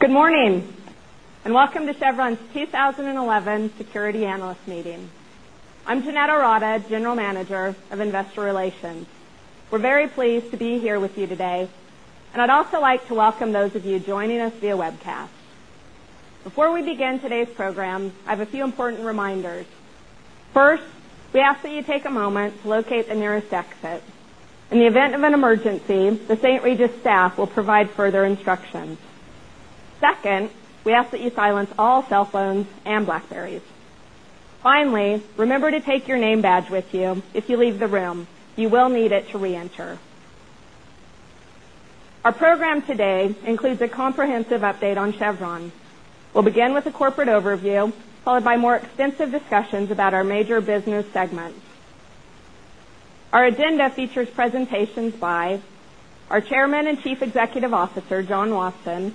Good morning, and welcome to Chevron's 2011 Security Analyst Meeting. I'm Jeanette Arata, General Manager of Investor Relations. We're very pleased to be here with you today, and I'd also like to welcome those of you joining us via webcast. Before we begin today's program, I have a few important reminders. First, we ask that you take a moment to locate the nearest exit. In the event of an emergency, the St. Regis staff will provide further instructions. 2nd, we ask that you silence all cell phones and BlackBerrys. Finally, remember to take your name badge with you if you leave the room. You will need it to reenter. Our program today includes a comprehensive update on Chevron. We'll begin with a corporate overview, followed by more extensive discussions about our major business segments. Our agenda features presentations by our Chairman and Chief Executive Officer, John Wasson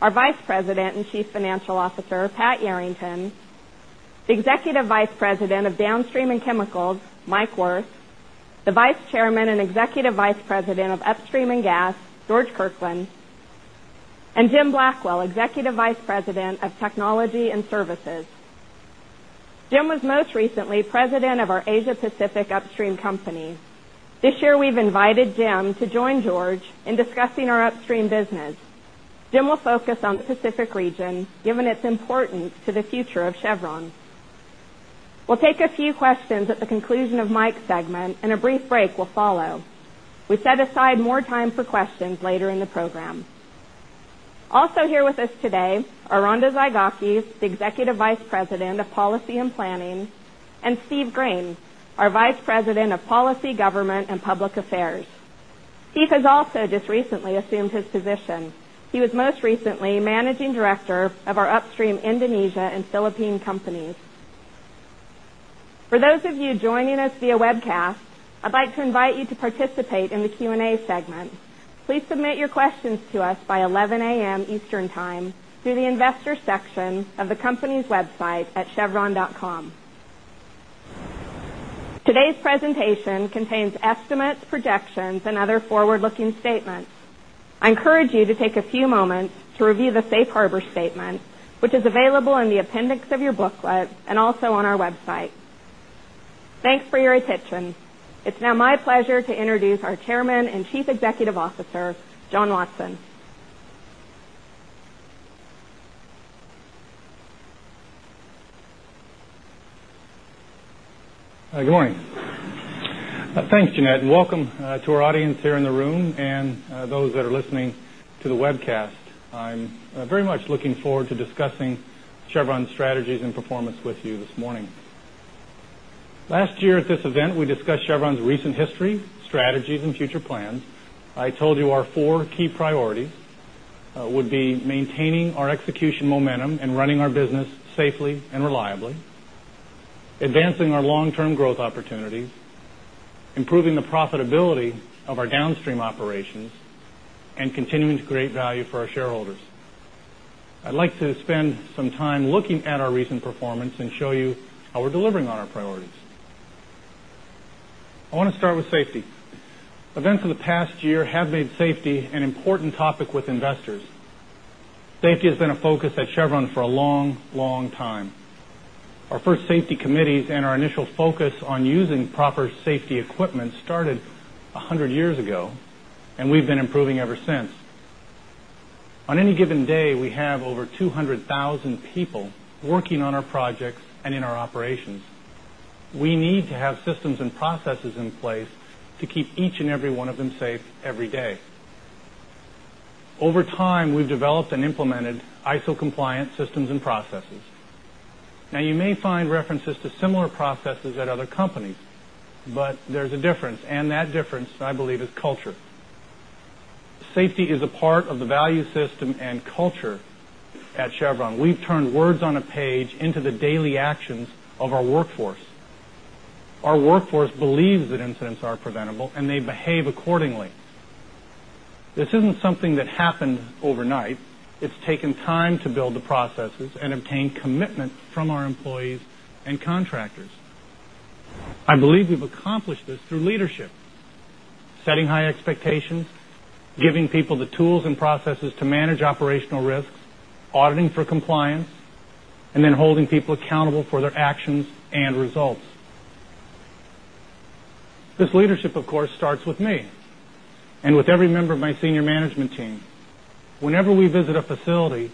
our Vice President and Chief Financial Officer, Pat Yerington the Executive Vice President of Downstream and Chemicals, Mike Wirth the Vice Chairman and Executive Vice President of Upstream and Gas, George Kirkland and Jim Blackwell, Executive Vice President of Technology and Services. Jim was most recently President of our Asia Pacific Upstream Company. This year, we've invited Jim to join George in discussing our upstream business. Jim will focus on the Pacific region given its importance to the future of Chevron. We'll take a few questions at the conclusion of Mike's segment and a brief break will follow. We set aside more time for questions later in the program. Also here with us today are Ronda Zaygakis, the Executive Vice President of Policy and Planning and Steve Grahn, our Vice President of Policy, Government and Public Affairs. Steve has also just recently assumed his position. He was most recently Managing Director of our Upstream Indonesia and Philippine Companies. For those of you joining us via webcast, I'd like to invite you to participate in the Q and A segment. Please submit your questions to us by 11 a. M. Eastern Time through the Investors section of the company's website at chevron dotcom. Today's presentation contains estimates, projections and other forward looking statements. I encourage you to take a few moments to review the Safe Harbor statement, which is available in the appendix of your booklet and also on our website. Thanks for your attention. It's now my pleasure to introduce our Chairman and Chief Executive Officer, John Watson. Good morning. Thanks, Jeanette. And welcome to our audience here in the room and those that are listening to the webcast. I'm very much looking forward to discussing Chevron's strategies and performance with you this morning. Last year at this event, we discussed Chevron's recent history, strategies and future plans. I told you our 4 key priorities would be improving the profitability of our downstream operations and continuing to create value for our shareholders. I'd like to spend some time looking at our recent performance and show you how we're delivering on our priorities. I want to start with safety. Events of the past year have made safety an important topic with investors. Safety has been a focus at Chevron for a long, long time. Our first safety committees and our initial focus on using proper safety equipment started 100 years ago and we've been improving ever since. On any given day, we have over 200,000 people working on our projects and in our operations. We need to have systems and processes in place to keep each and Now you may find references to similar processes at other companies, but there's a difference and that difference I believe is culture. Safety is a part of the value system and culture at Chevron. We've turned words on a page into the daily actions of our workforce. Our workforce believes that incidents are preventable and they behave accordingly. This isn't something that happened overnight. It's taken time to build the processes and obtain commitment from our employees and contractors. I believe we've accomplished this through leadership, setting high expectations, giving people the tools and processes to manage operational risks, for compliance and then holding people accountable for their actions and results. This leadership, of course, starts with me and with every member of my senior management team. Whenever we visit a facility,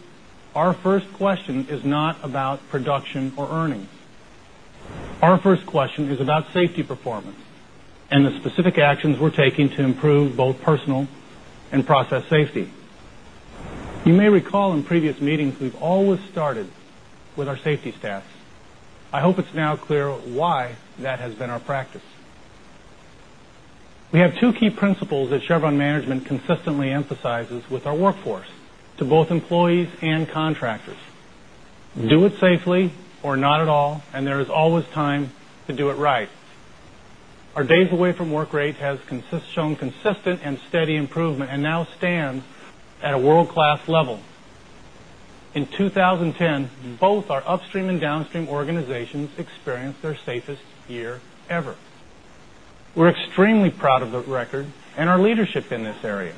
our first question is not about production or earnings. Our first question is about safety performance and the specific actions we're taking to improve both personal and been our practice. We have 2 key principles that Chevron Management consistently emphasizes with our workforce to both employees and contractors. Do it safely or not at all and there is always time to do it right. Our days away from work rate has and steady improvement and now stands at a world class level. In 2010, both our upstream and downstream organizations experienced their safest year ever. We're extremely proud of the record and our leadership in this area.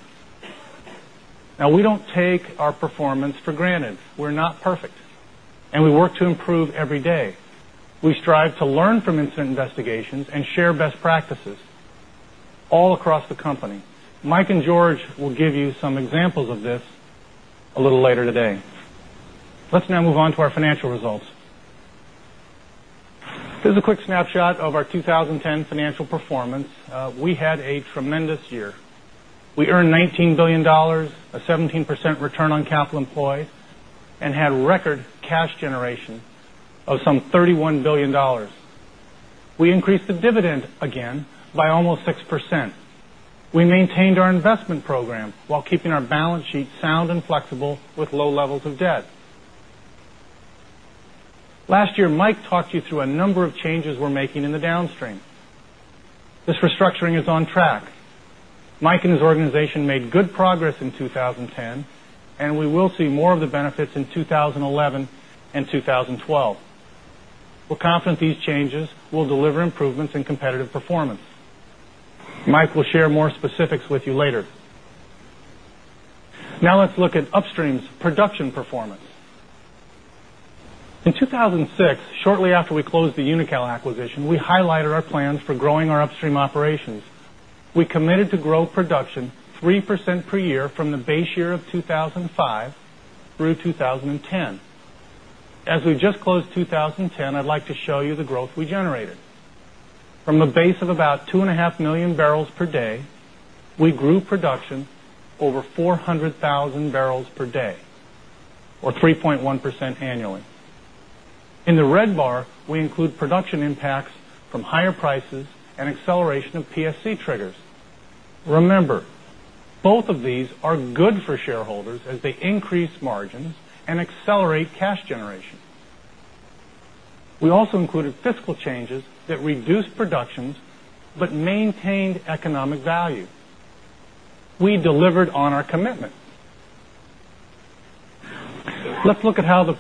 Now we don't take our performance for granted. We're not perfect and we work to improve every day. We strive to learn from incident investigations and share best practices all across the company. Mike and George will give you some examples of this a little later today. Let's now move on to our financial results. This is a quick snapshot of our 20 employed and had record cash generation of some $31,000,000,000 We increased the dividend again almost 6%. We maintained our investment program while keeping our balance sheet sound and flexible with low levels of debt. Last year, Mike talked you through a number of changes we're making in the downstream. This restructuring is on track. Mike and his organization made good progress in 2010 and we will see more of the benefits in 20 Now let's look at upstream's production performance. In 2006, shortly after we closed the Unical acquisition, we highlighted our plans for growing our upstream operations. We committed to grow production 3% per year from the base year of 2,005 through 2010. As we just closed 2010, I'd like to show you the growth we generated. From a base of about 2,500,000 barrels per day, we grew production over 400,000 barrels per day or 3.1% annually. In the red bar, we include production impacts from higher prices and acceleration of PSC triggers. Remember, both of these are good for shareholders as they increase margins and accelerate cash generation. We also included fiscal changes that reduced productions, but maintained economic value. We delivered on our commitment. Let's look at how Over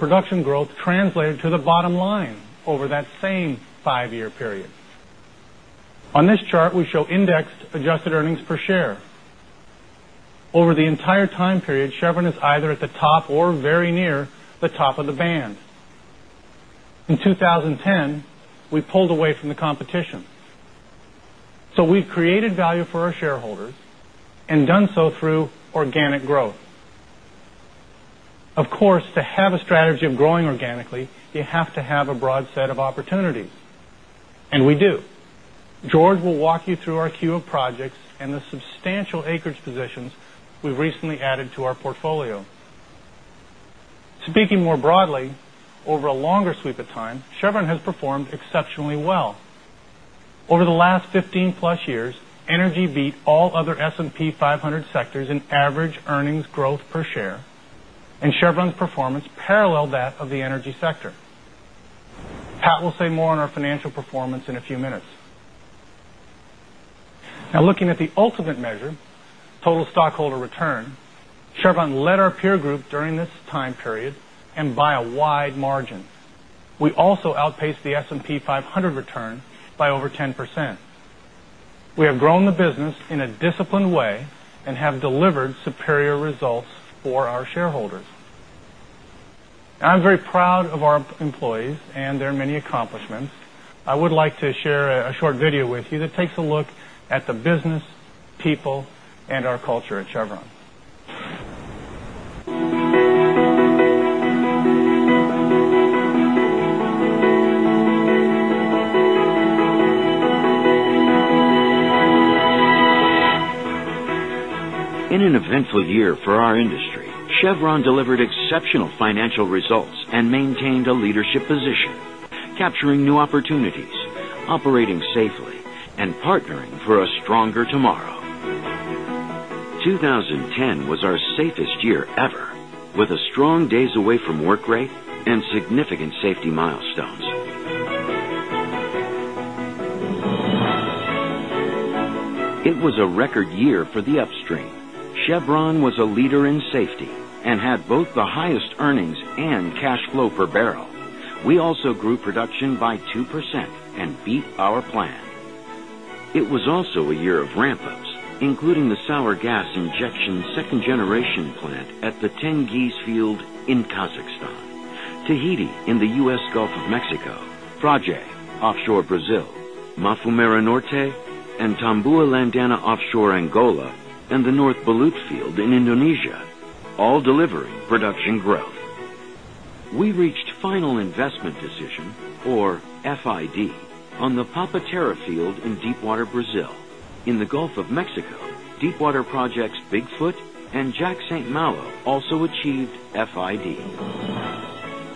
the entire time period, Chevron is either at the top or very near the top of the band. In 2010, we pulled away from the competition. So we've created value for our shareholders and done so through organic growth. Of course, to have a strategy of growing organically, you have to have a broad set of opportunities. And we do. George will walk you through our queue of projects and the substantial acreage positions we've recently added to our portfolio. Speaking more broadly, over a longer sweep of time, Chevron has performed exceptionally well. Over the last 15 plus years, energy beat all other S and P 500 secondtors in average earnings growth per share and Chevron's performance parallel that of the energy sector. Pat will say more on our financial performance in a few minutes. Now looking at the ultimate measure, total stockholder return, Chevron led our peer group during this time period and by a wide margin. We also outpaced the S and P 500 return by over 10%. We have grown the business in a disciplined way and have delivered superior results for our shareholders. I'm very proud of our employees and their many accomplishments. I would like to share a short video with you that takes a look at the business, people and our culture at Chevron. In an eventful year for our industry, Chevron delivered exceptional financial results and maintained a leadership position, ever with a strong days away from work rate and significant safety milestones. It was a record year for the upstream. Chevron was a leader in safety and had both the highest earnings and cash flow per barrel. We also grew production by 2% and beat our plan. It was also a year of ramp ups, including the sour gas injection 2nd generation plant at the Tengiz field in Kazakhstan Tahiti in the U. S. Gulf of Mexico Fraje offshore Brazil Mafumerenorte and Tambua Landana Offshore Angola and the North Balut field in Indonesia, all delivering production growth. We reached final investment decision or FID on the Papatera field in Deepwater Brazil. In the Gulf of Mexico, deepwater projects Bigfoot and Jack St. Malo also achieved FID.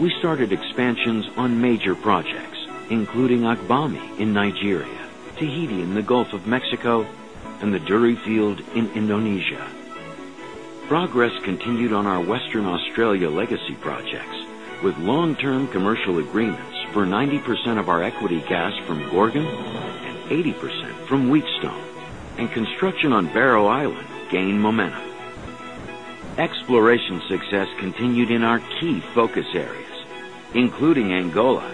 We started expansions on major projects, including Agbami in Nigeria, Tahiti in the Gulf of Mexico and the Durri field in Indonesia. Progress continued on our Western Australia legacy projects with long term commercial agreements for 90% of our equity gas from Gorgon and 80% from Wheatstone, and construction on Barrow Island gained momentum. Exploration success continued in our key focus areas, including Angola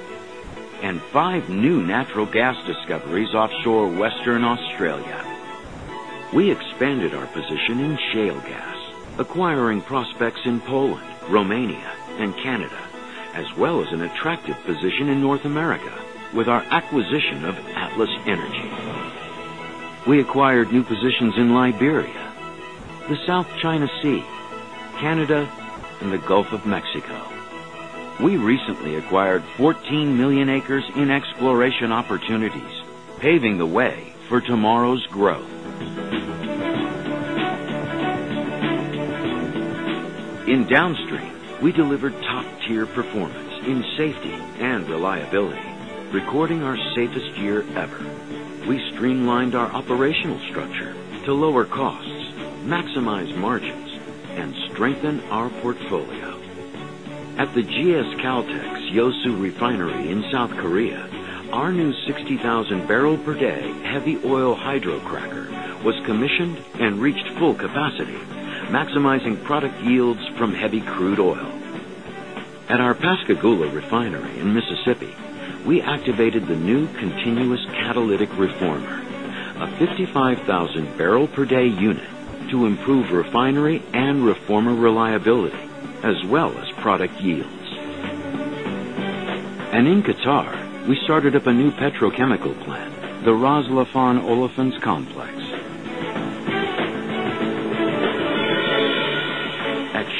and 5 new natural gas discoveries offshore Western Australia. We expanded our position in shale gas, acquiring prospects in Poland, Romania and Canada as well as an attractive position in North America with our acquisition of Atlas Energy. We acquired new positions in Liberia, the South China Sea, Canada and the Gulf of Mexico. We recently acquired 14,000,000 acres in exploration opportunities, paving the way for tomorrow's growth. In Downstream, we delivered top tier performance in safety and reliability, recording our safest year ever. We streamlined our operational structure to lower costs, maximize margins and strengthen our portfolio. At the GS Caltex Yeosu Refinery in South Korea, our new 60,000 barrel per day heavy oil hydrocracker was commissioned and reached full capacity, maximizing product yields from heavy crude oil. At our Pascagoula refinery in Mississippi, we activated the new continuous catalytic reformer, a 55,000 barrel per day unit to improve refinery and reformer reliability as well as product yields. And in Qatar, we started up a new petrochemical plant, the Raslafan Olefins Complex.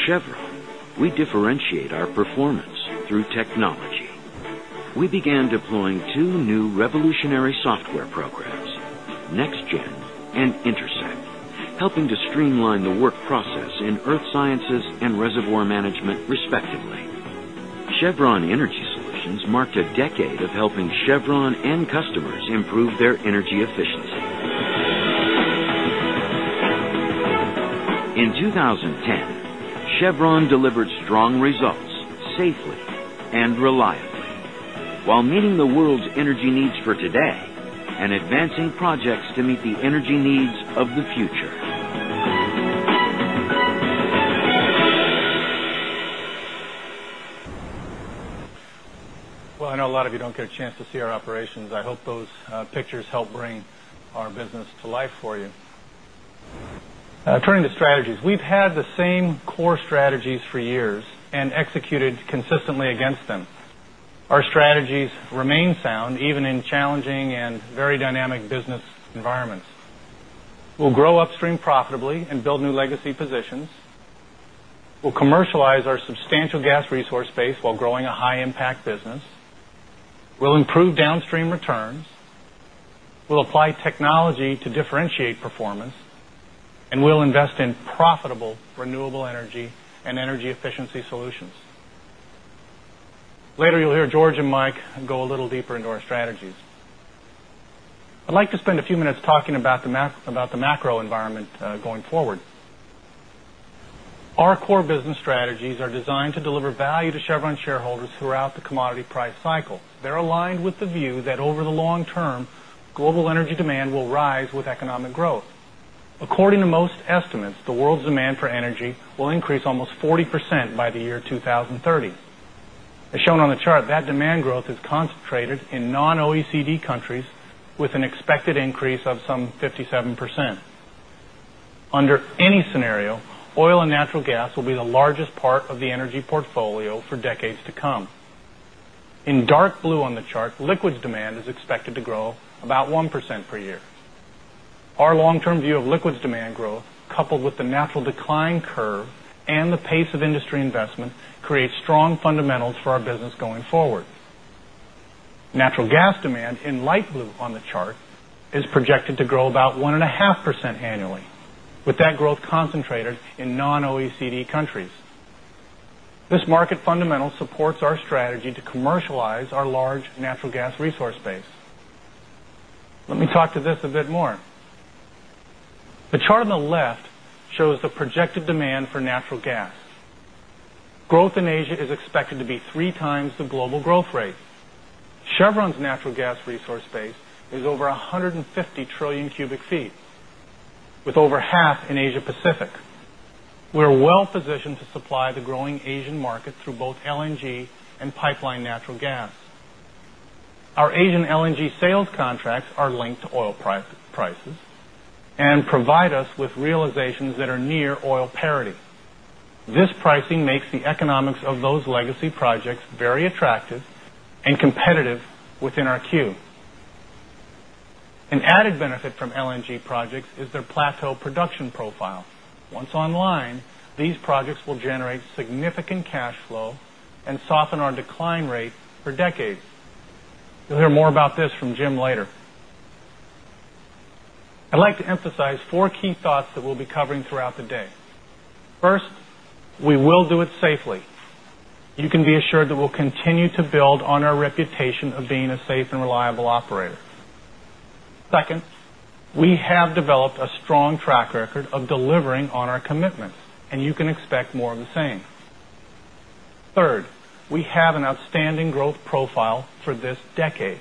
At Chevron, we differentiate our performance through technology. We began deploying 2 new revolutionary software programs, NextGen and Intercept, helping to streamline the work process in Earth Sciences and Reservoir Management, respectively. Chevron Energy Solutions marked a decade of helping Chevron and customers improve their energy efficiency. In 2010, Chevron delivered to meet the energy needs of the future. Well, I know a lot of you don't get a chance to see our operations. I hope those pictures help bring our business to life for you. Turning to strategies. We've had the same core strategies for years and executed consistently against them. Our strategies remain sound even in challenging and very dynamic business environments. We'll grow upstream profitably and build new legacy positions. We'll commercialize our substantial gas resource base while growing a high impact business. We'll improve downstream returns. Will apply technology to differentiate performance and will invest in profitable renewable energy and energy efficiency solutions. Later, you'll hear George and Mike go a little deeper into our strategies. I'd like to spend a few minutes talking about the macro environment going forward. Our core business strategies are designed to deliver value to Chevron shareholders throughout the commodity price cycle. They're aligned with the view that over the long term, global energy demand will rise with economic growth. According to most estimates, the world's demand for energy will increase almost 40% by the year 2,030. As shown on the chart, that demand growth is concentrated in non OECD countries with an expected increase of some 57%. Under any scenario, oil and natural gas will be the largest part percent per year. Our long term view of liquids demand growth coupled with the natural decline curve and the pace of industry investment creates strong fundamentals for our business going forward. Natural gas demand in light blue on the chart is projected to grow about 1 point 5% annually with that growth concentrated in non OECD countries. This market fundamental supports our strategy to commercialize our large natural gas resource base. Let me talk to this a bit more. The chart on the left shows the projected demand for natural gas. Growth in Asia is expected to be 3x the global growth rate. Chevron's natural gas resource base is over 150,000,000,000,000 cubic feet with over half in Asia Pacific. We're well positioned to supply the growing Asian market through both LNG and pipeline natural gas. Our Asian LNG sales contracts are linked to oil prices and provide us with realizations that are near oil parity. This pricing makes the economics of those legacy projects very attractive and competitive within our queue. An added benefit from LNG projects is their plateau production profile. Once online, these projects will generate significant cash flow and soften our decline rate for decades. You'll hear more about this from Jim later. I'd like to emphasize 4 key thoughts that we'll be covering throughout the day. 1st, we will do it safely. You can be reputation of being a safe and reliable operator. 2nd, we have developed a strong track record of delivering on our commitments and you can expect more of the same. 3rd, we have an outstanding growth profile for this decade.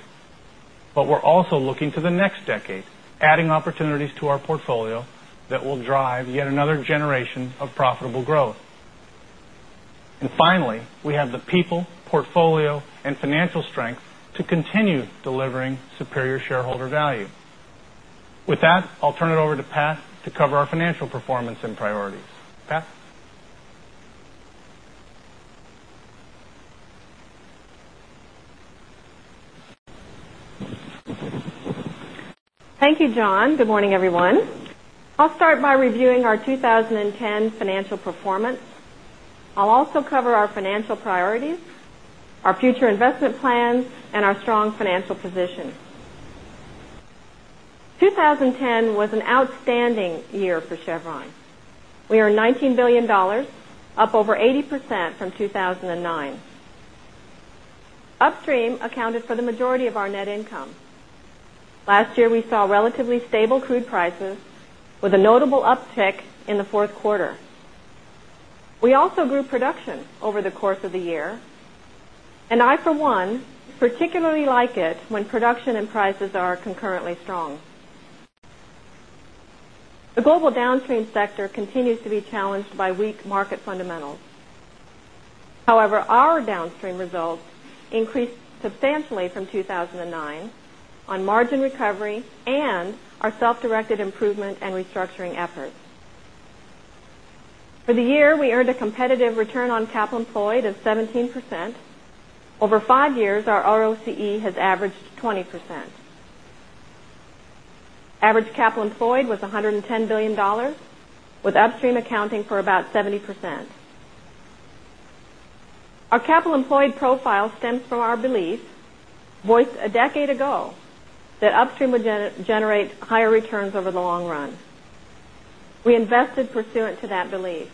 But we're also looking to the next decade, adding opportunities to our portfolio that will drive yet another generation of profitable growth. And finally, we have the people, portfolio and financial strength to continue delivering superior shareholder value. With that, I'll turn it over to Pat to cover our financial Thank you, John. Good morning, everyone. I'll start by reviewing our 2010 financial performance. I'll also cover our financial priorities, our future investment plans and our strong financial position. 2010 was an outstanding year for Chevron. We earned $19,000,000,000 up over 80% from 2,009. Upstream accounted for the majority of our net income. Last year, we saw relatively stable crude prices with a notable uptick in the Q4. We also grew production over the course of the year. And I for 1 particularly like it when production and prices are concurrently strong. The global downstream sector continues to be challenged by weak market fundamentals. However, our downstream results increased substantially from 2,009 on margin recovery and our self directed improvement and restructuring efforts. For the year, we earned a competitive return on capital employed of 17%. Over 5 years, our ROCE has averaged 20%. Average capital employed was $110,000,000,000 with upstream accounting for about 70%. Our capital employed profile stems from our belief voiced a decade ago that upstream would generate higher returns over the long run. We invested pursuant to that belief.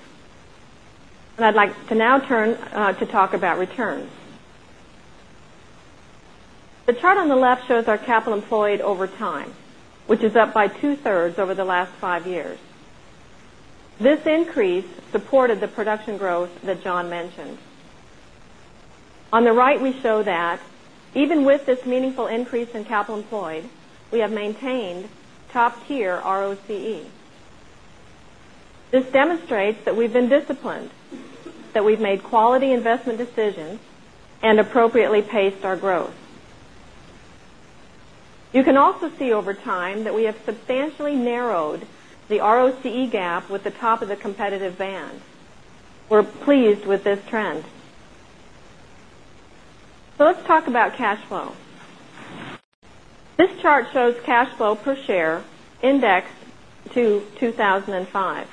And I'd like to now turn to talk about returns. The chart on the left shows our capital employed over time, which is up by 2 thirds over the last 5 years. This increase supported the production growth that John mentioned. On the right, we show that even with this meaningful increase in capital employed, we have maintained top tier ROCE. This demonstrates that we've been disciplined, that we've made quality investment decisions and appropriately paced our growth. You can also see over time that we have substantially narrowed the ROCE gap with the top of the competitive band. We're pleased with this trend. So let's talk about cash flow. This chart shows cash flow per share indexed to 2,005.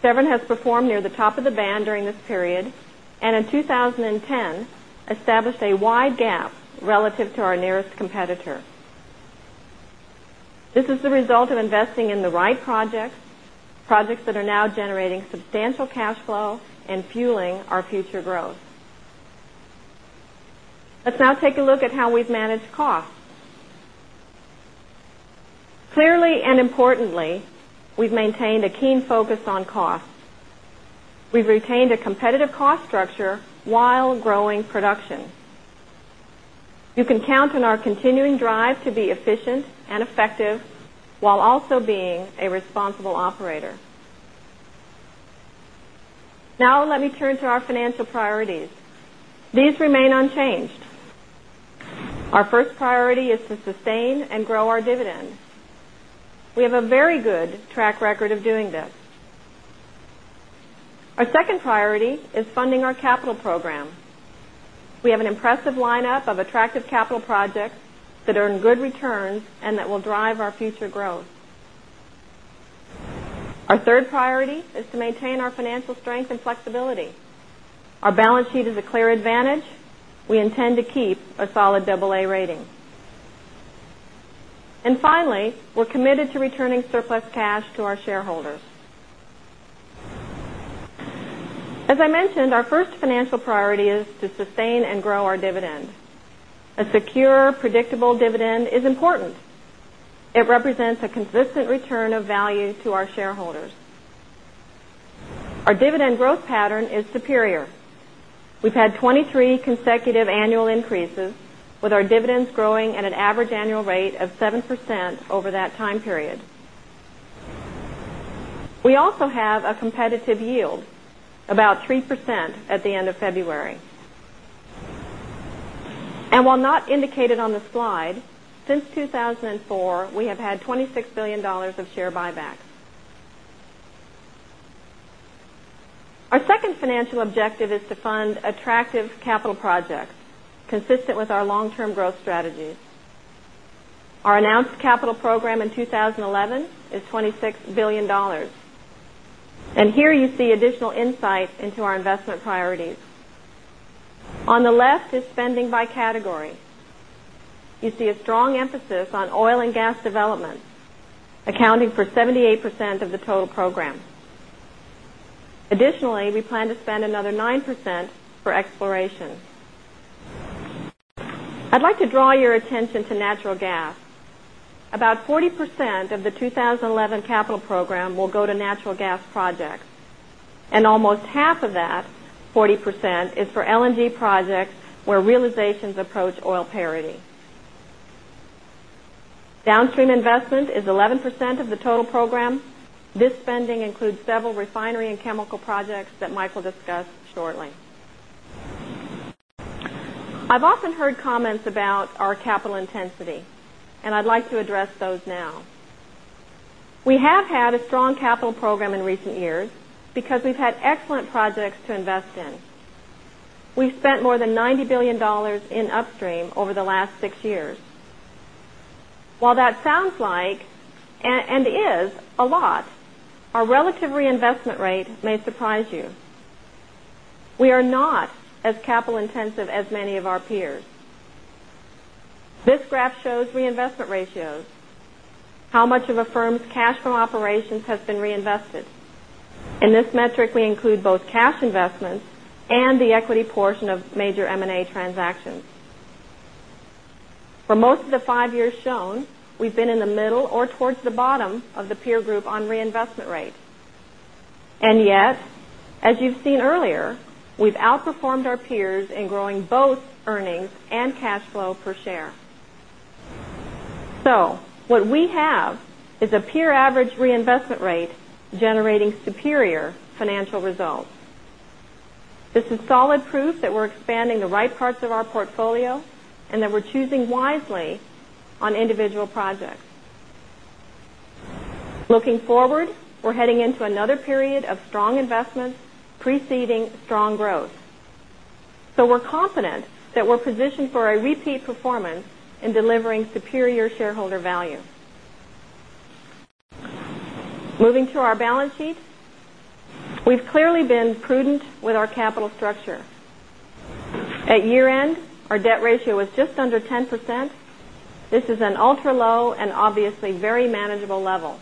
Severn has performed near the top of the band during this period and in 2010 established a wide gap relative to our nearest competitor. This is the result of investing in the right projects, projects that are now generating substantial cash flow and fueling our future growth. Let's now take a look at how we've managed costs. Clearly and importantly, we've maintained a keen focus on costs. We've retained a competitive cost structure while growing production. You can count on our continuing drive to be efficient and effective while also being a responsible operator. Now let me turn to our financial priorities. These remain unchanged. Our first priority is to sustain and grow our dividend. We have a very good track record of doing this. Our second priority is funding our capital program. We have an impressive lineup of attractive capital projects that are in good returns and that will drive our future growth. Our third priority is to maintain our financial strength and flexibility. Our balance sheet is a clear advantage. We intend to keep a solid AA rating. And finally, we're committed to priority is to sustain and grow our dividend. A secure predictable dividend is important. It represents a consistent return of value to our shareholders. Our dividend growth pattern is superior. We've had 23 consecutive annual increases with our dividends growing at an average annual rate of 7% over that time period. We also have a competitive yield, about 3% at the end of February. And while not indicated on the slide, since 2,004, we Our announced capital program in 2011 is $26,000,000,000 And here you see additional insight into our investment priorities. On the left is spending by category. You see a strong emphasis on oil and gas development accounting for 78% of the total program. Additionally, we plan to spend another 9% for exploration. I'd like to draw your attention to natural gas. About 40% of the 2011 capital program will go to natural gas projects, and almost half of that 40% is for LNG projects where realizations approach oil parity. Downstream investment is 11% of the total program. This spending includes several refinery and chemical projects that Mike will discuss shortly. I've often heard comments about our capital intensity, and I'd like to address those now. We have had a strong capital program in recent years because we've had excellent projects to invest in. We spent more than $90,000,000,000 in upstream over the last 6 years. While that sounds like and is a lot, our relative reinvestment rate may surprise you. We are not as capital intensive as many of our peers. This graph shows reinvestment ratios. How much of a firm's cash from operations has been reinvested? In this metric, we include both cash investments and the equity portion of major M and A transactions. For most of the 5 years shown, we've been in the middle or towards the bottom of the peer group on reinvestment rate. And yet, as you've seen earlier, we've outperformed our peers a peer average reinvestment rate generating superior financial results. This is solid proof that we're expanding the right parts of our portfolio and that we're choosing wisely on individual projects. Looking forward, we're heading into another period of strong investments preceding strong growth. So we're confident that we're positioned for a repeat performance in delivering superior shareholder value. Moving to our balance sheet. We've clearly been prudent with our capital structure. At year end, our debt ratio was just under 10%. This is an ultra low and obviously very manageable level.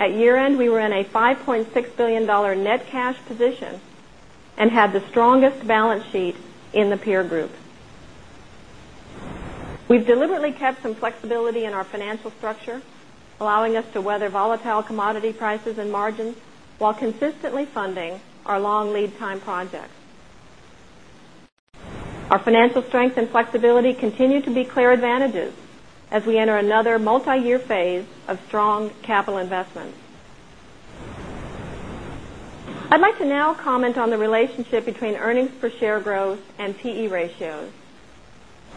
At year end, we were in a $5,600,000,000 net cash position and had the strongest balance sheet in the peer group. We've deliberately kept some flexibility in our financial structure, allowing us to weather volatile commodity prices and margins, while consistently funding our long lead time projects. Our financial strength and flexibility continue to be clear advantages as we enter another multiyear phase of strong capital investments. I'd like to now comment on the relationship between earnings per share growth and PE ratios.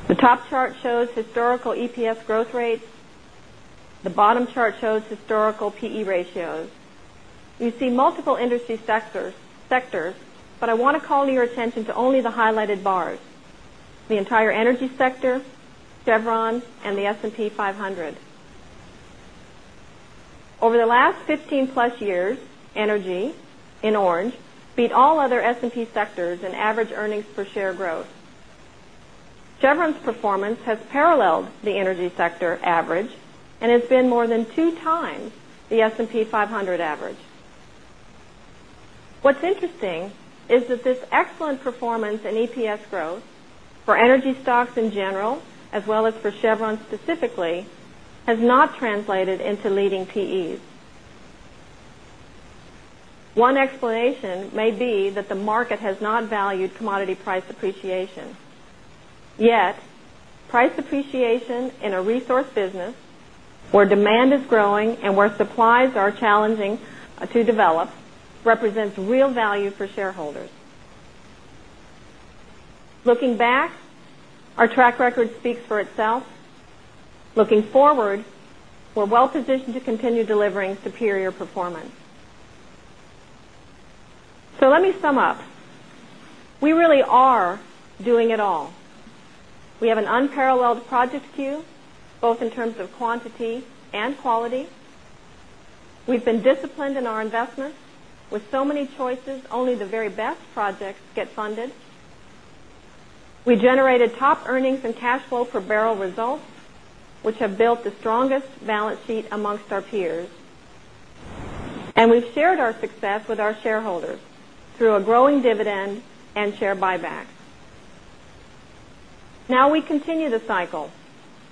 The top chart shows historical EPS growth rates. The bottom chart shows historical PE ratios. You see multiple industry sectors, but I want to call your attention to only the highlighted bars, the entire energy sector, Chevron and the S and P 500. Over the last 15 plus years, energy in orange beat all other S and P sectors in average earnings per share growth. Chevron's performance has paralleled the energy sector average and has been more than 2 times the S and P 500 average. What's interesting is that this excellent performance in EPS growth for energy stocks in general well as for Chevron specifically has not translated into leading PEs. One explanation may be that the market has not valued commodity price appreciation. Yet, price appreciation in a resource business where demand is growing and where supplies are challenging to develop represents real value for shareholders. Looking back, our track record speaks So let me sum up. We really are doing it all. We have an unparalleled project queue both in terms of quantity and quality. We've been disciplined in our investments with so many choices only the very best projects get funded. We generated top earnings and cash flow per barrel results, which have built the strongest balance sheet amongst our peers. And we've shared our success with our shareholders through a growing dividend and share buyback. Now we continue the cycle,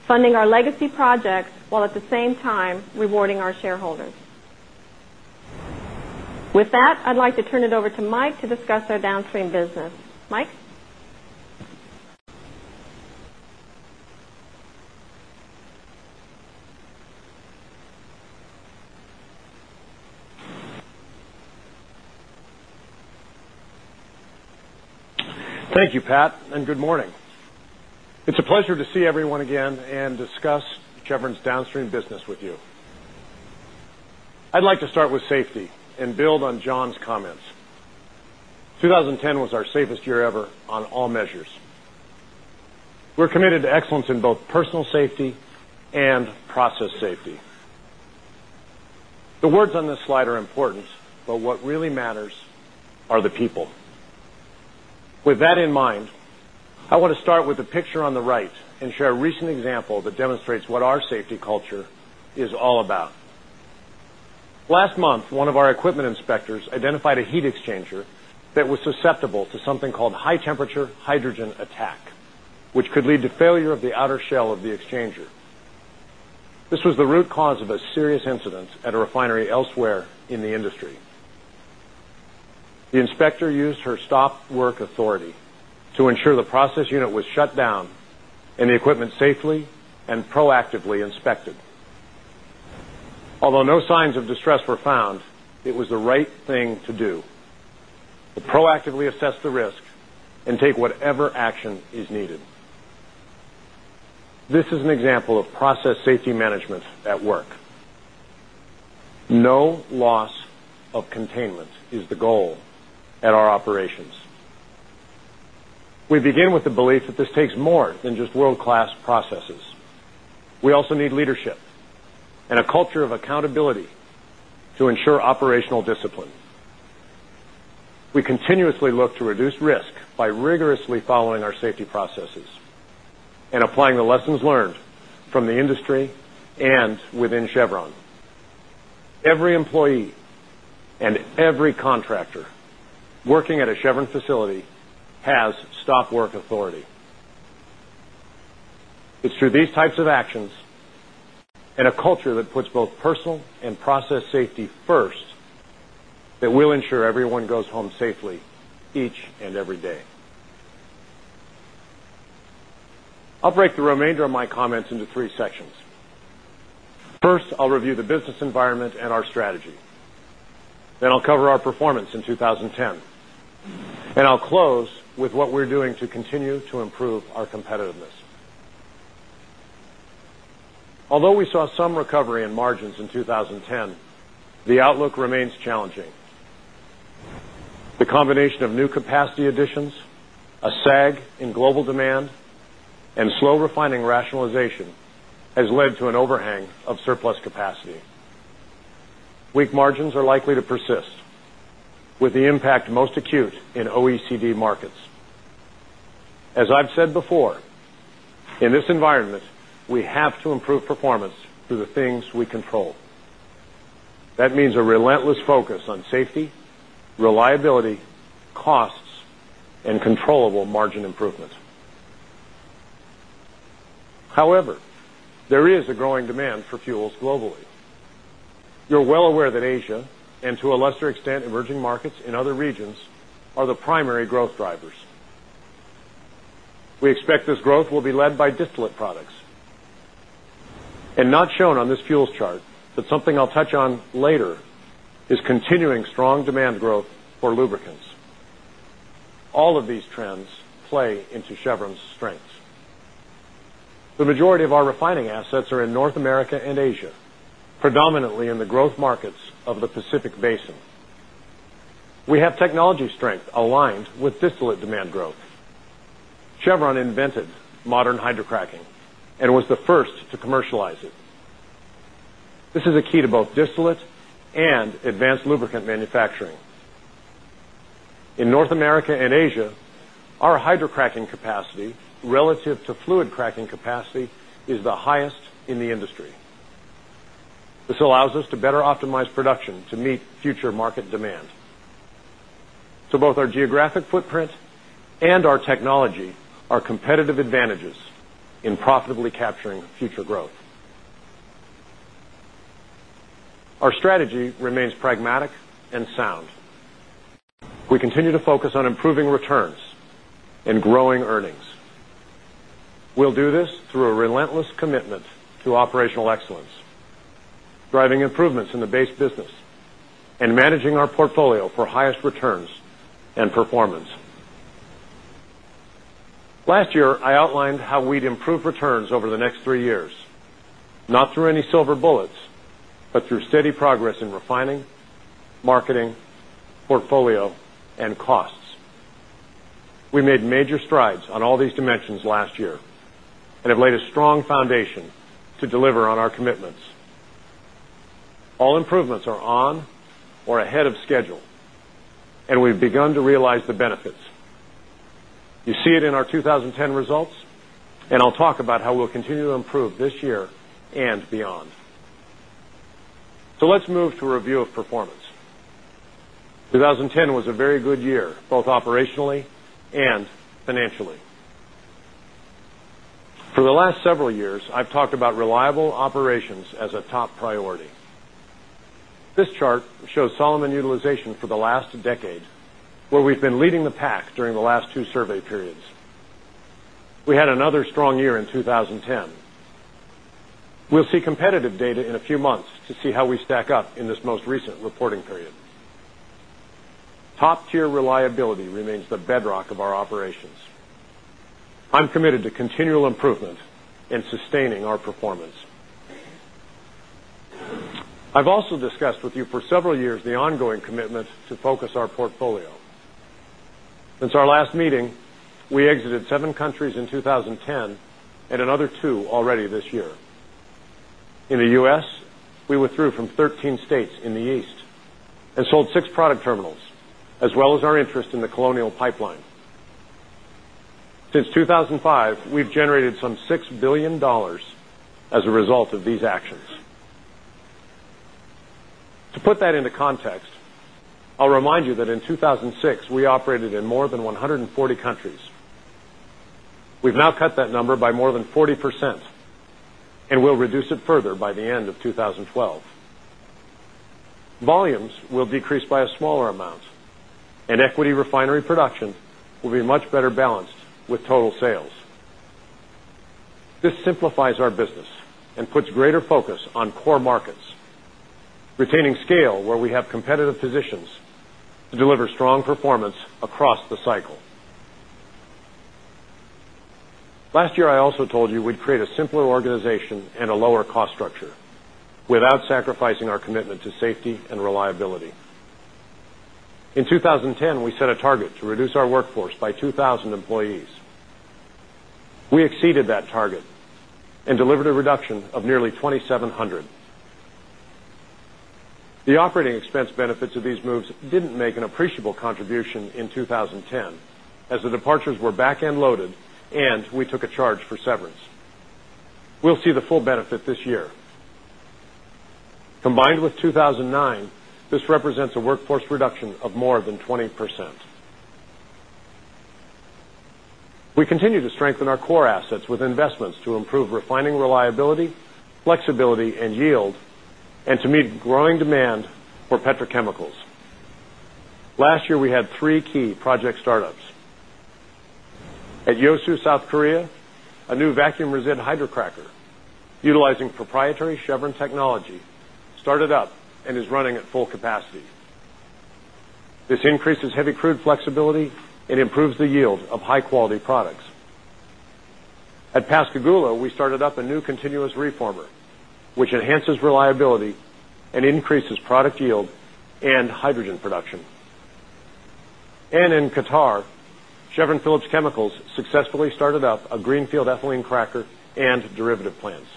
funding our legacy projects while at the same time rewarding our shareholders. With that, I'd like to turn it over to Mike to discuss our Downstream business. Mike? Thank you, Pat, and good morning. It's a pleasure to see everyone again and discuss Chevron's downstream business with you. I'd like to start with safety and build on John's comments. 2010 was our safest year ever on all measures. We're committed to excellence in both personal in mind, I want to start with the picture on the right and share a recent example that demonstrates what our safety culture is all about. Last month, one of our equipment inspectors identified a heat exchanger that was susceptible to something called high temperature hydrogen attack, which could lead to failure of the outer shell of the exchanger. This was the root cause of a serious incident at a refinery elsewhere in the industry. The inspector used her stop work authority to ensure the process unit was shut down and the equipment safely and proactively inspected. Although no signs of distress were found, it was the right thing to do, to proactively assess the risk and take whatever action is needed. This is an example of process safety management at work. No loss of containment is the goal at our operations. We begin with the belief that this takes more than just world class processes. We also need leadership and a culture of accountability to ensure operational discipline. We continuously look to reduce risk by rigorously following our safety processes and applying the lessons learned from the industry and within Chevron. Every employee and every contractor working at a Chevron facility has stop work authority. It's through these types of actions and a culture that puts both personal and process safety first that will ensure everyone goes home safely each and every day. I'll break the remainder of my comments into 3 sections. First, I'll review the business environment and our strategy. Then I'll cover our performance in 2010. And I'll close with what we're doing to continue to improve our competitiveness. Although we saw some recovery in margins in 2010, the outlook remains challenging. The combination of new capacity additions, a sag in global demand and slow refining rationalization has led to an overhang of surplus capacity. Weak margins are likely to persist with the impact most acute in OECD markets. As I've said before, in this environment, we have to improve performance through the things we control. That means a relentless focus on safety, reliability, costs and controllable margin improvement. However, there is a growing demand for fuels globally. You're well aware that Asia and to a lesser extent emerging markets in other regions are the primary growth drivers. We expect this growth will be led by distillate products and not shown on this fuels chart, but something I'll touch on later is continuing strong demand growth for lubricants. All of these trends play into Chevron's strengths. The majority of our refining assets are in North America and Asia, predominantly in the growth markets of the Pacific Basin. We have technology strength aligned with distillate demand growth. Chevron invented modern hydrocracking and was the first to commercialize it. This is a key to both distillate and advanced lubricant manufacturing. In North America and Asia, our hydrocracking capacity relative to fluid cracking capacity is the industry. This allows us to better optimize production to meet future market demand. So both our geographic footprint and our technology are competitive advantages in profitably capturing future growth. Our strategy remains pragmatic and sound. We continue to focus on improving returns and growing earnings. We'll do this through a relentless commitment to operational excellence, driving improvements in the base business and managing our portfolio for highest returns and performance. Last year, I outlined how we'd improve returns over the next 3 years, not through any silver bullets, but through steady progress in refining, marketing, portfolio and costs. We made major strides on all these dimensions last year and have laid a strong foundation to deliver on our commitments. All improvements are on or ahead of schedule and we've begun to realize the benefits. You see it in our 20 10 results and I'll talk about how we'll continue to improve this year and beyond. So, let's move to a review of performance. 2010 was a very good year, both operationally and financially. For the last several years, I've talked about reliable operations as a top priority. This chart shows Solomon utilization for the last decade, where we've been leading the pack during the last two survey periods. We had another strong year in 2010. We will see competitive data in a few months to see how we stack up in this most recent reporting period. Top tier reliability remains the bedrock of our operations. I'm committed to continual improvement and sustaining our performance. I've also discussed with you for several years the ongoing commitment to focus our portfolio. Since our last meeting, we exited 7 countries in 2010 and another 2 already this year. In the U. S, we withdrew from 13 states in the East and sold 6 product terminals as well as our interest in the Colonial Pipeline. Since 2,005, we've generated some $6,000,000,000 as a result of these actions. To put that into context, I'll remind you that in 2,006, we operated in more than 140 countries. We've now cut that number by more than 40% and we'll reduce it further by the end of 2012. Volumes will decrease by a smaller amount and equity refinery production will be much better balanced with total sales. This simplifies our business and puts greater focus on core markets, retaining scale where we have competitive positions to deliver strong performance across the cycle. Last year, I also told you we'd create a simpler organization and a lower cost structure without sacrificing our commitment to safety and reliability. In 2010, we set a target to reduce our workforce by 2,000 employees. We exceeded that target and delivered a reduction of nearly 2,700. The operating expense benefits of these moves didn't make an appreciable contribution in 2010 as the departures were back end loaded and we took a this represents a workforce reduction of more than 20%. Our core assets with investments to improve refining reliability, flexibility and yield and to meet growing demand for petrochemicals. Last year, we had 3 key project startups. At Yeosu, South Korea, a new vacuum resin hydrocracker utilizing proprietary Chevron technology started up and is running at full capacity. This increases heavy crude flexibility and improves the yield of high quality products. At Pascagoula, we started up a new continuous reformer, which enhances reliability and increases product yield and hydrogen production. And in Qatar, Phillips Chemicals successfully started up a greenfield ethylene cracker and derivative plants.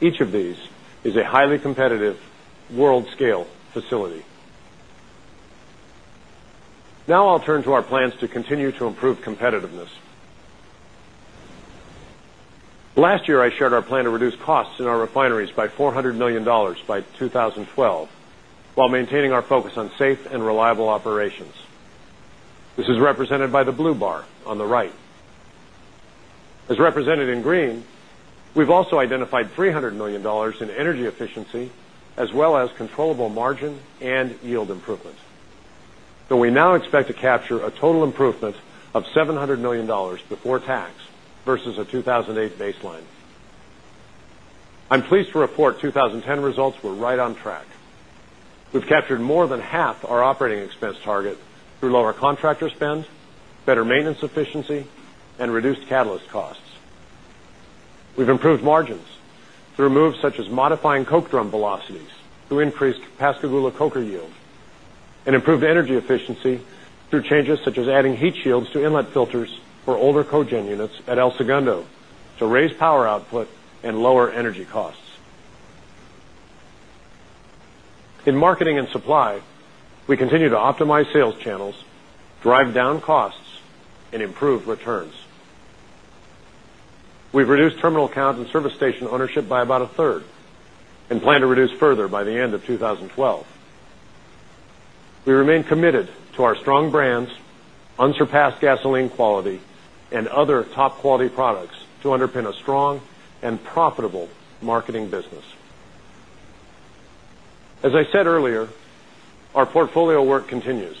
Each of these is a highly competitive world scale facility. Now, I'll turn to our plans to continue to improve competitiveness. Last year, I shared our plan to reduce costs in our refineries by $400,000,000 by 2012, while maintaining our focus on safe and reliable operations. This is represented by the blue bar on the right. As represented in green, we've also identified 3 $100,000,000 in energy efficiency as well as controllable margin and yield improvement. So we now expect to capture a total improvement of $700,000,000 before tax versus a 2,008 baseline. I'm pleased to report 20 10 results were right on track. We've captured more than half our operating expense target through lower contractor spend, better maintenance efficiency and reduced catalyst costs. We've improved margins through moves such as modifying coke drum velocities through increased Pascagoula coker yield and improved energy efficiency through changes such as adding heat shields to inlet filters for older cogen units at El Segundo to raise power output and lower energy costs. In marketing and supply, we continue to optimize sales channels, drive down costs and improve returns. We've reduced terminal count and service station ownership by about a third and plan to reduce further by the end of 2012. We remain committed to our strong brands, unsurpassed gasoline quality and other top quality products to underpin a strong and profitable marketing business. As I said earlier, our portfolio work continues.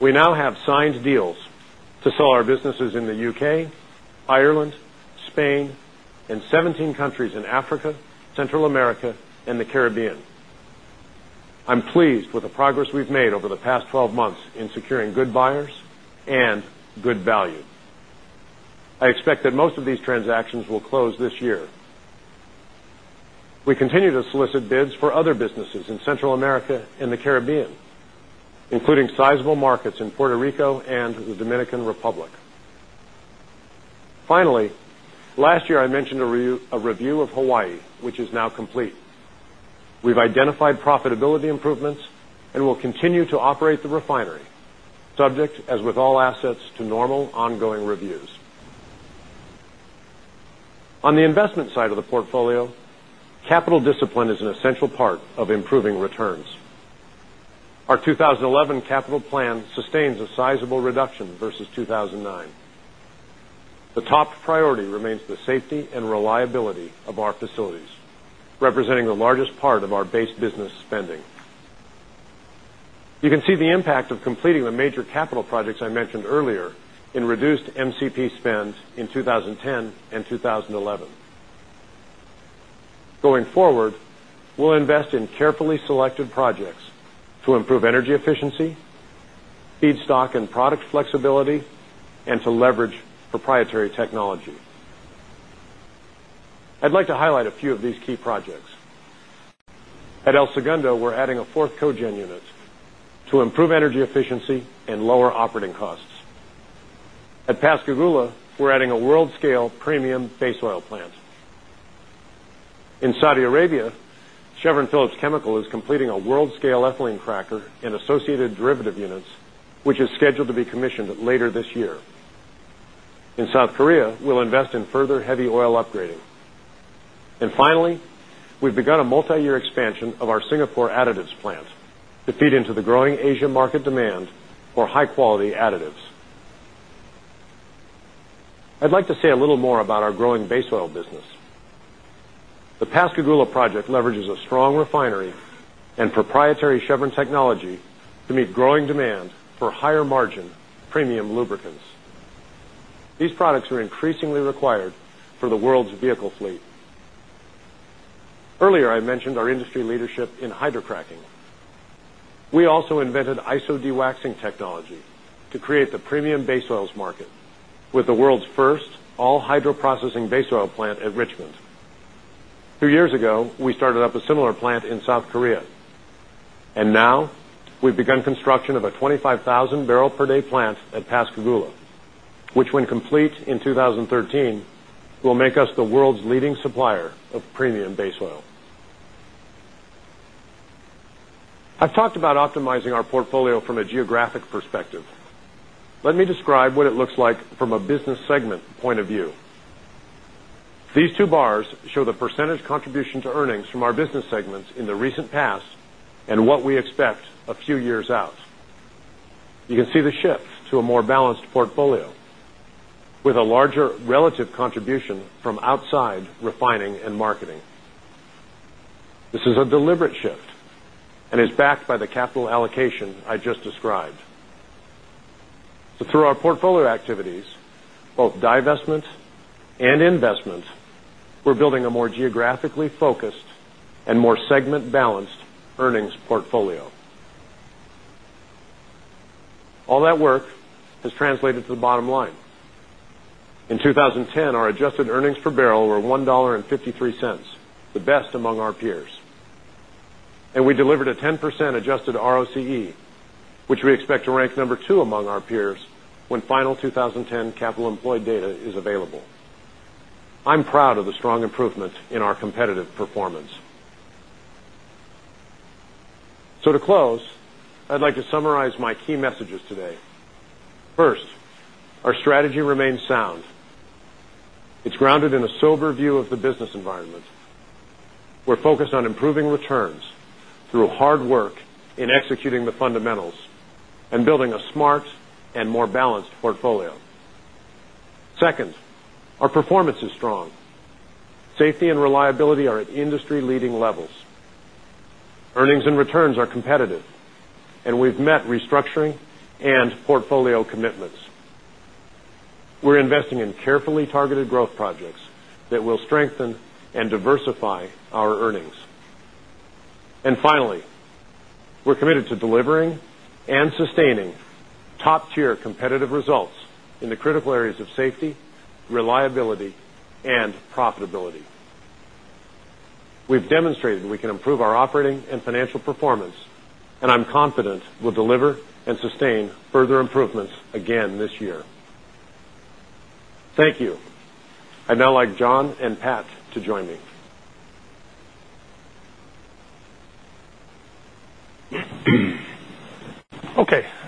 We now have signed deals to sell our businesses in the U. K, Ireland, Spain and 17 countries in Africa, Central America and the and most of these transactions will close this year. We continue to solicit bids for other businesses in Central America and the Caribbean, including sizable markets in Puerto Rico and the Dominican Republic. Finally, last year, I operate the refinery subject as with all assets to normal ongoing reviews. On the investment side of the portfolio, capital discipline is an essential part of improving returns. Our 2011 capital plan sustains a sizable reduction versus 2,009. The top priority remains the safety and reliability of our facilities, representing the largest part of our base business spending. You can see the impact of completing the major capital projects I mentioned earlier in reduced MCP spend in 20102011. Going forward, we'll invest in carefully selected projects to improve energy efficiency, feedstock and product flexibility and to leverage proprietary technology. I'd like to highlight a few of these key projects. At El Segundo, we're adding a 4th cogen unit to improve energy efficiency and lower operating costs. At In South Korea, we'll invest in further heavy oil upgrading. And finally, we've begun a multiyear expansion of our Singapore additives plant to feed into the growing Asia market demand for high quality additives. I'd like to say a little more about our growing base oil business. The Pascagoula project leverages a strong refinery and proprietary Chevron technology to meet growing demand for higher margin premium lubricants. These products are increasingly required for the world's vehicle fleet. Earlier, I mentioned our industry leadership in hydrocracking. We also invented ISO dewaxing technology to create the premium base oils market with the world's 1st all hydroprocessing base oil plant at Richmond. 2 years ago, we started up a similar plant in South Korea. And now, we've begun construction of a 25,000 barrel per day plant at Pascagoula, which when complete in 2013 will make us the world's leading supplier of premium base oil. I've talked about optimizing our portfolio from a geographic perspective. Let me describe what it looks like from a business segment point of view. These two bars show the percentage contribution to earnings from our business segments in the recent past and what we expect a few years out. You can see the shift to a more balanced portfolio with a larger relative contribution from outside refining and marketing. This is a deliberate shift and is backed by the capital allocation I just described. So through our portfolio activities, both divestments and investments, we're building a more geographically focused and more segment balanced earnings portfolio. All that work has translated to the bottom line. In 2010, our adjusted earnings per barrel were $1.53 the best among our peers. And we delivered a 10% adjusted ROCE, which we expect to rank 2 among our peers when final 2010 capital employed data is available. I'm proud of the strong improvement in our competitive performance. So to close, I'd like to summarize my key messages today. 1st, our strategy remains sound. It's grounded in a sober view of the business environment. We're focused on improving returns through hard work in executing the fundamentals and building a smart and more balanced portfolio. 2nd, our performance is strong. Safety and reliability are at industry leading levels. Earnings and returns are competitive and we've met restructuring and portfolio commitments. We're investing in carefully targeted growth projects that will strengthen and diversify our earnings. And finally, we're committed to delivering and sustaining top tier competitive results in the critical areas of safety, reliability and profitability. We've demonstrated we can improve our operating and financial performance and I'm confident we'll deliver and sustain further improvements again this year. Thank you. I'd now like John and Pat to join me.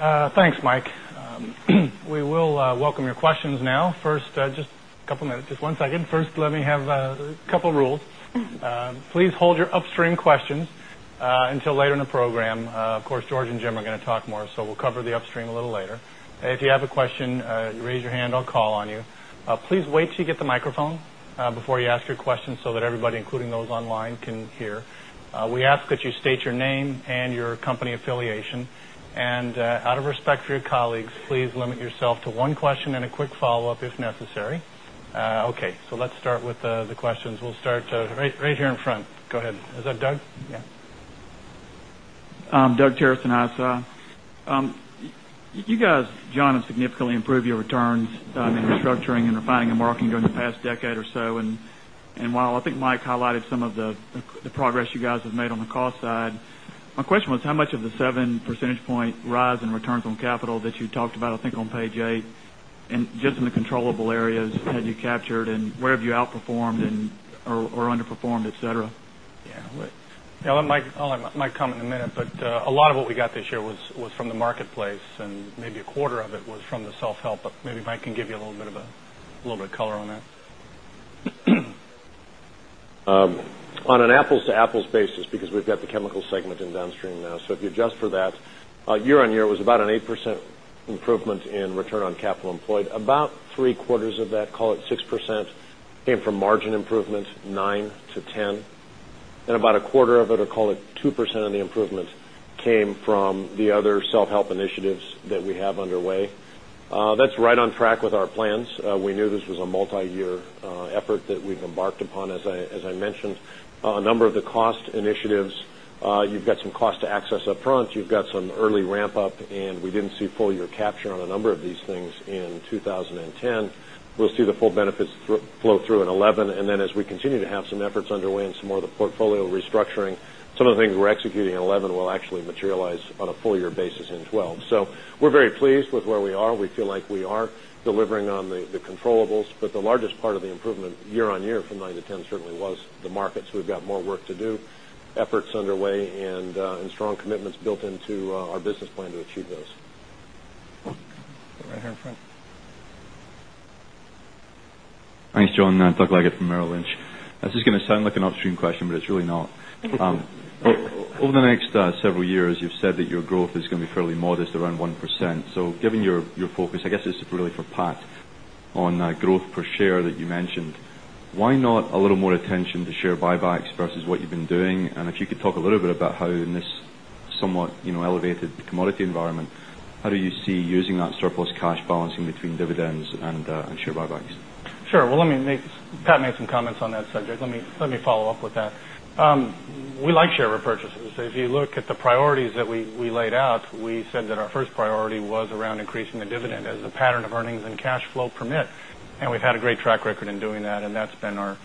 Okay. Thanks, Mike. We will welcome your questions now. First, just a couple of minutes. Just one second. First, let me have a couple of rules. Please hold your upstream questions until later in the program. Of course, George and Jim are going to talk more. So we'll cover the upstream a little later. If you have a question, raise your hand, I'll call on you. Please wait till you get the microphone before you ask your question so that everybody, including those online can hear. We ask that you state your name and your company affiliation. And out of respect for your colleagues, please limit yourself to one question and a quick follow-up if necessary. Okay. So let's start with the questions. We'll start right here in front. Go ahead. Is that Doug? Doug Terreson, Hi, Sai. You guys, John, have significantly improved your returns in Restructuring and Refining and Marketing over the past decade or so. And while I think Mike highlighted some of the progress you guys have made on the cost side, my question was how much of the 7 percentage point rise in returns on capital that you talked about I think on Page 8 and just in the controllable areas where have you outperformed or underperformed, etcetera? Yes. I'll let Mike comment in a minute. But a lot of we got this year was from the marketplace and maybe a quarter of it was from the self help. But maybe Mike can give you a little bit of color on that. On an apples to apples basis, because we've got the Chemicals segment in downstream now, so if you adjust for that, year on year was about an 8% improvement in return on capital employed. About 3 quarters of that, call it 6% came from margin improvement, 9% to 10%. And about a quarter of it, or call it, 2% of the improvement came from the other self help initiatives that we have underway. That's right on track with our plans. We knew this was a multiyear effort that we've embarked upon, as I mentioned. A number of the cost initiatives, you've got some cost to access upfront. You've got some early ramp up and we didn't see full year capture on a number of these things in 2010. We'll see the full benefits flow through in 2011. And then as we continue to have some efforts underway and some more of the portfolio restructuring, some of the things we're executing in in 2011 will actually materialize on a full year basis in 2012. So we're very pleased with where we are. We feel like we are delivering on the controllables. But the largest part of the markets. We've got more work to do, efforts underway and strong commitments built into our business plan to achieve those. Right here in front. Thanks, John. Doug Leggate from Merrill Lynch. This is going to sound like an upstream question, but it's really not. Over the next several years, you've said that your growth is going to be fairly modest around 1%. So given your focus, I guess this is really for Pat on growth per share that you mentioned. Why not a little more attention to share buybacks versus what you've been doing? And if you could talk a little bit about how in this somewhat elevated commodity environment, how do you see using that surplus cash balancing between dividends and share buybacks? Sure. Well, let me make Pat make some comments on that, Sanjay. Let me follow-up with that. We like share repurchases. If you look at the priorities that we laid out, we said that our first priority was around increasing the dividend as the pattern of earnings and cash flow permit. And we've had a great track record in doing that and that's been our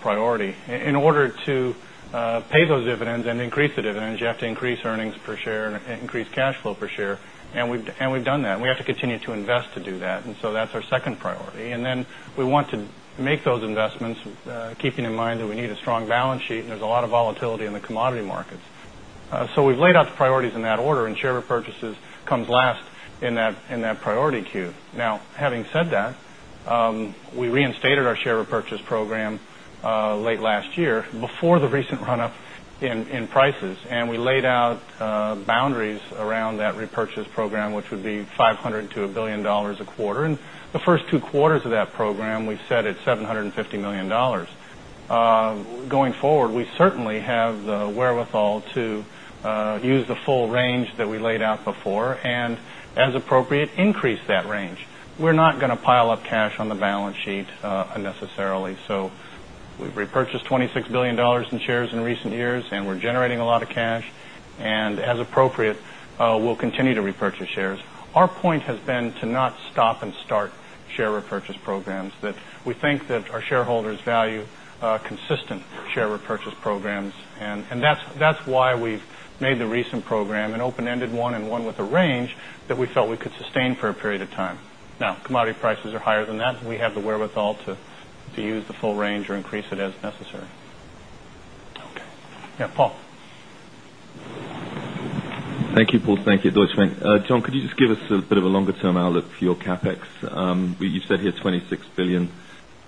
priority. In order to pay those dividends and increase the dividends, you have to increase earnings per share and increase cash flow per share. And we've done that. We have to continue to invest to do that. And so that's our second priority. And then we want to make those investments, keeping in mind that we need a strong balance sheet and there's a lot of volatility in the commodity markets. So we've laid out the priorities in that order and share repurchases comes last in that priority queue. Now having said that, we reinstated our share repurchase program late last year before the recent run up in prices. And we laid out boundaries around that repurchase program, which would be $500,000,000 to $1,000,000,000 a quarter. And the first two quarters of that program, we said it's $750,000,000 Going forward, we certainly have the wherewithal to use the full range that we laid out before and as appropriate increase that range. We're not going to pile up cash on the balance sheet unnecessarily. So we've repurchased $26,000,000,000 in shares in recent years and we're generating a lot of cash. And as appropriate, we'll continue to repurchase shares. Our point has been to not stop and start share repurchase programs that we think that our shareholders value consistent share repurchase programs. And that's why we've made the recent program an open ended one and one with a range that we felt we could sustain for a period of time. Now commodity prices are higher than that. We have the wherewithal to use the full range or increase it as necessary. Paul? Thank you, Paul. Thank you, Deutsche Bank. John, could you just give us a bit of a longer term outlook for your CapEx? You said here $26,000,000,000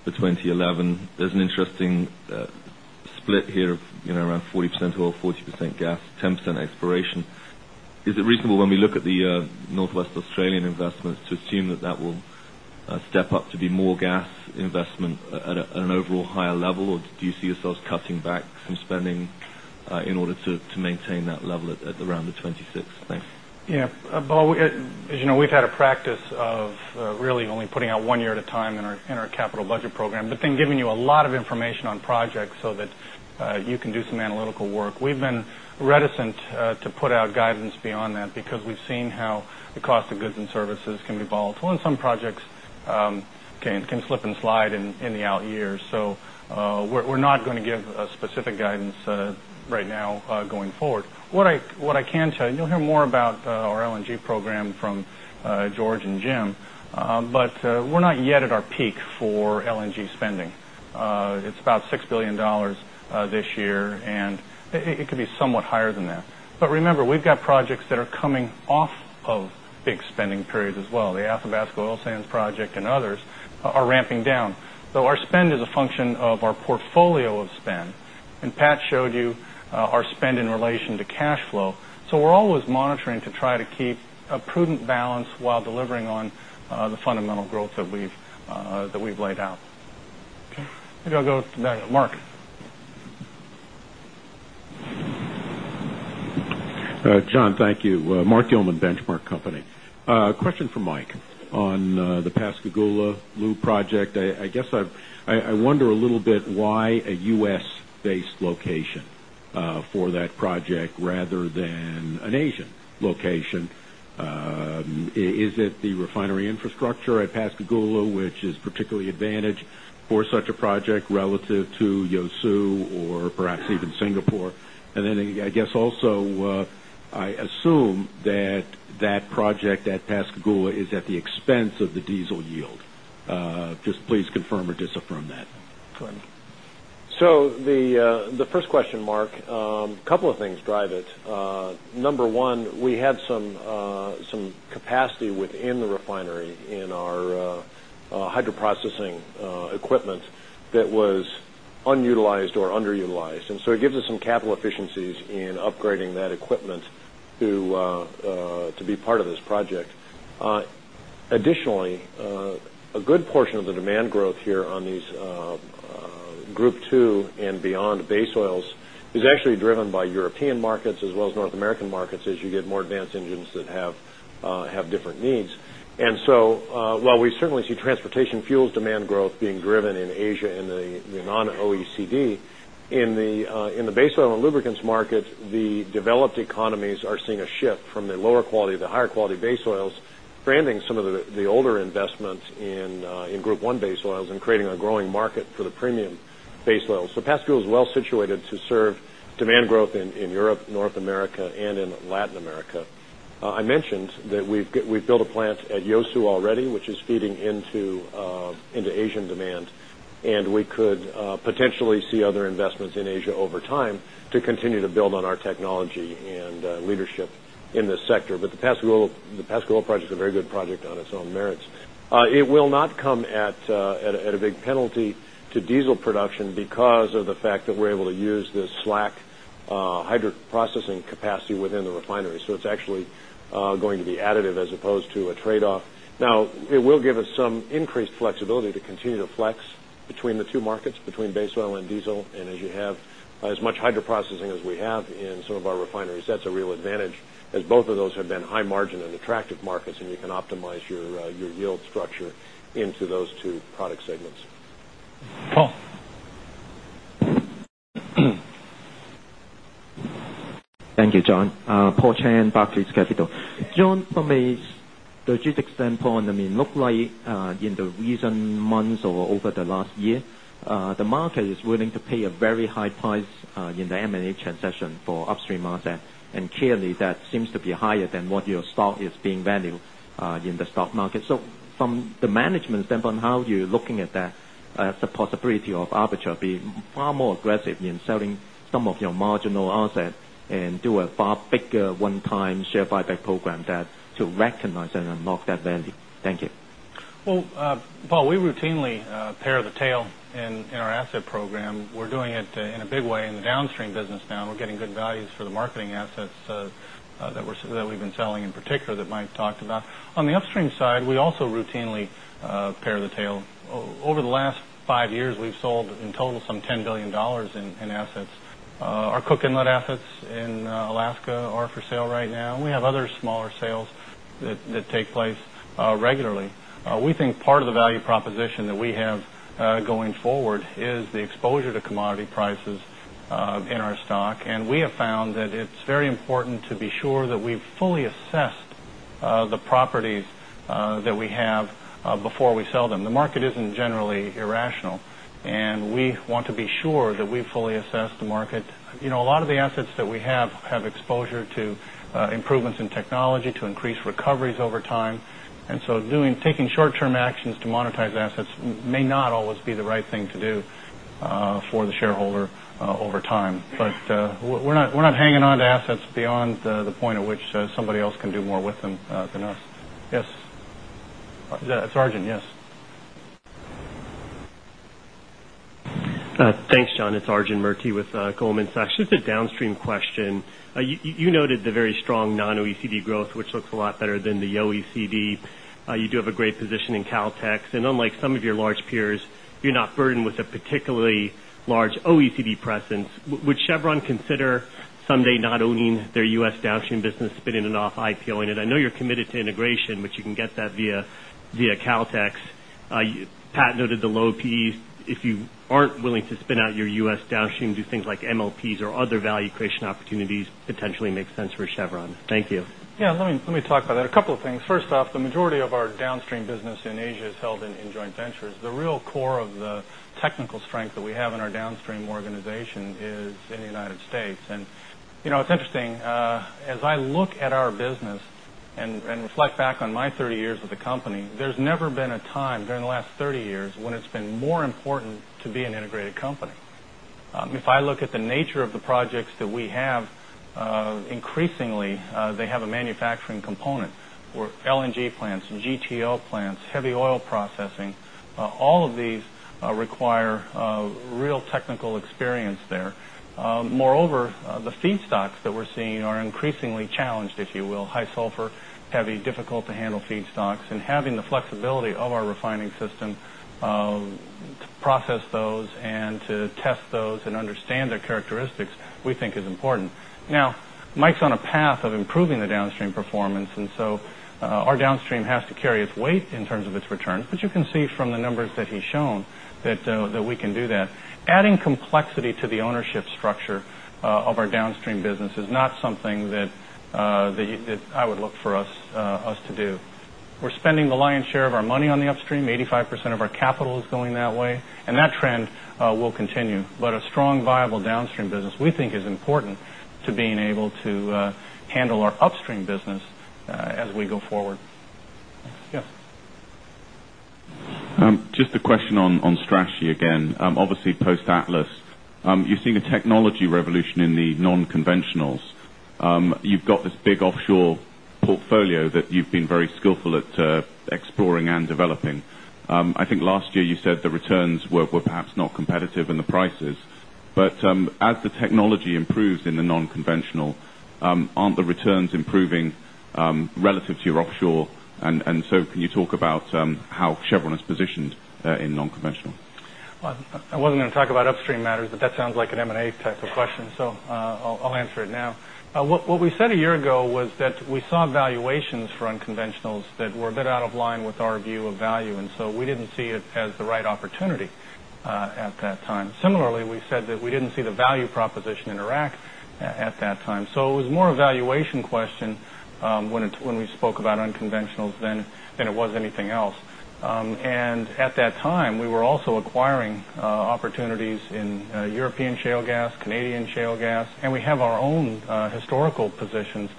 for 20.11. There's an interesting split here of around 40 oil, 40% gas, 10% exploration. Is it reasonable when we look at the Northwest Australian investments to assume that, that will step up to be more gas investment at an overall higher level? Or do you see yourselves cutting back some spending in order to maintain that level at around the 26? Thanks. Yes. Bo, as you know, we've had a practice of really only putting out 1 year at a time in our capital budget program, but then giving you a lot of information on projects so that you can do some analytical work. We've been reticent to put out guidance beyond that because we've seen how the cost of goods and services can be volatile. And some projects can slip and slide in the out years. So we're not going to give a specific guidance right now going forward. What I can tell you, you'll hear more about our LNG program from George and Jim, but we're not yet at our peak for LNG spending. It's about $6,000,000,000 this year and it could be somewhat higher than that. But remember, we've got projects that are coming off of big spending periods as well. The Athabasca Oil Sands project and others are ramping down. So our spend is a function of our portfolio of spend. And Pat showed you our spend in relation to cash flow. So we're always monitoring to try to keep a prudent balance while delivering on the fundamental growth that we've laid out. Okay. Maybe I'll go to Mark. John, thank you. Mark Gillman, Benchmark Question for Mike on the Pascagoula Lou project. I guess I wonder a little bit why a U. S.-based location for that project rather than based location for that project rather than an Asian location. Is it the refinery infrastructure at Pascagoula which is particularly advantaged for such a project relative to Yeosu or perhaps even Singapore? And then I guess also I assume that that project at Pascagoula is at the expense of the diesel yield. Just please confirm or just affirm that. So the first question, Mark, a couple of things drive it. Number 1, we had some capacity within the refinery in our hydroprocessing equipment that was unutilized or underutilized. And so it gives us some capital efficiencies in upgrading that equipment to be part of this project. Additionally, a good portion of the demand growth here on these Group 2 and beyond base oils is actually driven by European markets as well as North American markets as you get more advanced engines that have different needs. And so while we certainly see transportation fuels demand growth being driven in Asia in the non OECD, in the base oil and lubricants markets, the developed economies are seeing a shift from the lower quality to higher quality base oils, branding some of the older investments in Group 1 base oils and creating a growing market for the premium base oil. So, Pascua is well situated to serve demand growth in Europe, North America and in Latin America. I mentioned that we've built a plant at Yeosu already, which is feeding into Asian demand. And we could other investments in Asia over time to continue to build on our technology and leadership in this sector. But the Pascagoula project is a very good project on its own merits. It will not come at a big penalty to diesel production because of the fact that we're able to use the slack hydric processing capacity within the refinery. So it's actually going to be additive as opposed to a trade off. Now it will give us some increased flexibility to continue to flex between the two markets, between base oil and diesel. And as you have as much hydroprocessing as we have in some of our refineries, that's a real advantage as both of those have been high margin and attractive markets and you can optimize your yield structure into those 2 product segments. Paul? Paul? Paul Chan, Barclays Capital. John, from a strategic standpoint, I mean, look like in the recent months or over the last year, the market is willing to pay a very high price in the M and A transaction for upstream market. And clearly, that seems to be higher than what your stock is being valued in the stock market. So from the far bigger a far bigger one time share buyback program that to recognize and unlock that value? Thank you. Well, Paul, we routinely pair the tail in our asset program. We're doing it in a big way in the downstream business now. We're getting good values for the marketing assets that we've been selling in particular that Mike talked about. On the upstream side, we also routinely pair the tail. Over the last 5 years, we've sold in total some $10,000,000,000 in assets. Our Cook Inlet assets in Alaska are for sale right now. And we have other smaller sales that take place regularly. We think part of the value important to be sure that we've fully assessed the properties that we have before we sell them. The market isn't generally irrational. And we want to be sure that we fully assess the market. A lot of the assets that we have, have exposure to improvements over time. But we're not hanging on to assets beyond the point at which somebody else can do more with them than us. Yes. It's Arjun, yes. Thanks, John. It's Arjun Murti with Goldman Sachs. Just a downstream question. You noted the very strong non OECD growth, which looks a lot better than the OECD. You do have a great position in Caltex. And unlike some of your large peers, you're not burdened with a particularly large OECD presence. Would Chevron consider someday not owing their U. S. Downstream business spinning and off IPO? And I know you're committed to integration, but you can get that via Caltex. Pat noted the low piece. If you aren't willing to spin out your U. S. Downstream do things like MLPs or other value creation opportunities potentially make sense for Chevron? Thank you. Yes. Let me me talk about that. A couple of things. First off, the majority of our downstream business in Asia is held in joint ventures. The real core of the technical strength that we have in our downstream organization is in the United States. And it's interesting, as I look at our business and reflect back on my 30 years with the nature of the nature of the projects that we have, increasingly, they have a manufacturing component for LNG plants and GTO plants, heavy oil processing, all of these require real technical experience there. Moreover, the feedstocks that we're seeing are increasingly challenged, if you will, high sulfur, heavy, process those and to test those and understand their to process those and to test those and understand their characteristics, we think is important. Now, Mike is on a path of improving the downstream performance. And so our downstream has to carry its weight in terms of its returns. But you can see from the numbers that he's shown that we can do that. Adding complexity to the ownership structure of our downstream business is not something that I would look for us to do. We're spending the lion's share of our money on the upstream, 85% of our capital is going that way. And that trend will continue. But a strong viable downstream business we think is important to being able to handle our upstream business as we go forward. Yes. Just a question on strategy again. Obviously, post Atlas, you're seeing a technology revolution in the non conventionals. You've got this big offshore portfolio that you've been very skillful at exploring and developing. I think last year you said the returns were perhaps not competitive in the prices, but as the technology improves in the non conventional, aren't the returns improving relative to your offshore? And so can you talk about how Chevron is positioned in non conventional? I wasn't going to talk about upstream matters, but that sounds like an M and A type of question. So I'll answer it now. What we said a year ago was that we saw valuations for unconventionals that were a bit out of line with our view of value. And so we didn't see it as the right opportunity at that time. Similarly, we said that we didn't see the value proposition in Iraq at that time. So it was more a valuation question when we spoke about unconventionals than it was anything else. And at that time, we were also acquiring opportunities in European Shale gas, Canadian Shale gas. And we have our own historical positions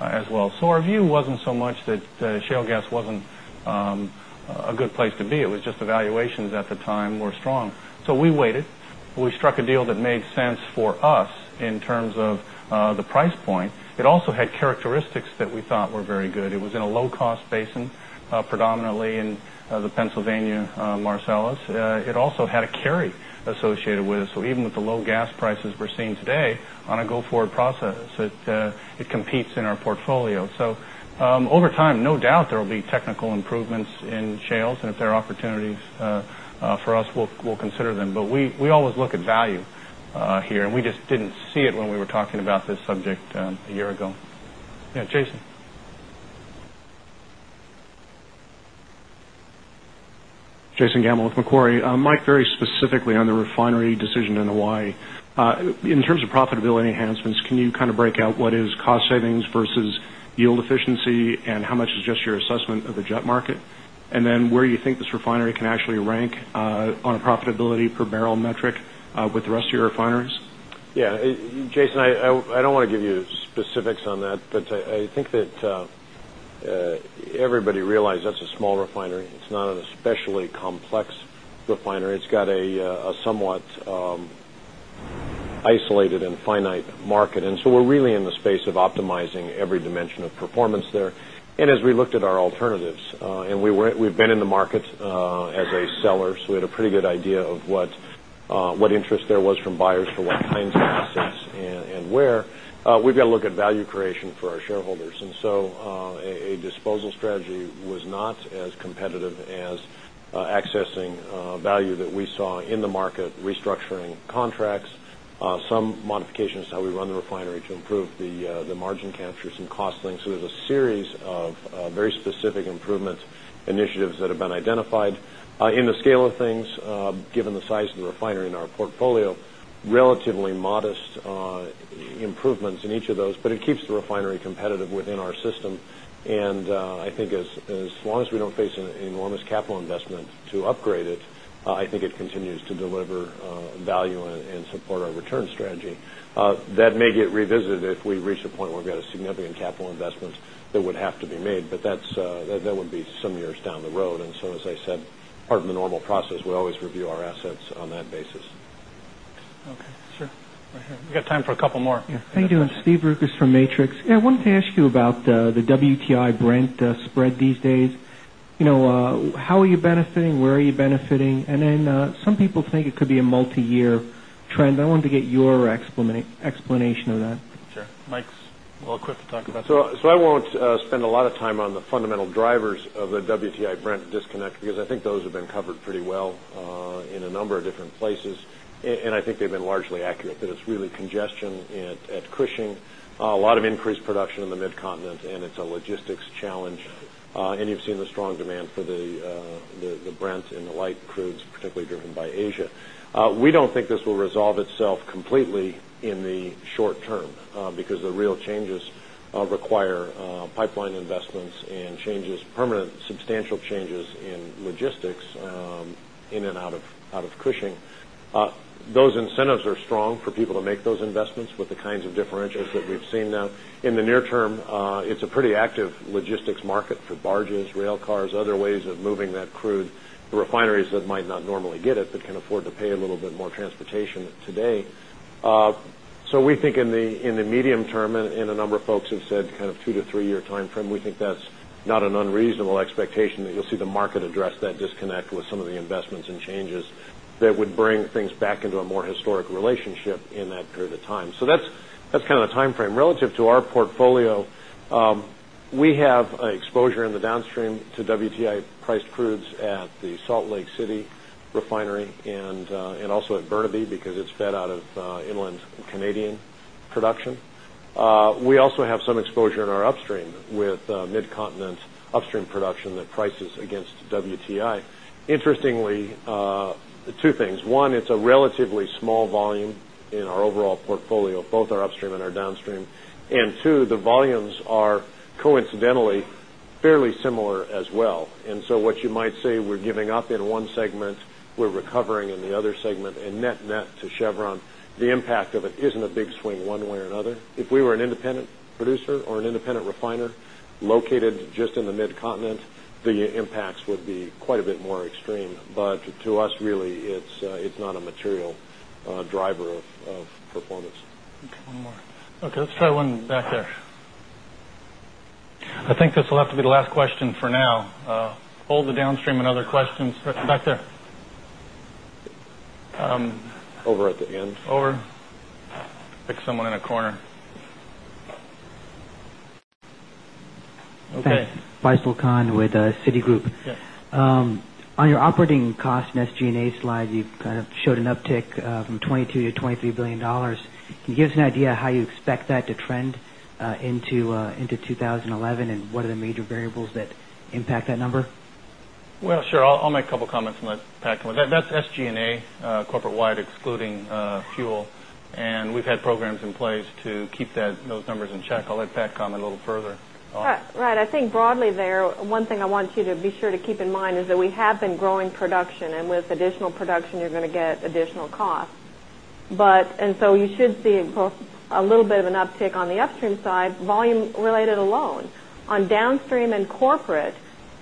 as well. So our view wasn't so much that shale gas wasn't a good place to be. It was just evaluations at the time were strong. So we waited. We struck a deal that made sense for us in terms of the price point. It also had characteristics that we thought were very good. It was in a low cost basin, predominantly in the Pennsylvania Marcellus. It also had a carry associated with it. So even with the low gas prices we're seeing today on a go forward process, it competes in our portfolio. So over time, no doubt there will be technical improvements in shales. And if there are opportunities for us, we'll consider them. But we always look at value here. And we just didn't see it when we were talking about this subject a year ago. Yes, Jason? Jason Gammel with Macquarie. Mike, very specifically on the refinery decision in Hawaii. In terms of profitability enhancements, can you kind of break out what is cost savings versus yield efficiency? And how much is just your assessment of the jet market? And then where you think this refinery can actually rank on a profitability per barrel metric with the rest of your refineries? Yes. Jason, I don't want to give you specifics on that, but I think that everybody realized that's a small refinery. It's not an especially complex refinery. It's got a somewhat isolated and finite market. And so we're really in the space of optimizing every dimension of performance there. And as we looked at our alternatives and we've been in the market as a seller, so we had a pretty good idea of what interest there was from buyers for what kinds of assets and where, we've got to look at value creation for our shareholders. And so a disposal strategy was not as competitive as accessing value that we saw in the market restructuring contracts, some modifications to how we run the refinery to improve the margin capture some cost links. So there's a series of very specific improvement initiatives that have been identified. In the scale of things, given the size of the refinery in our portfolio, relatively modest improvements in each of those, but it keeps the refinery competitive within our system. And I think as long as we don't face an enormous capital investment to upgrade it, I think it continues to deliver value and support our return strategy. That may get revisited if we reach a point where we've got a significant capital investment that would have to be made. But that would be some years down the road. And so as I said, part of the normal process, we always review our assets on that basis. Okay. Sure. We got time for a couple more. Yes. Thank you. It's Steve Bruker from Matrix. Yes, I wanted to ask you about the WTI Brent spread these days. How are you benefiting? Where are you benefiting? And then some people think it could be a multiyear trend. I wanted to get your explanation of that. Sure. Mike's a little quick to talk about. So I won't spend a lot of time on the fundamental drivers of the WTI Brent disconnect because I think those have been covered pretty well in a number of different places. And I think they've been largely accurate that it's really congestion at Cushing, a lot of increased production in the Mid Continent and it's a logistics challenge. And you've seen the strong demand for the Brent and the light crudes, particularly driven by Asia. We don't think this will resolve itself completely in the short term, because the real changes because the real changes require pipeline investments and changes permanent substantial changes in logistics in and out of Cushing. Those incentives are strong for people to make those investments with the kinds of differentials that we've seen now. In the near term, it's a pretty active logistics market for barges, railcars, other ways of transportation today. So we think in the medium term and a number of folks have said kind of 2 to 3 year timeframe, we think that's not an unreasonable expectation that you'll see the market address that disconnect with some of the investments and changes that would bring things back into a more historic relationship in that period of time. So that's kind of the time frame. Relative to our portfolio, we have exposure in the downstream to WTI priced crudes at the Salt Lake City Refinery and also at Burnaby because it's fed out of inland Canadian production. We also have some exposure in our upstream with Mid Continent upstream production that prices against WTI. Interestingly, 2 things. 1, it's a relatively small volume in our overall portfolio, both our upstream and our downstream. And 2, the volumes are coincidentally fairly similar as well. And so what you might say, we're giving up in one segment, we're recovering in the other segment. And net net to Chevron, the impact of it isn't a big swing one way or another. If we were an independent producer or an independent refiner located just in the Mid Continent, the impacts would be quite a bit more extreme. But to us really, it's not a material driver of performance. Okay. Let's try one back there. I think this will have to be the last question for now. Hold the downstream and other questions back there. Over at the end. Over. Pick someone in the corner. Faisal Khan with Citigroup. On your operating cost and SG and A slide, you've kind of showed an uptick from $22,000,000,000 to $23,000,000,000 Can you give us an idea how you expect that to trend into 2011? And what are the major variables that impact that number? Well, sure. I'll make a couple of comments and let Pat come in. That's SG and A corporate wide excluding fuel. And we've had programs in place to keep those numbers in check. I'll let Pat comment a little further. Right. I think broadly there, one thing I want you to be sure to keep in mind is that we have been growing production. And with additional production, you're going to get additional costs. But and so you should see a little bit of an uptick on the upstream side, volume related alone. On downstream and corporate,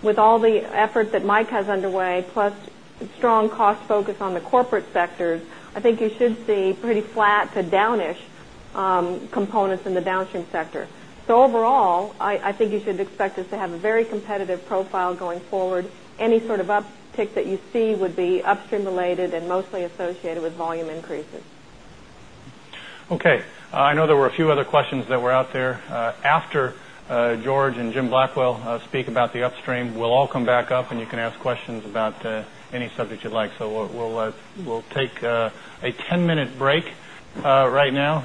with all the efforts that Mike has underway plus strong cost focus on the corporate sectors, I think you should see pretty flat to downish components in the downstream sector. So overall, I think you should expect us to have a very competitive profile forward. Any sort of uptick that you see would be upstream related and mostly associated with volume increases. Okay. I know there were a few other questions that were out there. After George and Jim Blackwell speak about the upstream, we'll all come back up and you can ask questions about any subject you'd like. So we'll take a 10 minute break right now.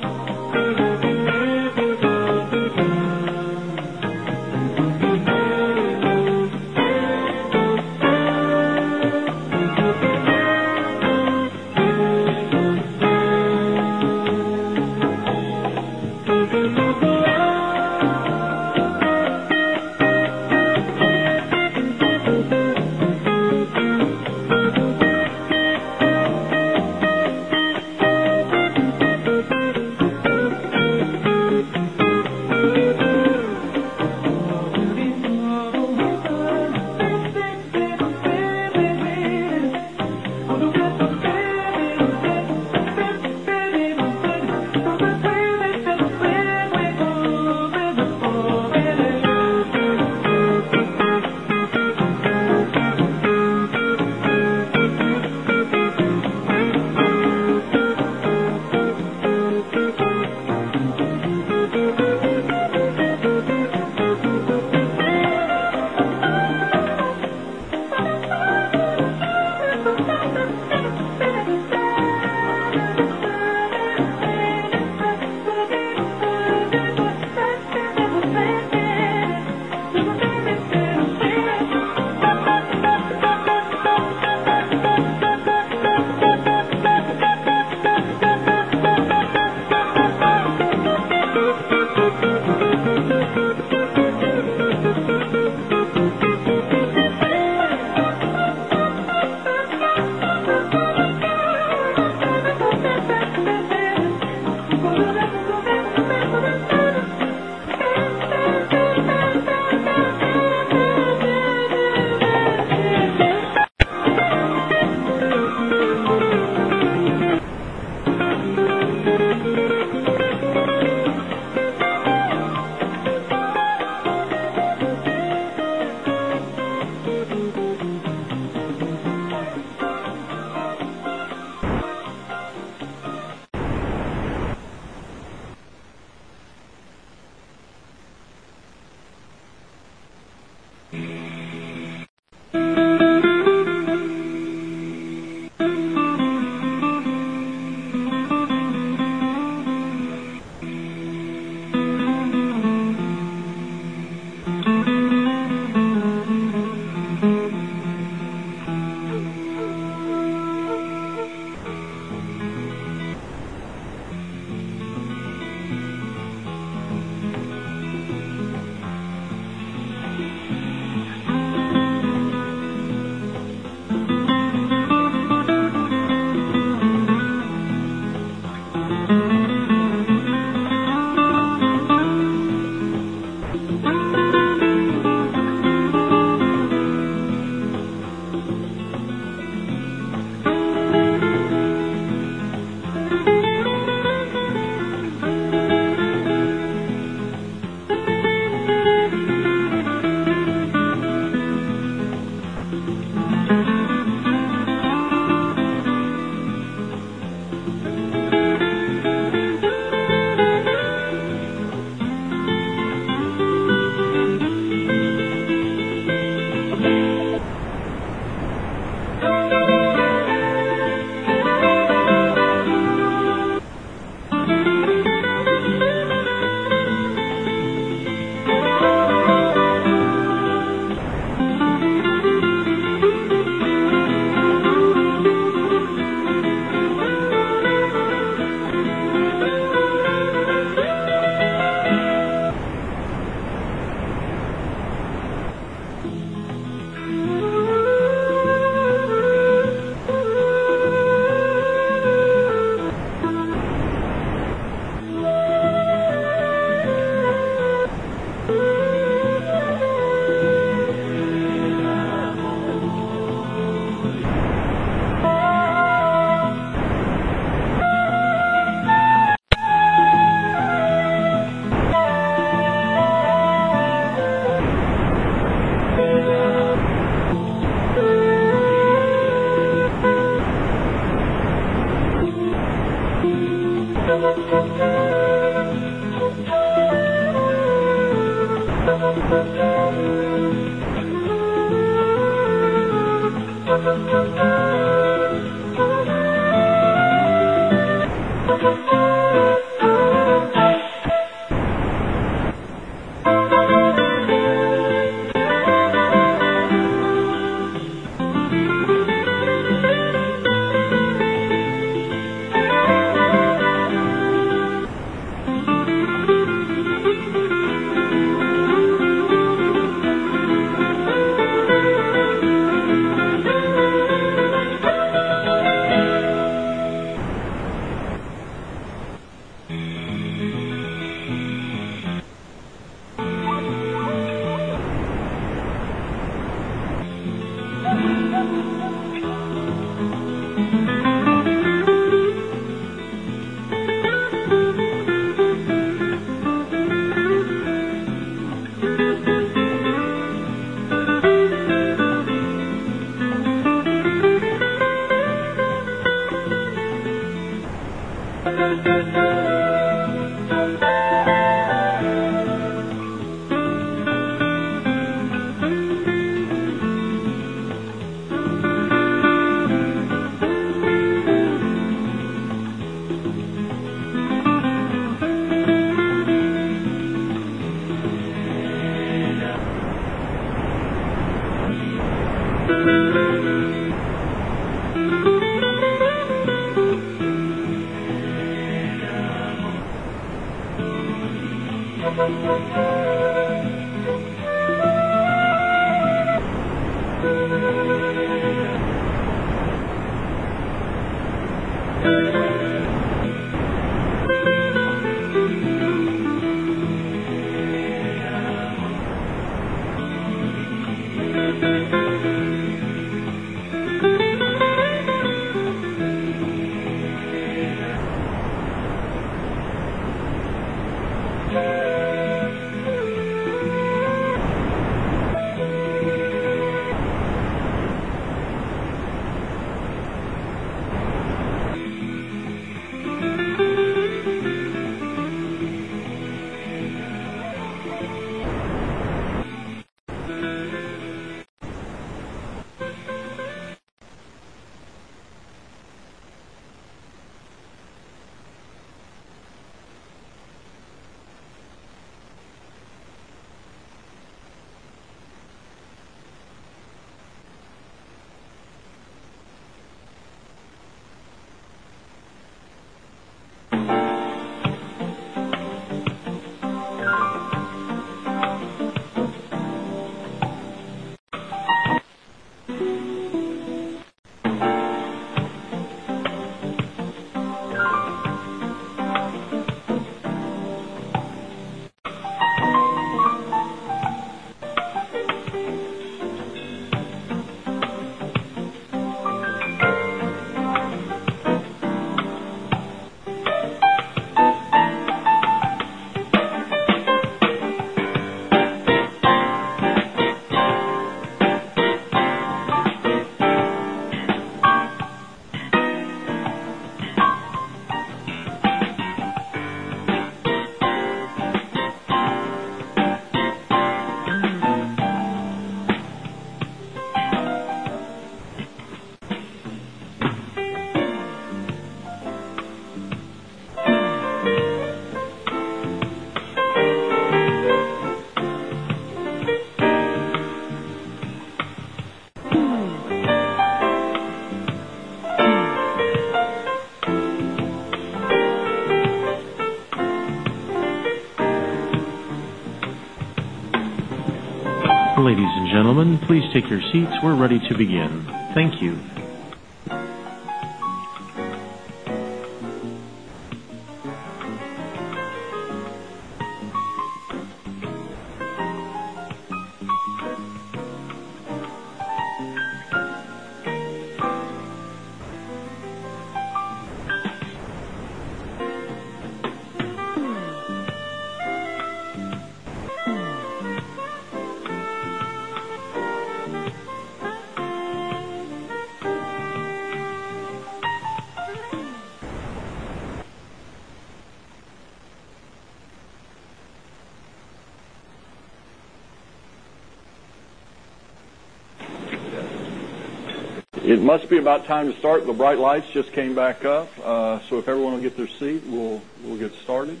It must be about time to start. The bright lights just came back up. So if everyone will get their seat, we'll get started.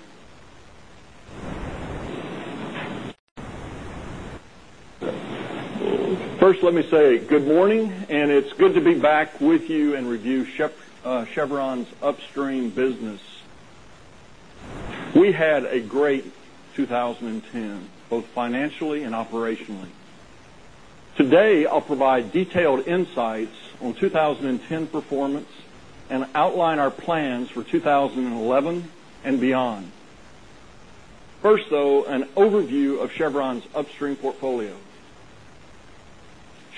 First, let me say good morning and it's good to be back with you and review Chevron's Upstream business. We had a great 2010, both financially and operationally. Today, I'll provide detailed insights on 2010 performance and outline our plans for 2011 beyond. First, though, an overview of Chevron's upstream portfolio.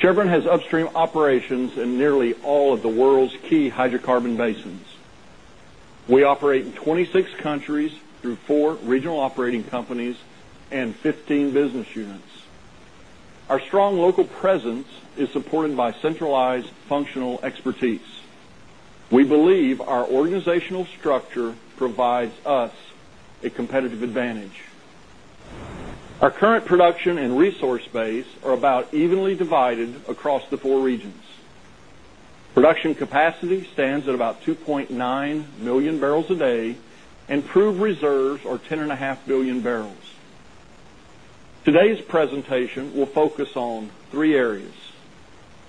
Chevron has upstream operations in nearly all of the world's key hydrocarbon basins. We operate in 26 countries through 4 regional operating companies and 15 business units. Our strong local presence is supported by centralized functional expertise. We believe our organizational structure provides us a competitive advantage. Our current production and resource base are about evenly divided across the 4 regions. Production capacity stands at about 2,900,000 barrels a day and proved reserves are 10,500,000,000 barrels. Today's presentation will focus on 3 areas: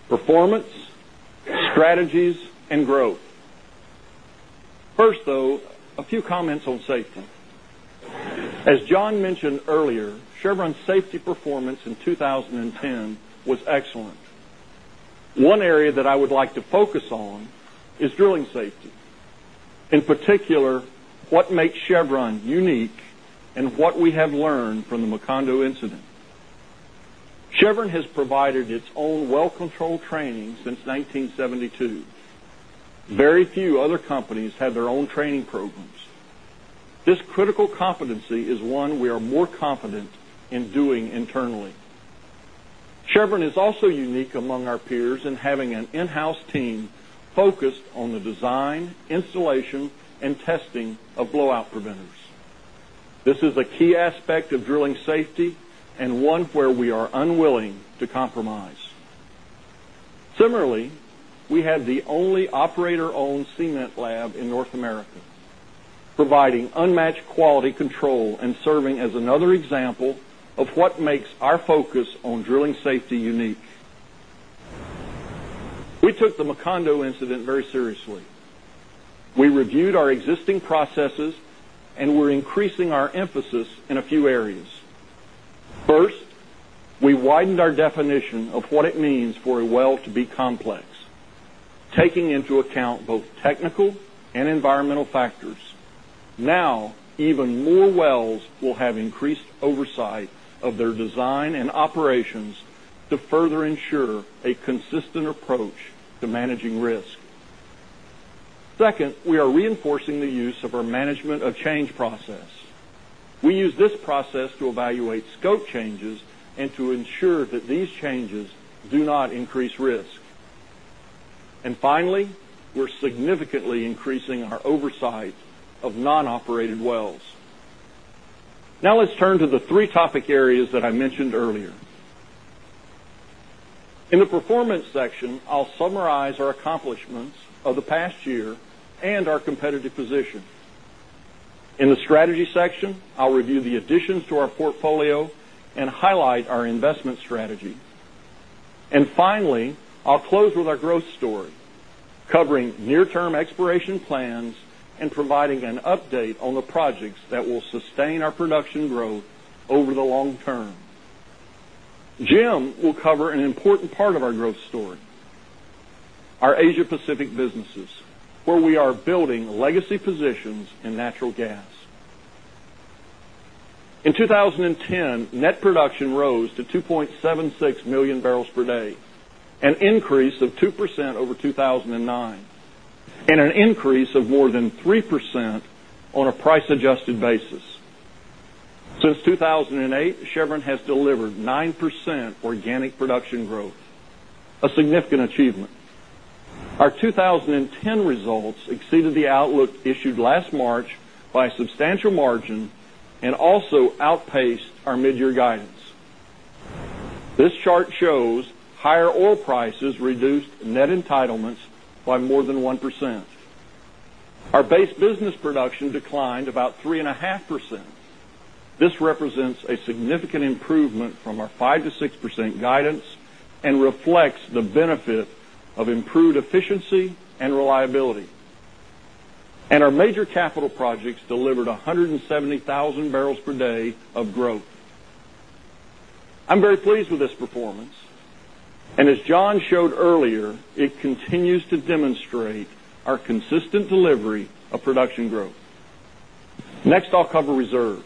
performance, strategies and growth. First, though, a few comments on safety. As John mentioned earlier, Chevron's safety performance in 2010 was excellent. One area that I would like to focus on is drilling safety, in particular, what makes Chevron unique and what we have learned from the Macondo incident. Chevron has provided its own well controlled training since 1972. Very few other companies have their own training programs. This critical competency is one we are more confident in doing internally. Chevron is also unique among our peers in having an in house team focused on the design, installation and testing of blowout preventers. This is a key aspect of drilling safety and one where we are unwilling to compromise. Similarly, we had the only operator owned CNET lab in North America, providing unmatched quality control and serving as another example of what makes our focus on drilling safety unique. We took the Macondo incident very seriously. We reviewed our existing processes and we're increasing our emphasis in a few areas. 1st, we widened our definition of what it means for a well to be complex, taking into account both technical and environmental factors. Now even more wells will have increased oversight of their design and operations to further ensure a consistent approach to managing risk. 2nd, we are reinforcing the use of our management of change process. We use this process to evaluate scope changes and to ensure that these changes do not increase risk. And finally, significantly increasing our oversight of non operated wells. Now let's turn to the 3 topic areas that I mentioned earlier. In the performance section, I'll summarize our accomplishments of the past year and our competitive position. In the strategy section, I'll review the additions to our portfolio and highlight our investment strategy. And finally, I'll close with our growth story, covering near term exploration plans and providing an update on the projects that will our Asia Pacific businesses, where we are building legacy positions in natural gas. In 20 10, net production rose to 2,760,000 barrels per day, an increase of 2% over 2,009 and an increase of more than 3% on a price adjusted basis. Since 2,008, Chevron has delivered 9 9% organic production growth, a significant achievement. Our 20 10 results exceeded the outlook issued last March by a substantial margin and also outpaced our mid year guidance. This chart shows higher oil prices reduced net entitlements by more than 1%. Our base business production declined about 3.5%. This represents a significant improvement from our 5 percent to 6% guidance and reflects the benefit of improved efficiency and reliability. And our major capital projects delivered 170,000 barrels per day of growth. I'm very pleased with this performance. And as John showed earlier, it continues to demonstrate our consistent delivery of production growth. Next, I'll cover reserves.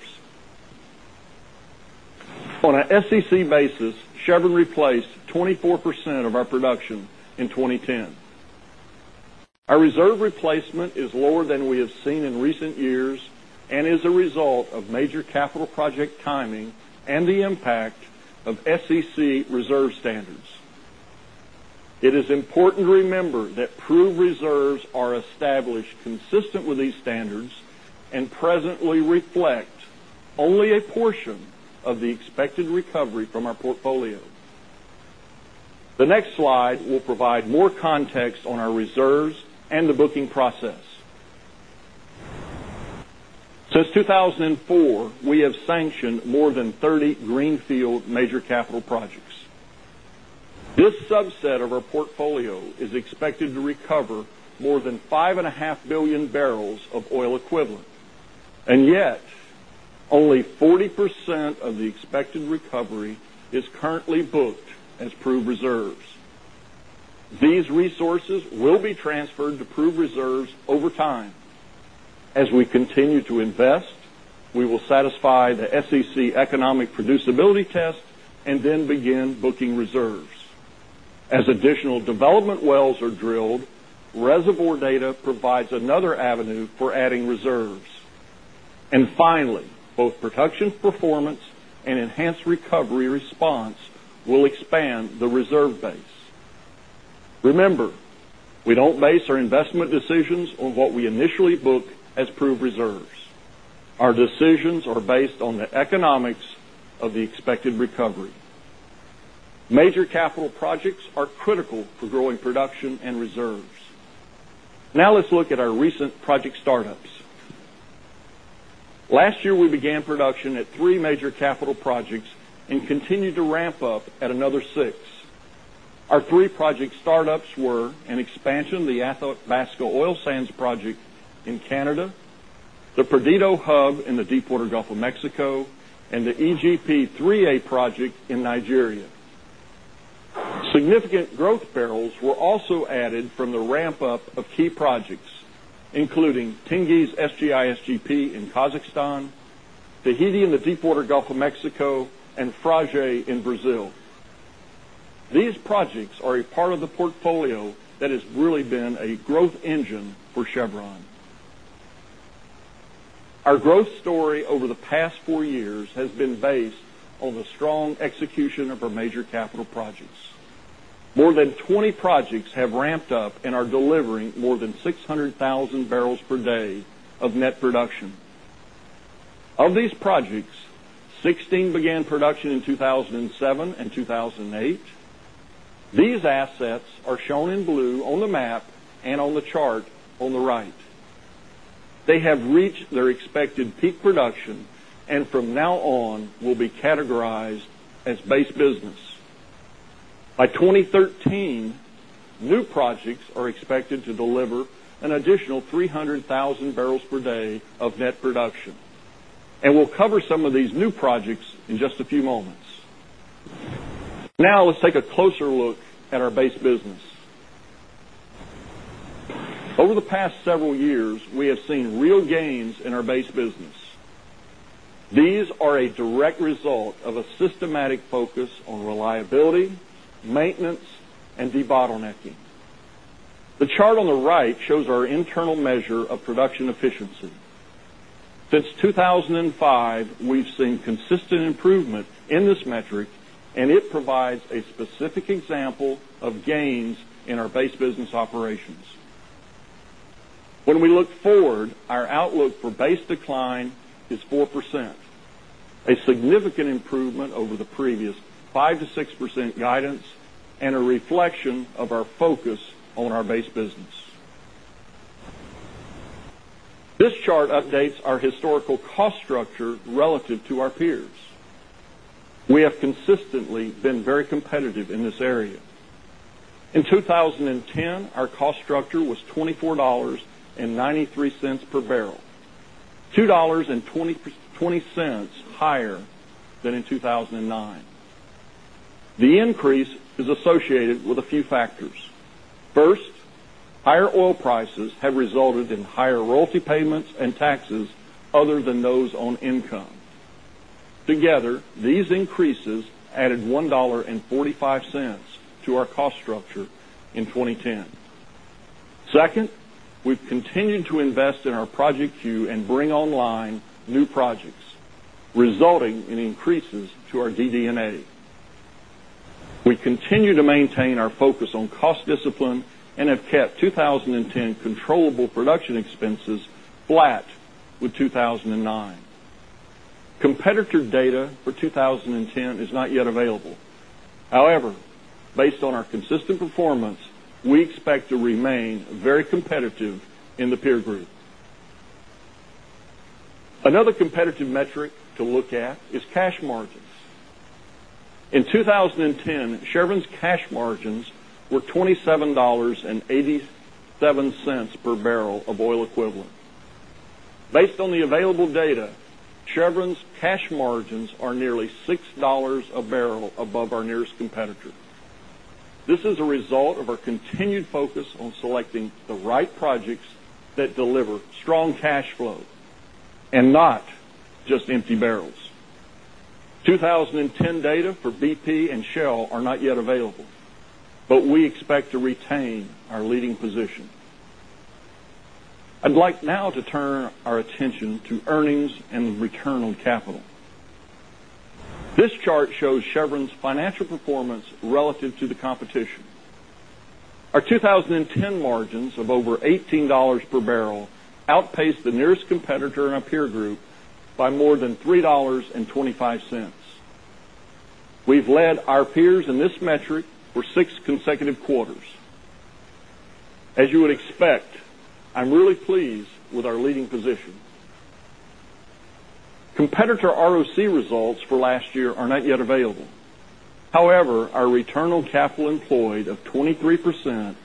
On an SEC basis, Chevron replaced 24% of our production in 2010. Our reserve replacement is lower than we have seen in recent years and is a result of major capital project timing and the impact of SEC reserve standards. It is important to remember that proved reserves are established consistent with these standards and presently reflect only a portion of the expected recovery from our portfolio. The next slide will provide more context on our reserves and the booking process. Since 2004, we have sanctioned more than 30 Greenfield major capital projects. This subset of our portfolio is expected to recover more than 5,500,000,000 barrels of oil equivalent. And yet, only 40% of the expected recovery is currently booked as proved reserves. These resources will be transferred to proved reserves over time. As we continue to invest, we will satisfy the SEC economic producibility test and then begin booking reserves. As additional development wells are drilled, reservoir data provides another avenue for adding reserves. And finally, both production performance and enhanced recovery response will expand the reserve base. Remember, we don't base our investment decisions on what we initially book as proved reserves. Our decisions are based on the economics of the expected recovery. Major capital projects are critical for growing production and reserves. Now let's look at our recent project startups. Last year, we began production at 3 major capital projects and continued to ramp up at another 6. Our 3 project start ups were an expansion of the Athos Bosco Oil Sands Project in Canada, the Perdido Hub in the Deepwater Gulf of Mexico and the EGP-3A project in Nigeria. Significant growth barrels were also added from the ramp up of key projects, including Tengiz SGISGP in Kazakhstan, Tahiti in the deepwater Gulf of Mexico and Frage in Brazil. These projects are a part of the the the strong execution of our major capital projects. More than 20 projects have ramped up and are delivering more than 600,000 barrels per day of net production. Of these projects, 16 began production in 2,007 and 2,008. These assets are shown in blue on the map and on the chart on the right. They have reached their expected peak production and from now on will be categorized as base business. By 2013, new projects are expected to deliver an additional 300,000 barrels per day of net production. And we'll cover some of these new projects in just a few moments. Now, let's take a closer look at our base business. Over the past several years, we have seen real gains in our base business. These are a direct result a systematic focus on reliability, maintenance and debottlenecking. The chart on the right shows our internal measure of production efficiency. Since 2,005, we've seen consistent improvement in this metric, and it provides a specific example of gains in our base business operations. When we look forward, our outlook for base decline is 4%, a significant improvement over the previous 5% to 6% guidance and a reflection of our focus on our base business. This chart updates our historical cost structure relative to our peers. We have consistently been very competitive in this area. In 2010, our cost structure was 24 $0.93 per barrel, dollars 2.20 higher than in 2,009. The increase is associated with a few factors. 1st, higher oil prices have resulted in higher $0.45 to our cost structure in 2010. 2nd, we've continued to invest in our Project Q and bring online new projects, resulting in increases to our DD and A. We continue to maintain our focus on cost discipline and have kept 20 10 controllable production expenses flat with 2,009. Competitor data for 2010 is not yet available. However, based on our consistent performance, we expect to remain very competitive in the peer group. Another competitive metric to look at is cash margins. In 2010, Chevron's cash margins were $27.87 per barrel of oil equivalent. Based on the available data, Chevron's cash margins are nearly $6 a barrel above our nearest competitor. This is a result of our continued focus on selecting the right projects that deliver strong cash flow and not just empty barrels. 2010 data for BP and Shell are not yet available, we expect to retain our leading position. I'd like now to turn our attention to earnings and return on capital. This chart shows Chevron's financial performance relative to the competition. Our 20 10 margins of over $18 per barrel outpaced the nearest competitor in our peer group by more than $3.25 We've led our peers in this metric for 6 consecutive quarters. As you would expect, I'm really pleased with our leading position. Competitor ROC results for last year are not yet available. However, our return on capital employed of 23% is percent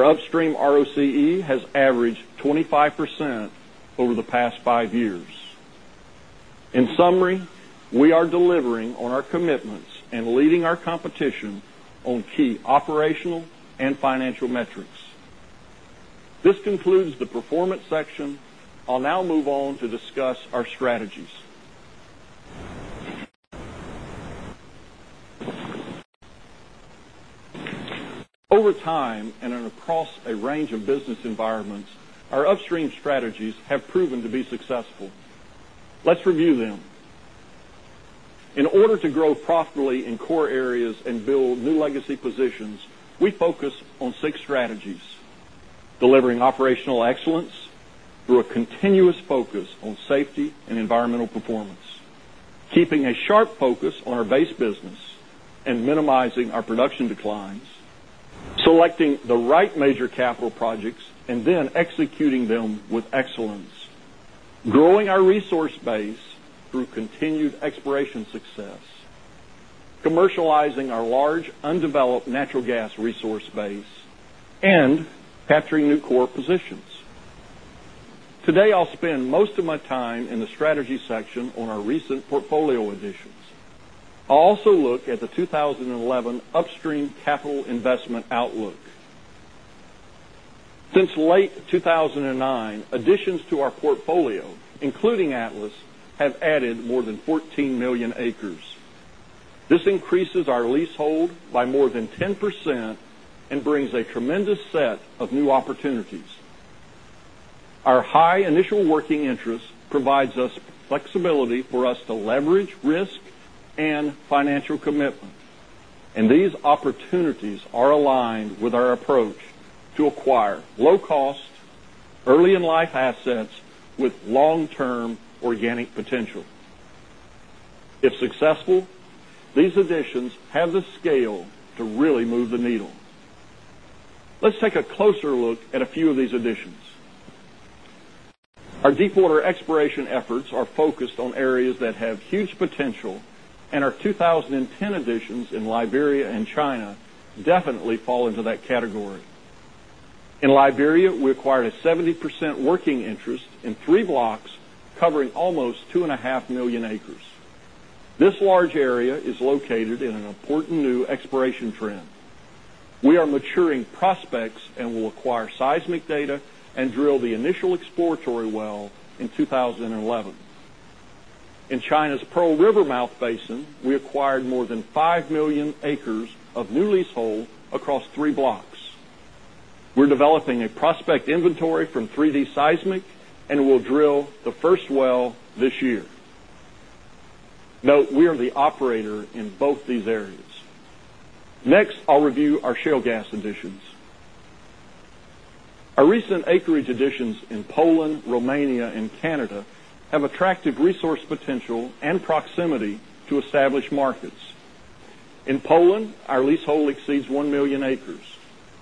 upstream ROCE has averaged 25% over the past 5 years. In summary, we are delivering on our commitments and leading our competition on key operational and financial metrics. This concludes the performance section. I'll now move on to discuss our strategies. Over time and across a range of business environments, our upstream strategies have proven to be successful. Let's review them. In order to grow profitably in core areas and build new legacy positions, we focus on 6 strategies, delivering operational excellence through a continuous focus on safety and environmental performance, keeping a sharp focus on our base business and minimizing our production declines, selecting the right major capital projects and then executing them with excellence, growing our resource base through continued exploration success, commercializing our large undeveloped natural gas resource base and capturing new core positions. Today, I'll spend most of my time in the strategy section on our recent portfolio additions. I'll also look at the 2011 Upstream Capital Investment Outlook. Since late 2009, additions to our portfolio, including Atlas, have added more than 14,000,000 acres. This increases our leasehold by more than 10% and brings a tremendous set of new opportunities. Our high initial working interest provides us flexibility for us to leverage risk and financial commitment, and these opportunities are aligned with our approach to acquire low cost, early in life assets with long term organic potential. If successful, these additions have the scale to really move the needle. Let's take a closer look at a few of these additions. Our deepwater exploration efforts are focused on areas that have huge potential and our 2010 additions in Liberia and China definitely fall into that category. In Liberia, we acquired a 70% working interest in 3 blocks covering almost 2,500,000 acres. This large area is located in an important new exploration trend. We are maturing prospects and will acquire seismic data and drill the initial exploratory well in 2011. In China's Pearl River mouth basin, we acquired more than 5,000,000 acres of new leasehold across 3 blocks. We're developing a prospect inventory from 3 d seismic, and we'll drill the first well this year. Note, we are the operator in both these areas. Next, I'll review our shale gas additions. Our recent acreage additions in Poland, Romania and Canada have attractive resource potential and proximity to established markets. In Poland, our leasehold exceeds 1,000,000 acres.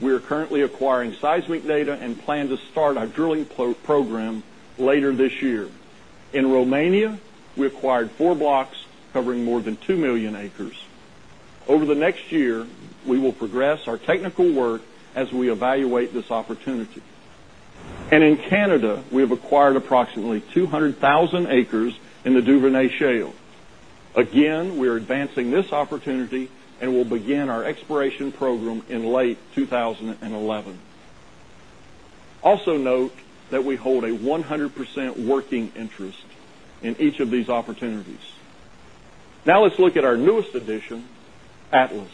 We are currently acquiring seismic data and plan to start our drilling program later this year. In Romania, we acquired 4 blocks covering more than 2,000,000 acres. Over the next year, we will progress our technical work as we evaluate this opportunity. And in Canada, we have acquired approximately 200,000 acres in the Duvernay Shale. Again, we are advancing this opportunity and will begin our exploration program in late 2011. Also note that we hold a 100% working interest in each of these opportunities. Now let's look at our newest addition, Atlas.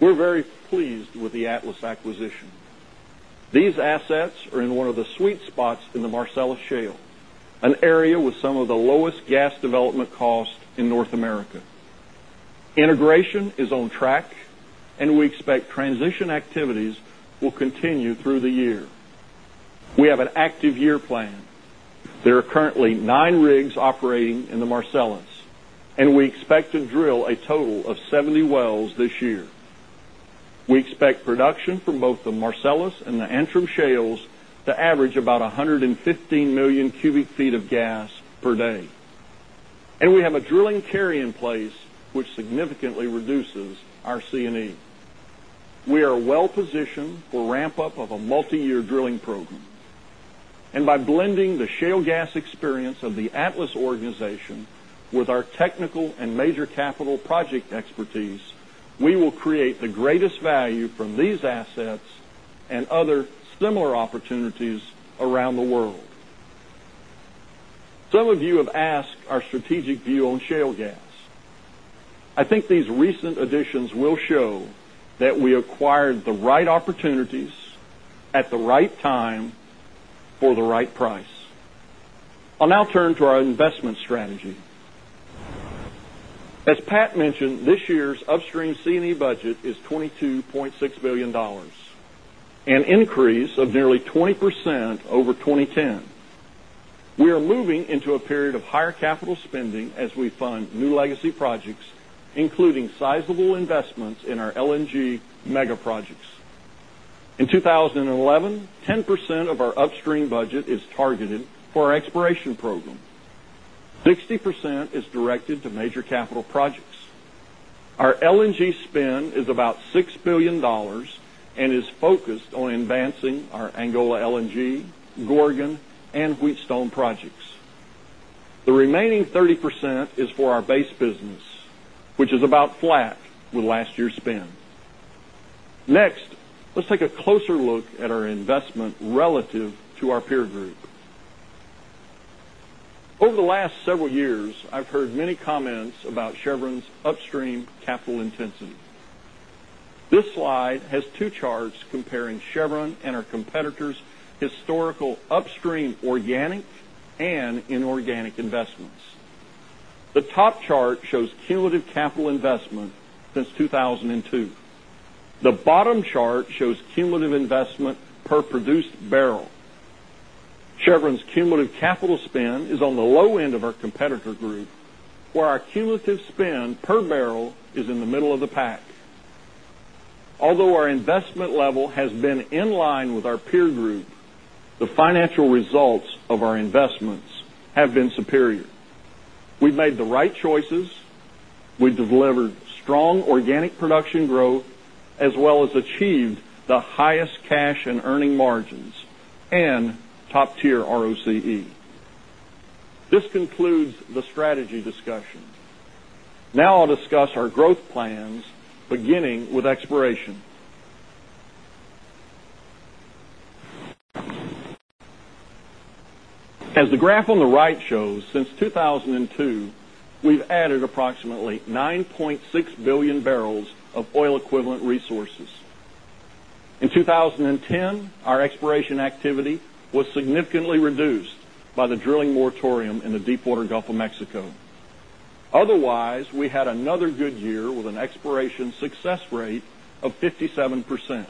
We are very pleased with the Atlas acquisition. These assets are in one of the sweet spots in the Marcellus Shale, an area with some of the lowest gas development cost in North America. Integration is on track, and we expect transition operating in the Marcellus, and we expect to drill a total of 70 wells this year. We expect production from both the Marcellus and the Antrim shales to average about 115,000,000 cubic feet of gas per day. And we have a drilling carry in place, which significantly reduces our C and E. We are well positioned for ramp up of a multiyear drilling program. And by blending the shale gas experience of the Atlas organization with our technical and major capital project expertise, we will create the greatest value from these assets and other similar opportunities around the world. Some of you have asked our strategic view on shale gas. I think these recent additions will show that we acquired the right opportunities at the right time for the right price. I'll now turn to our investment strategy. As Pat mentioned, this year's upstream C and E budget is $22,600,000,000 an increase of nearly 20% over 2010. We are moving into a period of higher capital spending as we fund new legacy projects, including sizable investments in our LNG mega projects. In 20 11, 10% of our budget is targeted for our exploration program. 60% is directed to major capital projects. Our LNG spend is about $6,000,000,000 and is focused on advancing our Angola LNG, Gorgon and Wheatstone projects. The remaining 30% is for our base business, which is about flat with last year's spend. Next, let's take a closer look at our investment relative to our peer group. Over the last several years, I've heard many comments about Chevron's upstream capital intensity. This slide has 2 charts comparing Chevron and our competitors' historical upstream organic and inorganic investments. The top chart shows cumulative capital investment since 2,002. The bottom chart shows per produced barrel. Chevron's cumulative capital spend is on the low end of our competitor group, where our cumulative spend per barrel is in the middle of the pack. Although our investment level has been in line with our peer group, the financial results of our investments have been superior. We've made the right choices. We've delivered organic production growth as well as achieved the highest cash and earning margins and top tier ROCE. This concludes the strategy discussion. Now I'll discuss our growth plans, beginning with exploration. As the graph on the right shows, since 2,002, we've added approximately 9,600,000,000 barrels of oil equivalent resources. In 2010, our exploration activity was significantly reduced by the drilling moratorium in the deepwater Gulf of Mexico. Otherwise, we had another good year with an exploration rate of 57%,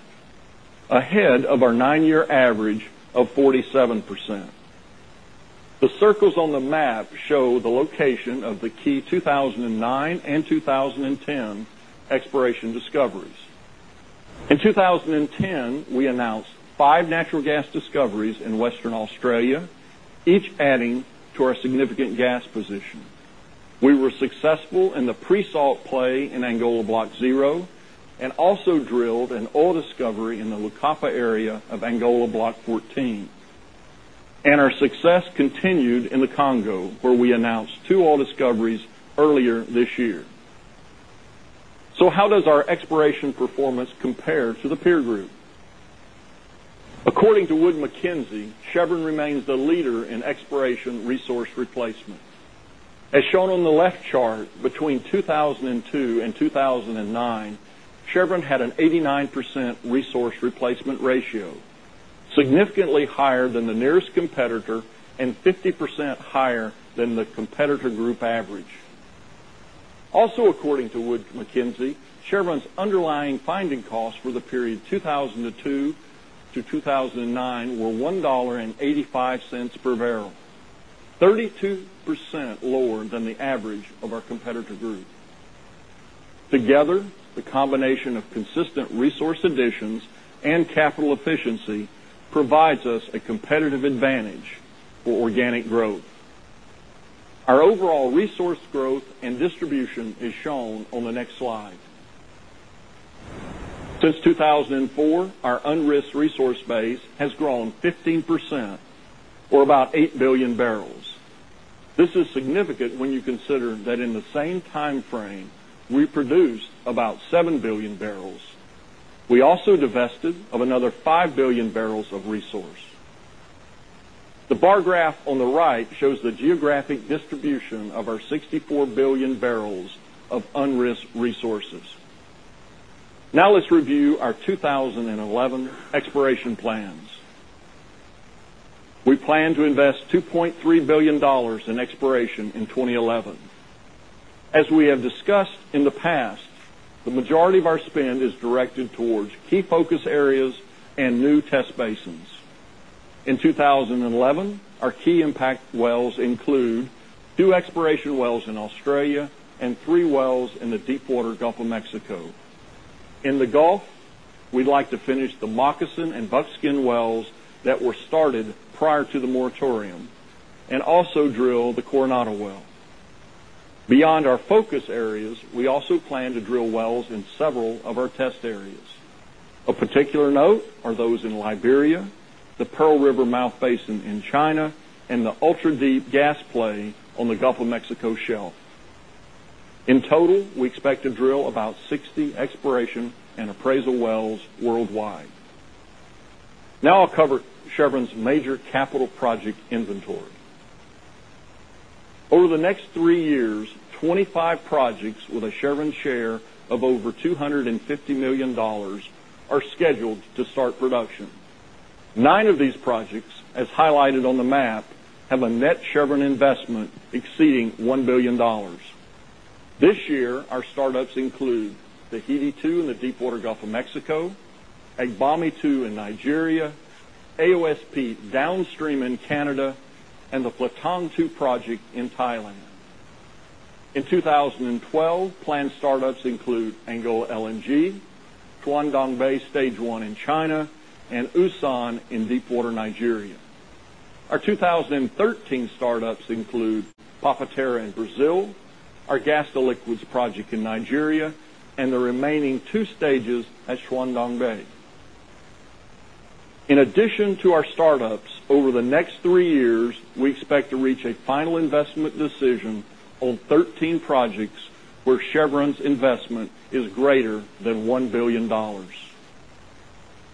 ahead of our 9 year average of 47%. The circles on the map show the location of the key 2,0092010 exploration discoveries. In 2010, we announced 5 natural gas discoveries in Western Australia, each adding to our significant gas position. We were successful in the pre salt play in Angola Block 0 and also drilled an oil discovery in the Lekapa area of Angola Block 14. And our success continued in the Congo, where we announced 2 oil discoveries earlier this year. So how does our exploration performance compare to the peer group? According to Wood Mackenzie, Chevron remains the leader in exploration resource replacement. As shown on the left chart, between 2,000 and 1,000 and 2,009, Chevron had an 89% resource replacement ratio, significantly higher than the nearest competitor and 50% higher than the competitor group average. Also according to Wood Mackenzie, Chevron's underlying finding costs for the period 2,002 to 2,009 were $1.85 per barrel, 32% lower than the average of our competitor group. Together, the combination of consistent resource additions and capital efficiency provides us a competitive advantage for organic growth. Our overall resource growth and distribution is shown on the next slide. Since 2004, our unrisked resource base has grown 15% or about 8 7,000,000,000 barrels. We also divested of another 5,000,000,000 barrels of resource. The bar graph on the right shows the geographic distribution of our 64,000,000,000 barrels of unrisked resources. Now let's review our 20 11 exploration plans. We plan to invest $2,300,000,000 in exploration in 20 11. As we have discussed in the past, the majority of our spend is directed towards key focus areas and new test basins. In 2011, our key impact wells include 2 exploration wells in Australia and 3 wells in the deepwater Gulf of Mexico. In the Gulf, we'd like to finish the moccasin and buckskin wells that were started prior to the moratorium and also drill the Coronado Nado well. Beyond our focus areas, we also plan to drill wells in several of our test areas. Of particular note are those in Liberia, the Pearl River mouth basin in China and the ultra deep gas play on the Gulf of Mexico Shelf. In total, we expect to drill about 60 exploration and appraisal wells worldwide. Now I'll cover Chevron's major capital project inventory. Over the next 3 years, 20 5 projects with a Chevron share of over $250,000,000 are scheduled to start production. 9 of these projects, as highlighted on the map, have a net Chevron investment exceeding $1,000,000,000 This year, our start ups include Tahiti 2 in the Deepwater Gulf of Mexico, Agbami 2 in Nigeria, AOSP downstream in Canada and the Platon II project in Thailand. In 2012, planned start ups include Anglo LNG, Tuan Dong Bay Stage 1 in China and U San in deepwater Nigeria. Our 2013 startups include Pappatera in Brazil, our gas to liquids project in Nigeria and the remaining two stages at Shandong Bay. In addition to our startups, over the next 3 years, we expect to reach a final investment decision on 13 projects where Chevron's investment is greater than $1,000,000,000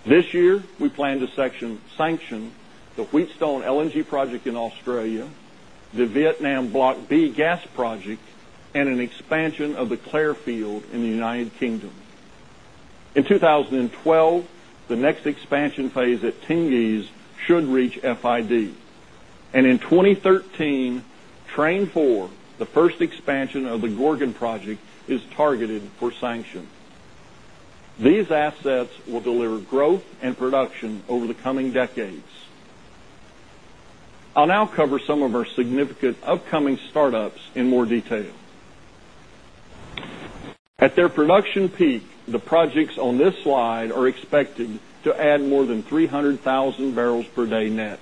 This year, we plan to sanction the Wheatstone LNG project in Australia, the Vietnam Block B Gas Project and an expansion of the Clare field in the United Kingdom. In 2012, the next expansion phase at Tengiz should reach FID. And in 2013, Train 4, the first expansion of the Gorgon project is targeted for sanction. These assets will deliver growth and production over the coming decades. I'll now cover some of our significant upcoming startups in more detail. At their production peak, the projects on this slide are expected to add more than 300,000 barrels per day net.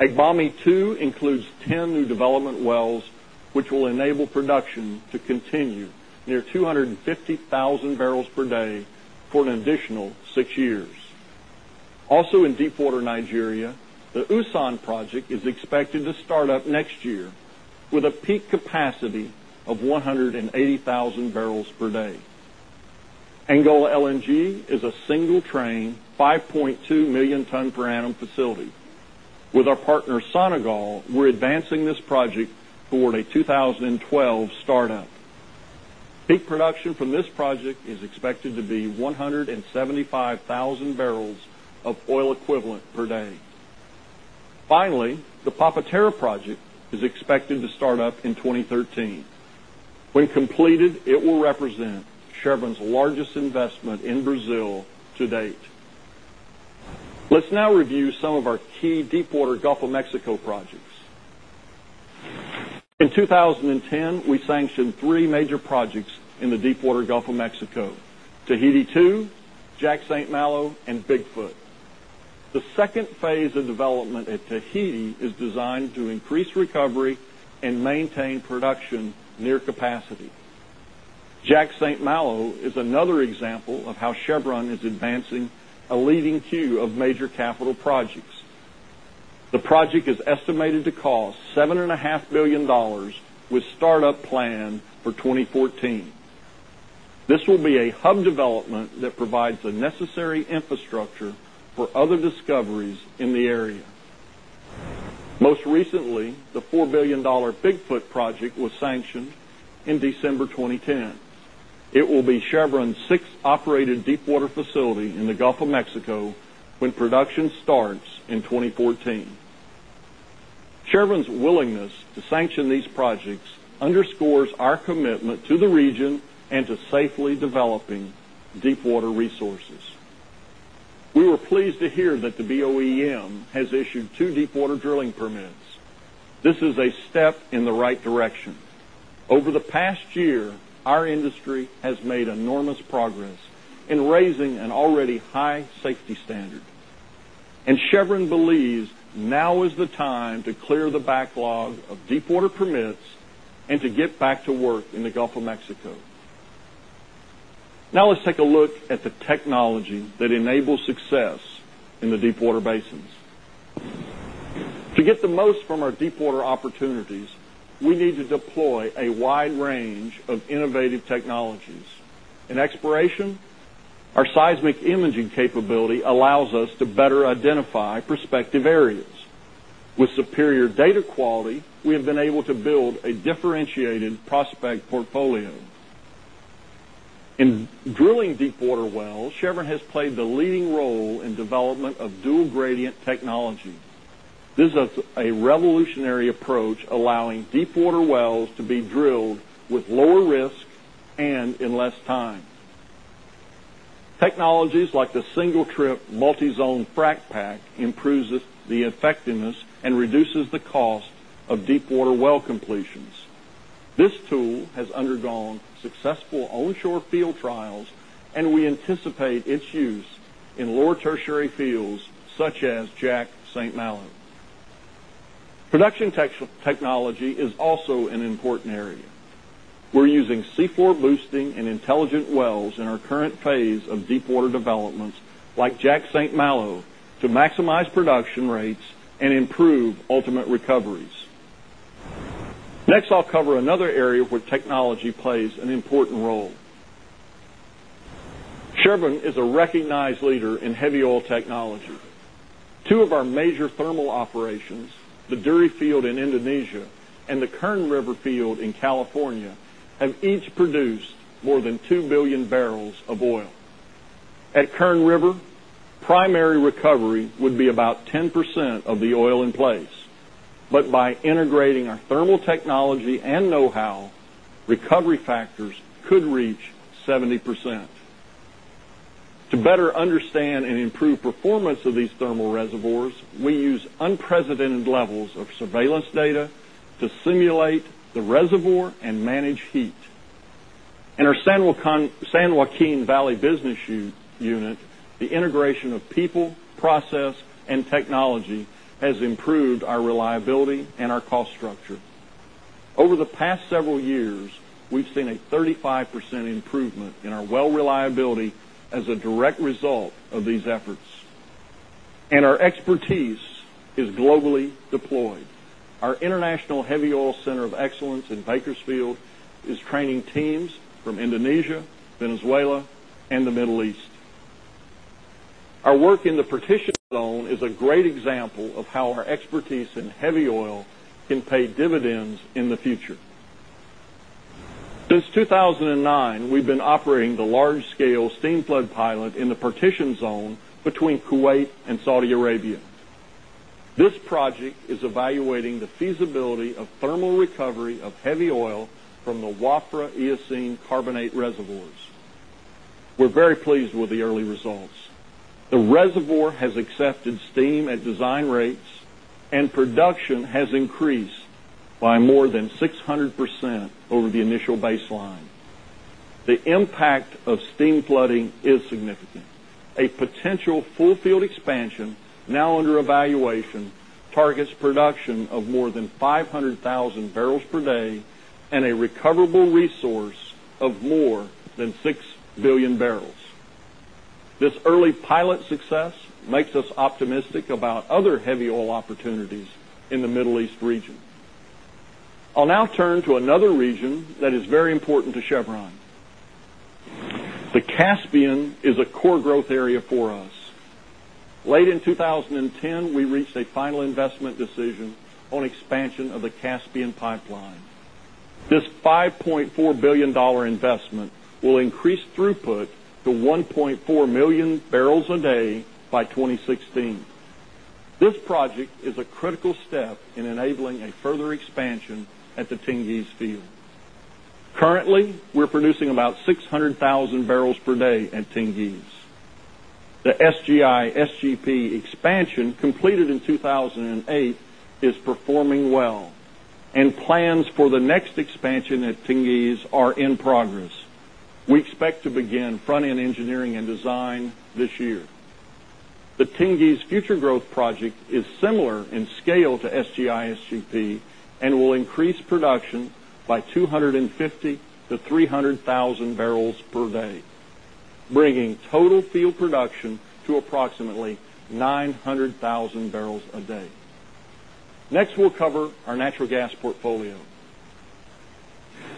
Agbami II includes 10 new development wells, which will enable production to continue near 250,000 barrels per day for an additional six a peak capacity of 180,000 barrels per day. Angola LNG is a single train, 5,200,000 tonne per annum facility. With our partner Sonangol, we're advancing this project toward a 2012 start up. Peak production from this project is expected to be 175,000 barrels of oil equivalent per day. Finally, the Papatera project is expected to start up in 2013. When completed, it will represent Chevron's largest investment in Brazil to date. Let's now review some of our key deepwater Gulf of Mexico projects. In 2010, we sanctioned 3 major projects in the Deepwater Gulf of Mexico, Tahiti II, Jack St. Malo and Big Foot. The second phase of development at Tahiti is designed to increase recovery and maintain production near capacity. Jack St. Malo is another example of how Chevron is advancing a leading queue of major capital projects. The project is estimated to cost $7,500,000,000 with start up plan for 2014. This will be a hub development that provides the necessary infrastructure for other discoveries in the area. Most recently, the $4,000,000,000 Bigfoot project was sanctioned in December 2010. It will be Chevron's 6 operated deepwater facility in the Gulf of Mexico when production starts in 2014. Chevron's willingness to sanction these projects underscores our commitment to the region and to safely developing deepwater resources. We were pleased to hear that the BOEM has issued 2 deepwater drilling permits. This is a step in the right direction. Over the past year, our industry has made enormous progress in raising an already high safety standard. And Chevron believes now is the time to clear the backlog of deepwater permits and to get back to work in the Gulf of Mexico. Now let's take a look at the technology that enables success in the deepwater basins. To get the most from our deepwater opportunities, we need to deploy a wide range of innovative technologies. Drilling deepwater wells, Chevron has played the leading role in drilling deepwater wells, Chevron has played the leading role in development of dual gradient technology. This a Technologies like the single trip multi zone frac pack improves the effectiveness and reduces the cost of deepwater well completions. This tool has undergone successful onshore field trials and we anticipate its use in lower tertiary fields such as Jack St. Malo. Production technology is also an important area. We're using C4 boosting and intelligent wells in our current phase of deepwater developments like Jack St. Malo to maximize production rates and improve ultimate recoveries. Next, I'll cover another area where technology plays an important role. Sherburne is a recognized leader in heavy oil technology. 2 of our major thermal operations, the Durie field in Indonesia and the Kern River field in California, have each produced more than 2,000,000,000 barrels of oil. At Kern River, primary recovery would be about 10% of the oil in place. But by integrating our thermal technology and know how, recovery factors could reach 70%. To better understand and improve performance of these thermal reservoirs, we use unprecedented levels of surveillance data to simulate the reservoir and manage heat. In our San Joaquin Valley business unit, the integration of people, we've seen a 35% improvement in our well reliability as a direct result of these efforts. And our expertise is globally deployed. Our International Heavy Oil Center of Excellence in Bakersfield is training teams from Indonesia, Venezuela and the Middle East. Our work in the partition zone is a great example of how our expertise in heavy oil can pay dividends in the future. Since 2,009, we've been operating the large scale the feasibility of thermal recovery of heavy oil from the Wafra Eocene Carbonate Reservoirs. We're very pleased with the early results. The reservoir has accepted steam at design rates and production has increased by more than 600% over the initial baseline. The impact of steam flooding is significant. A potential full field expansion now under evaluation targets production of more than 500,000 barrels per day and a recoverable resource of more than 6,000,000,000 barrels. This early pilot success makes optimistic about other heavy oil opportunities in the Middle East region. I'll now turn to another region that is very important to Chevron. The Caspian is a core growth area for us. Late in 2010, we reached a final investment decision on expansion of the Caspian Pipeline. This $5,400,000,000 investment will increase throughput to 1,400,000 barrels a day by 2016. This project is a critical step in enabling a further expansion at the Tengiz field. Currently, we're producing about 600,000 barrels per day at Tengiz. The SGI SGP expansion completed in 2,008 is performing well and plans for the next expansion at Tengiz are in progress. We expect to begin front end engineering and design this year. The Tengiz future growth project is similar in scale to SGISGP and will increase production by 250,000 to 300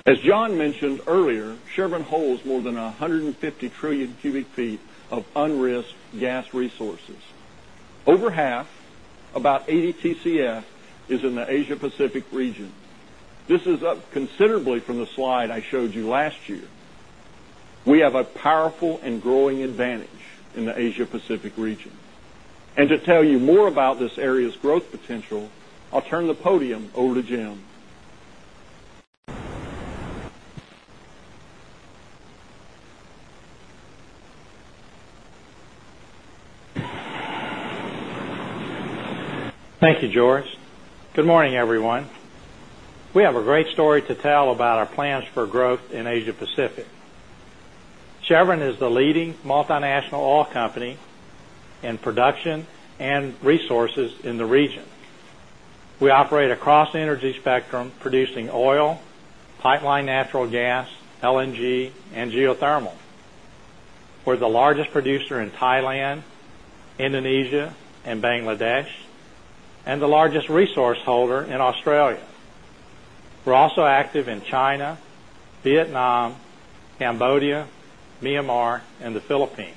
than 150,000,000,000,000 cubic feet of unrisked gas resources. Over half, about 80 Tcf, is in the Asia Pacific region. This is up considerably from the slide I showed you last year. We have a powerful and growing advantage in the Asia Pacific region. And to tell you more about this area's growth potential, I'll turn the podium over to Jim. Thank you, George. Good morning, everyone. We have a great story to tell about our plans for growth in Asia Pacific. Chevron is the leading multinational oil company in production and resources in the region. We operate across the energy spectrum producing oil, pipeline natural gas, LNG and geothermal. We're the largest producer in Thailand, Indonesia and Bangladesh and the largest resource holder in Australia. We're also active in China, Vietnam, Cambodia, Myanmar and the Philippines.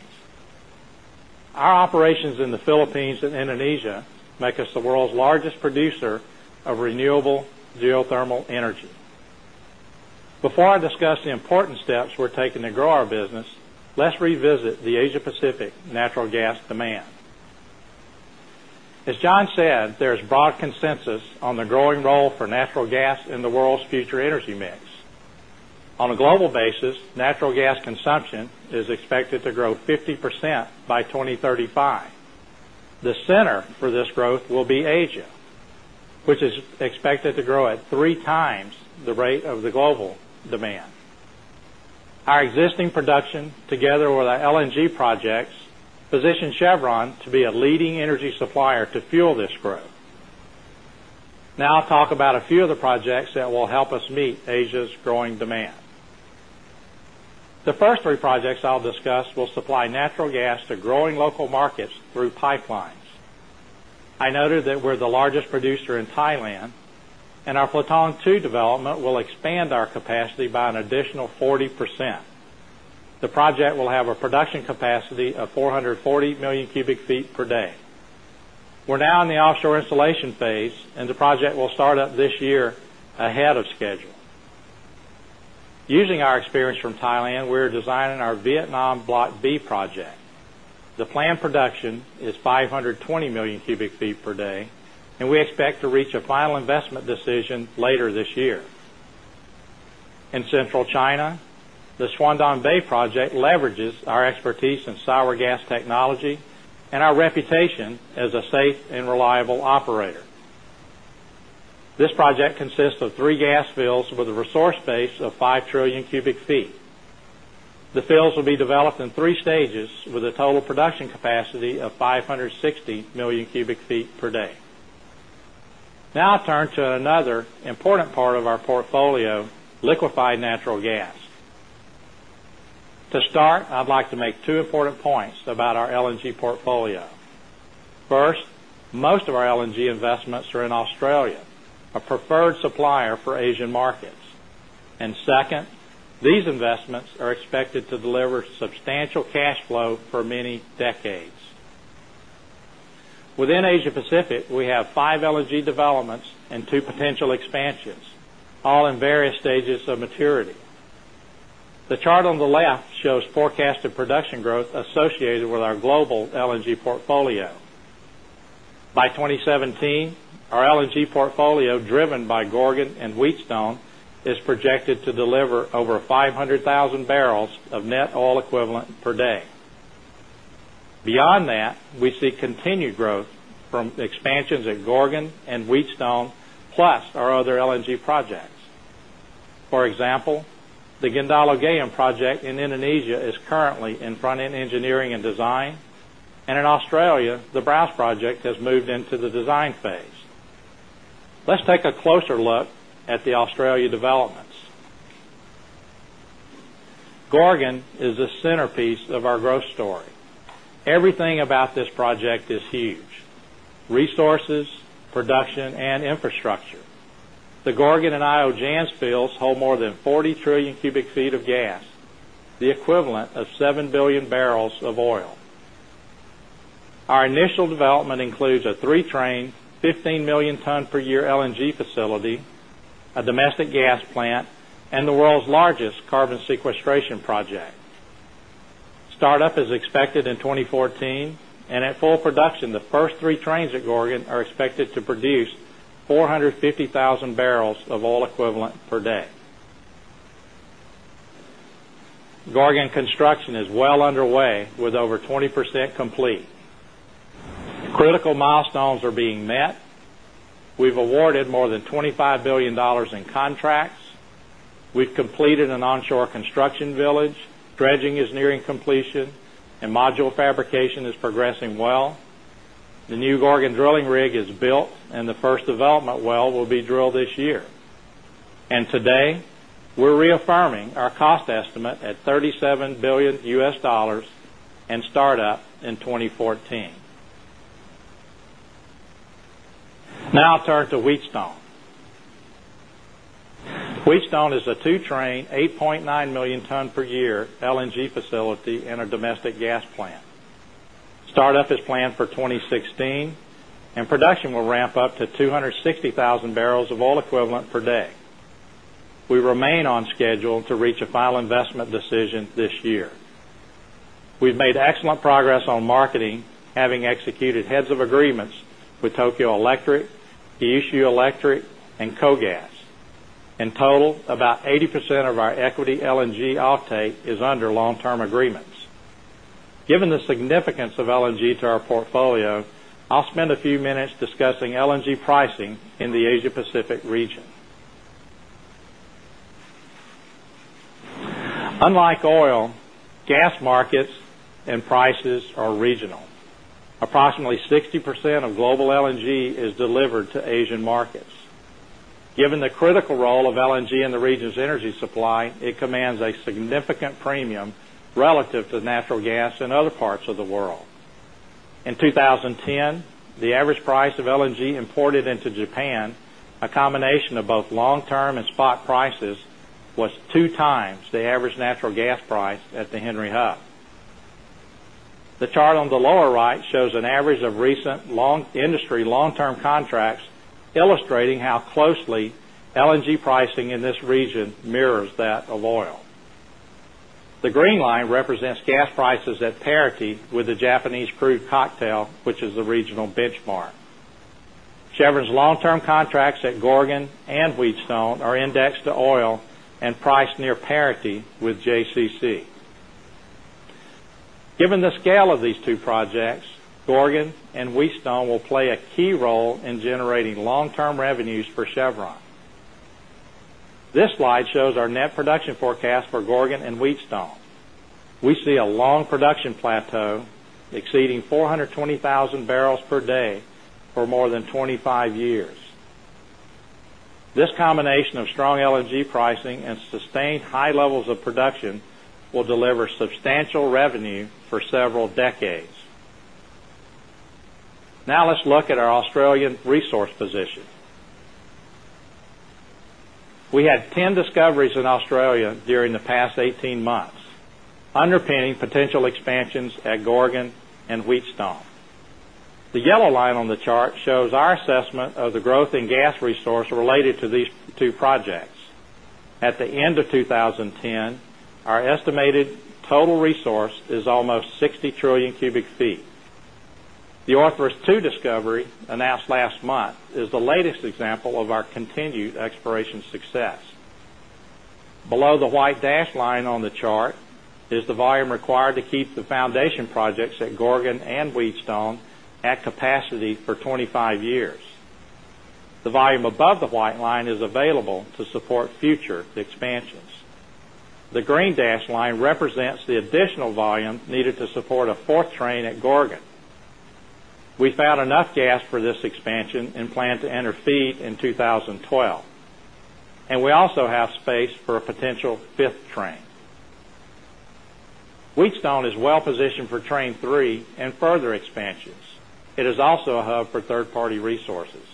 Our operations in the Philippines and Indonesia make us the world's largest producer of renewable geothermal energy. Before I discuss the important steps we're taking to grow our business, let's revisit the Asia Pacific natural gas demand. As John said, there is broad consensus on the growing role for natural gas in the world's future energy mix. On a global basis, natural gas consumption is expected to grow 50% by 2,035. The center for this growth will be Asia, which is expected to grow at 3x the rate of the global demand. Our existing production together with our LNG projects position Chevron energy supplier to fuel this growth. Now I'll talk about a few of the projects that will help us meet Asia's growing demand. The first three projects I'll discuss will supply natural gas to growing local markets through pipelines. I noted that we're the largest producer in Thailand and our Platon II development will expand our capacity by an additional 40%. The project will have a production capacity of 440,000,000 cubic feet per day. We're now in the offshore installation phase and the project will start up this year ahead of schedule. Using our experience from Thailand, we're designing our Vietnam Block B project. The planned production is 520,000,000 cubic feet per day and we expect to reach a final investment decision later this year. In Central China, the Shandong Bay project leverages our expertise start, I'd like to make 2 important points about our LNG portfolio. First, most of our LNG investments are in Australia, cash flow for many decades. Within Asia Pacific, we have 5 LNG developments and 2 potential expansions, all in various stages of maturity. The chart on the left shows forecasted production growth associated with our global LNG portfolio. By 2017, our LNG portfolio driven by Gorgon and Wheatstone is projected to deliver over 500,000 barrels of net oil equivalent per day. Beyond that, we see continued growth from the design phase. Let's take a closer look at the Australia developments. Gorgon is the centerpiece of our growth story. Everything about this project is huge, resources, production infrastructure. The Gorgon and I Ojans fields hold more than 40,000,000,000,000 cubic feet of gas, the equivalent of 7,000,000,000 barrels of oil. Our initial development includes a 3 train, 15,000,000 ton per year LNG facility, a domestic gas plant and the world's largest carbon sequestration project. Start up is complete. Critical milestones are being met. We've awarded more than $25,000,000,000 in contracts. We've completed an onshore village, dredging is nearing completion and module fabrication is progressing well. The new Gorgon drilling rig is built and the first development well will be drilled this year. And today, we're reaffirming our cost estimate at 37,000,000,000 US dollars and start up in 2014. Now turn to Wheatstone. Wheatstone is a 2 train, 8,900,000 ton per year LNG facility in our domestic gas plant. Startup is planned for 2016 and production will ramp up to 260,000 barrels of oil equivalent per day. We remain on schedule to reach a final investment decision this year. We've made excellent progress having executed heads of agreements with Tokyo Electric, Iyushu Electric and Co Gas. In total, about 80% of our equity LNG octane is under long term agreements. Given the significance of LNG to our portfolio, I'll spend a few minutes discussing LNG pricing in the Asia Pacific region. Unlike oil, gas markets and prices are regional. Approximately 60% of global LNG is delivered to Asian markets. Given the critical role of LNG in the region's energy supply, it commands a significant premium relative to natural gas in other parts of the world. In 2010, the average price of LNG imported into Japan, a combination of both long term and spot prices, was 2x the average natural gas price at the Henry Hub. The chart on the lower right shows an average of recent industry long term contracts illustrating how closely LNG pricing in this region mirrors that of oil. The green line represents gas prices at parity with the Japanese crude cocktail, which is the regional benchmark. Chevron's long term contracts at Gorgon and Wheatstone are indexed to oil and priced near parity with JCC. Given the scale of these two projects, Gorgon and Wheatstone will play a key role in generating long term revenues for Chevron. This slide shows our net production forecast for Gorgon and Wheatstone. We see a long production plateau exceeding 420,000 barrels per day for more than 25 years. This combination of strong LNG pricing and sustained high levels of production will deliver The Orthrus 2 discovery announced last month is the latest example of our continued exploration success. Below the white dash line on the chart is the volume required to keep the foundation projects at Gorgon and Wheatstone at capacity for 25 years. The volume above the white line is available to support future expansions. The green dash line represents the additional volume needed to support a 4th train at Gorgon. We found enough gas for this expansion and plan to enter FEED in 2012. And we also have space for a potential 5th train. Wheatstone is well positioned for Train 3 and further expansions. It is also a hub for 3rd party resources.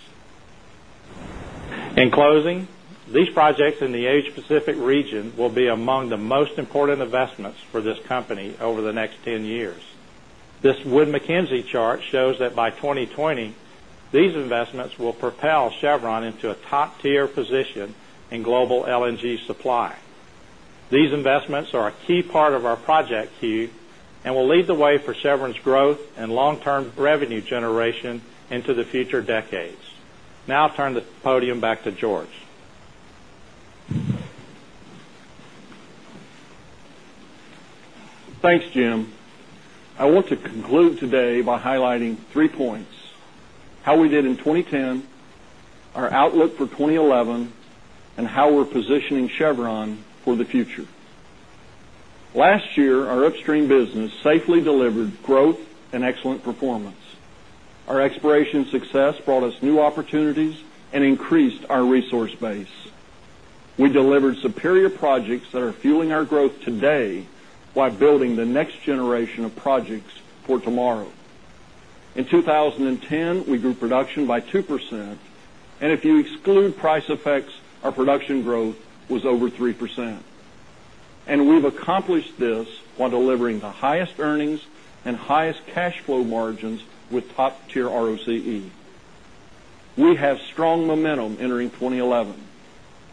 In closing, these projects in the Asia Pacific region will be among the most important investments for this company over the next 10 years. This Wood Mackenzie chart shows that by 2020, these investments will propel Chevron into a top position in global LNG supply. These investments are a key part of our project queue and will lead the way for Chevron's growth and long term revenue generation into the future decades. Now I'll turn the podium back to George. Thanks, Jim. I want to conclude today by highlighting 3 points: how we did in 2010, our outlook for 2011 and how we're positioning Chevron for the future. Last year, our upstream business safely delivered growth and excellent performance. Our exploration success brought us new opportunities and increased our resource base. We delivered superior projects that are fueling our growth today by building the next generation of projects for tomorrow. In 2010, we grew production by 2% and if you exclude price effects, our production growth was over 3%. And we've accomplished this while delivering the highest earnings and highest cash flow margins with top tier ROCE. We have strong momentum entering 2011.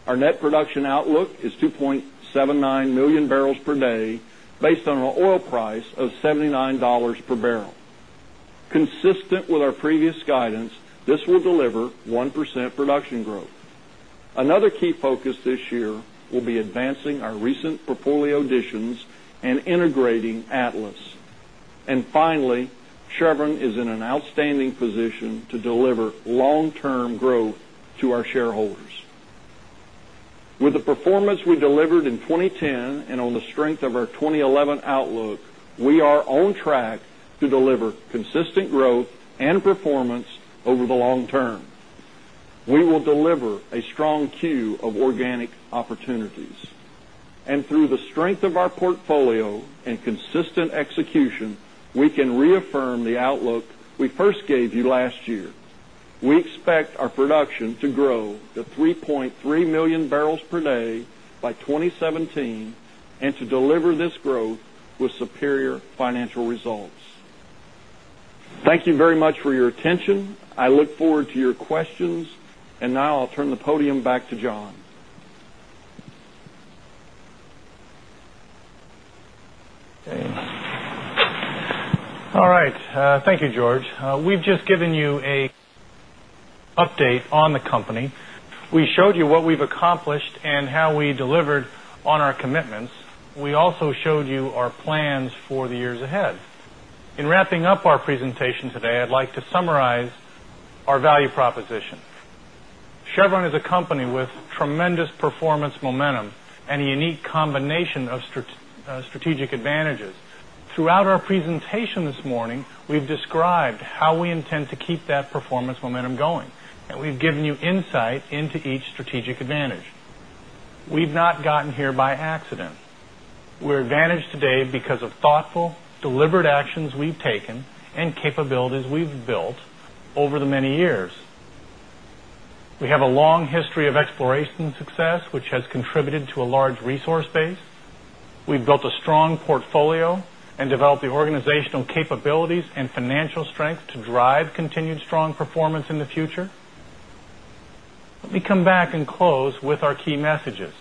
Our net production outlook is 2,790,000 barrels per day based on our oil price of $79 per barrel. Consistent with our previous guidance, this will deliver 1% production growth. Another key focus this year will be advancing our recent portfolio additions and integrating Atlas. And finally, Chevron is in an outstanding position to deliver long term growth to our shareholders. With the performance delivered in 2010 and on the strength of our 2011 outlook, we are on track to deliver consistent growth and performance over the long term. We will deliver a strong queue of organic opportunities. And through the strength of our portfolio and consistent execution, we can reaffirm the outlook we first gave you last year. We expect our production to grow to 3,300,000 barrels per day by 2017 and to deliver this growth with superior financial results. Thank you very much for your attention. I look forward to your questions. And now I'll turn the podium back to John. All right. Thank you, George. We've just given you a update on the company. We showed you what we've accomplished and how we delivered on our commitments. We also showed you our plans for the years ahead. In wrapping up our presentation today, I'd like to summarize our value proposition. Chevron is a company with tremendous performance momentum and a unique combination of strategic advantages. Throughout our presentation this morning, we've described how we intend to keep that performance momentum going. And we've given you insight into each strategic advantage. We've not gotten here by accident. We're advantaged today because of thoughtful, deliberate actions we've taken and capabilities we've built over the many years. We have a long history of exploration success, which has contributed to a large resource base. We've built a strong portfolio and developed the organizational capabilities and financial strength to drive continued strong performance in the future? Let me come back and close with our key messages.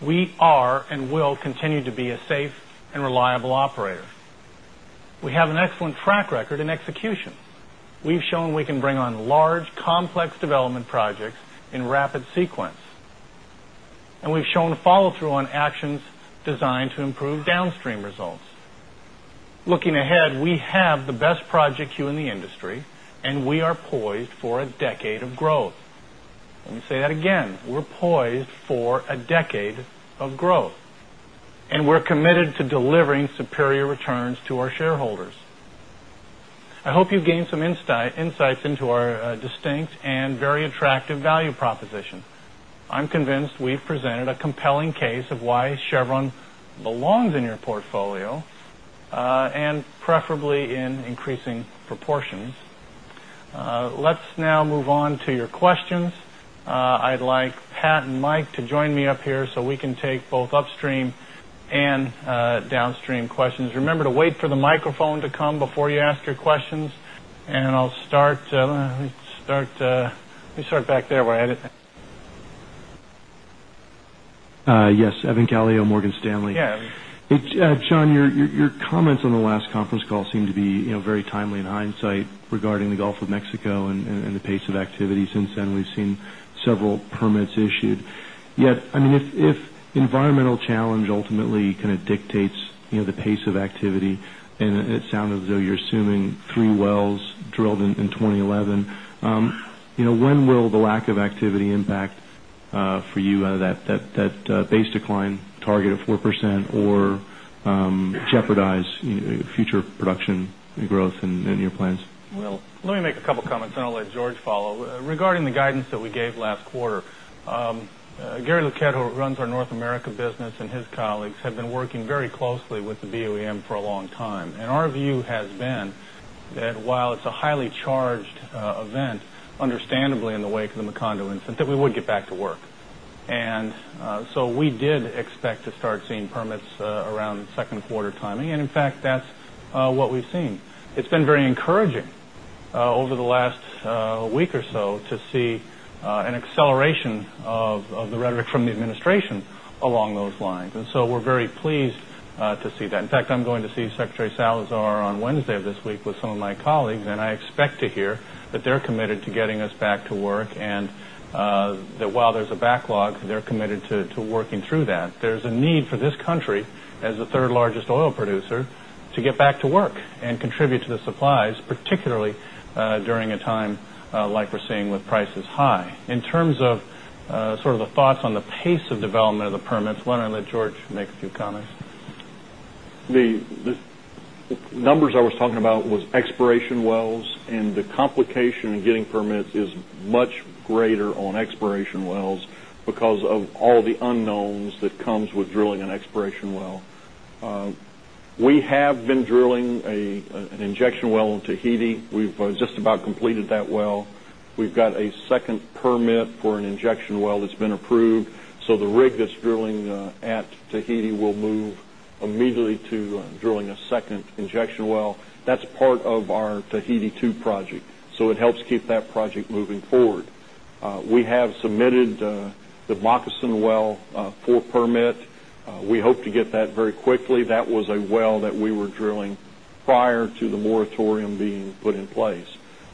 We are and will continue to be a safe and reliable operator. We have an excellent track record in execution. We've shown we can bring on large complex development projects in rapid sequence. And we've shown follow through on actions designed to improve downstream results. Looking ahead, we have the best Project Q in the industry and we are poised for a decade of growth. Let me say that again. We're poised for a decade of growth and we're committed to delivering superior returns to our shareholders. I hope you've gained some insights into our distinct and very attractive value proposition. I'm convinced we've presented a compelling case of why Chevron belongs in your portfolio and preferably in increasing proportions. Let's now move on to your questions. I'd like Pat and Mike to join me up here so we can take both upstream and downstream questions. Remember to wait for the microphone to come before you ask your questions. And I'll start back there. Yes. Evan Gallio, Morgan Stanley. Yes. John, your comments on the last conference call seem to be very timely in hindsight regarding the Gulf of Mexico and the pace of activity. Since then, we've seen several permits issued. Yet, I mean, if environmental challenge ultimately kind of dictates the pace of activity and it sounded as though you're assuming 3 wells drilled in 2011. When will the lack of activity impact for you that base decline target of 4 percent or jeopardize future production growth in your plans? Well, let me make a couple of comments and I'll let George follow. Regarding the guidance that we gave last quarter, Gary Lucquette, who runs our North America business and his colleagues have been working very closely with the BOEM for a long time. And our view has been that while it's a highly charged event, understandably in the wake of the that we would get back to work. And so we did expect to start seeing permits around the Q2 timing. And in fact, that's what we've seen. It's been very encouraging over the last week or so to see an acceleration of the rhetoric from the administration along those lines. And so we're very pleased to see that. In fact, I'm going to see Secretary Salazar on Wednesday of this week with some of my colleagues and I expect to hear that they're committed to getting us back to work and that while there's a supplies, particularly during a time like we're seeing with supplies, particularly during a time like we're seeing with prices high. In terms of sort of on the pace of development of the permits, why don't I let George make a few comments? The numbers I was talking about was exploration wells and the complication in getting permits is much greater on exploration wells because of all the unknowns that comes with drilling about completed that well. We've got a second permit for an injection well in Tahiti. We've just about completed that well. We've got a second permit for an injection well that's been approved. So the rig that's drilling at Tahiti will move immediately to drilling a second injection well. That's part of our Tahiti 2 project. So it helps keep that project moving forward. We have submitted the Moccasin well for permit. We hope to get that very quickly. That was a well that we were drilling prior to the moratorium being put in place.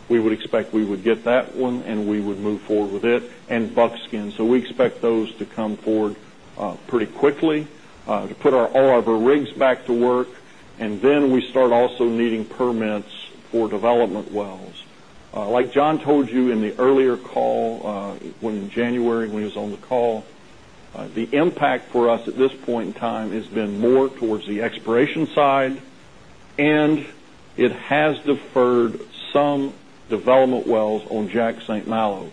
We would expect we would get that one and we would move forward with it and Buckskin. So we expect those to come forward pretty quickly to put all of our rigs back to work and then we start also needing permits for development wells. Like John told you in the earlier call in January when he was on the call, the impact for us at this point in time has been more towards the exploration and it has deferred some development wells on Jack St. Malo.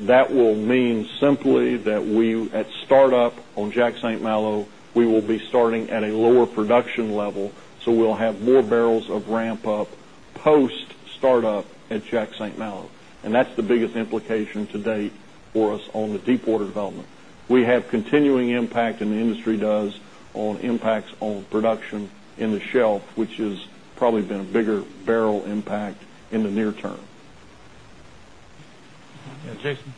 That will mean simply that we at start up on Jack St. Malo, we will be starting at a lower shelf, which has probably been a bigger barrel impact in the shelf which has probably been a bigger barrel impact in the near term. Jason?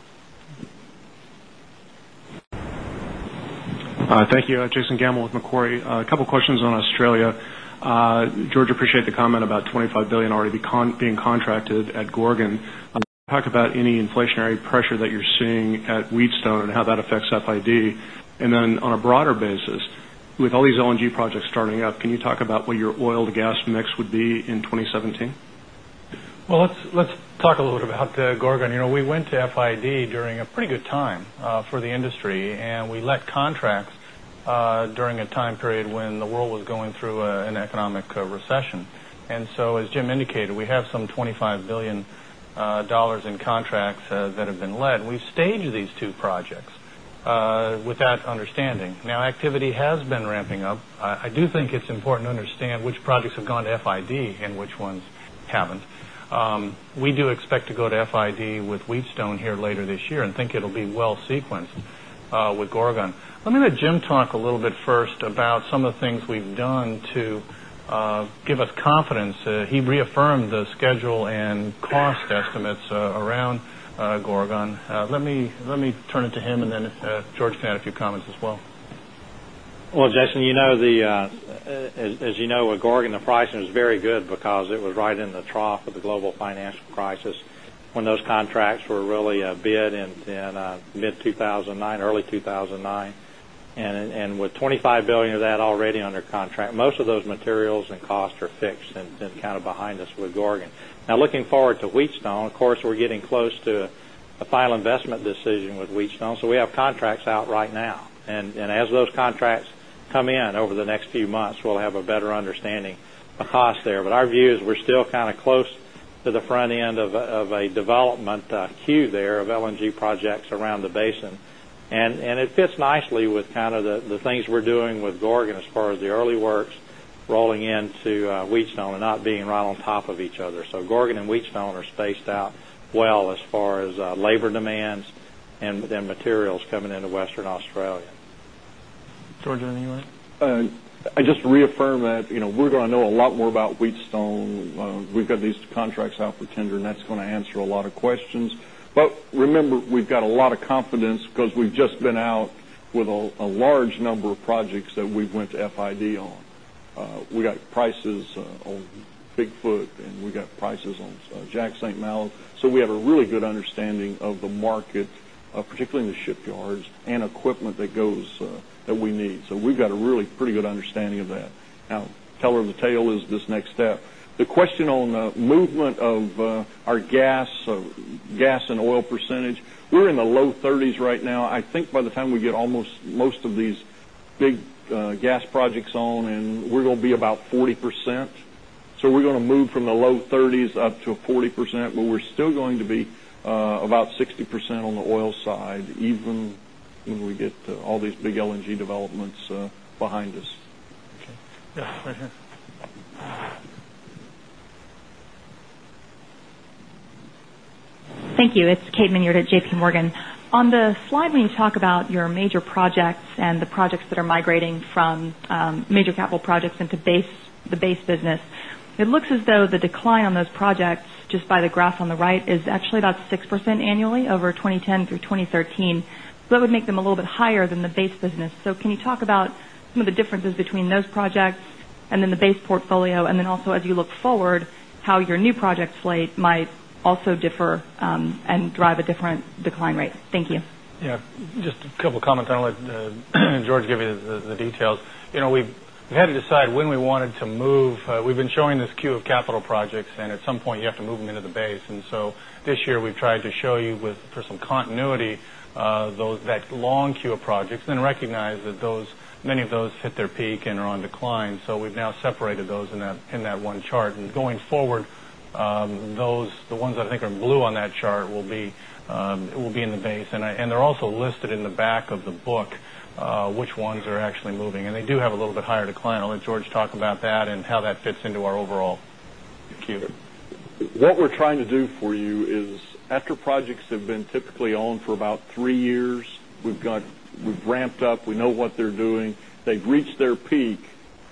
Thank you. Jason Gammel with Macquarie. A couple of questions on Australia. George, appreciate the comment about 25 dollars already being contracted at Gorgon. Can you talk about any inflationary pressure that you're seeing at Wheatstone and how that affects FID? And then on a broader basis, with all these LNG projects starting up, can you talk about what your oil to gas mix would be in 2017? Well, let's talk a little bit about Gorgon. We went to FID during a pretty good time for the industry, and we let contracts during a time period when the world was going through an economic recession. And so as Jim indicated, we have some $25,000,000,000 in contracts that have been led. We've staged these 2 projects with that understanding. Now activity has been ramping up. I do think it's important to understand which projects have gone to FID and which ones haven't. We do expect to go to FID with Wheatstone here later this year and think it will be well sequenced with Gorgon. Let me let Jim talk a little bit first about some of the things we've done to give us confidence. He reaffirmed Gorgon. Let me turn it to him and then George can add a few comments as well. Well, Jason, as you know, with Gorgon, the pricing is very good because it was right in the trough of the global financial crisis. When those contracts were really bid in mid-two 1009, early 2009 and with 25 $1,000,000,000 of that already under contract, most of those materials and costs are fixed and kind of behind us with Gorgon. Now looking forward to Wheatstone, of course, we're getting close to a final investment decision with Wheatstone. So we have contracts out right now. And as those contracts come in over next few months, we'll have a better understanding of cost there. But our view is we're still kind of close to the front end of a development there of LNG projects around the basin. And it fits nicely with kind of the things we're doing with Gorgon as far as the early works rolling into Wheatstone and not being right on top of each other. So Gorgon and Wheatstone are spaced out well as far as labor demands and materials coming into Western Australia. George, anything you want to add? I'd just reaffirm that we're going to know a lot more about Wheatstone. We got these contracts out for tender and that's going to answer a lot of questions. But remember, we've got a lot of confidence because we've just been out with a large number of projects that we went to FID on. We got prices on Big Foot and we got prices on Jack St. Malo. So we have a really good understanding of the market, particularly in the shipyards and equipment that goes that we need. So we've got a really pretty good understanding of that. Now teller of the tale is this next step. The question on movement of our gas and oil percentage, we're in the low 30s right now. I think by the time we get almost most of these big gas projects on and we're going to be about 40%. So we're going to move from the low 30s up to 40%, but we're still going to be about 60% on the oil side even when we get all these big LNG developments behind us. Thank you. It's Kate Mignard at JPMorgan. On the slide when you talk about your major projects and the projects that are migrating from major capital projects into base the base business, it looks as though the decline on those projects just by the graph on the right is actually about 6% annually over 2010 through 2013. So that would make them a little bit higher than the base business. So can you talk about some the differences between those projects and then the base portfolio? And then also as you look forward, how your new project slate might also differ and drive a different decline rate? Thank you. Yes. Just a couple of comments and I'll let George give you the details. We had to decide when we wanted to move. We've been showing this queue of capital projects and at some point you have to move long queue of projects and then recognize that those long queue projects and recognize that those many of those hit their peak and are on decline. So we've now separated those in that one chart. And going forward, those the ones that I think are blue on that chart will be in the base. And they're also listed in the back of the book, which ones are actually moving. And they do have a little bit higher decline. I'll let George talk about that and how that fits into our overall. Thank you. What we're Q. What we're trying to do for you is after projects have been typically on for about 3 years, we've got we've ramped up, we know what they're doing, they've reached their peak,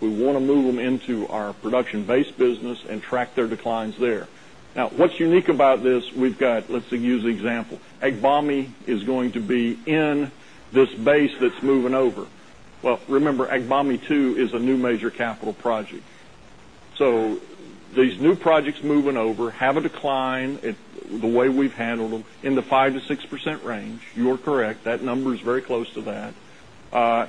we want to move them into our production base business and track their declines there. Now what's unique about this, we've got let's use example. Agbami is going to be in this base that's moving over. Well, remember, Agbami II is a new major capital project. So these new projects moving over have a decline the way we've handled them in the 5% to 6% range. You're correct. That number is very close to that.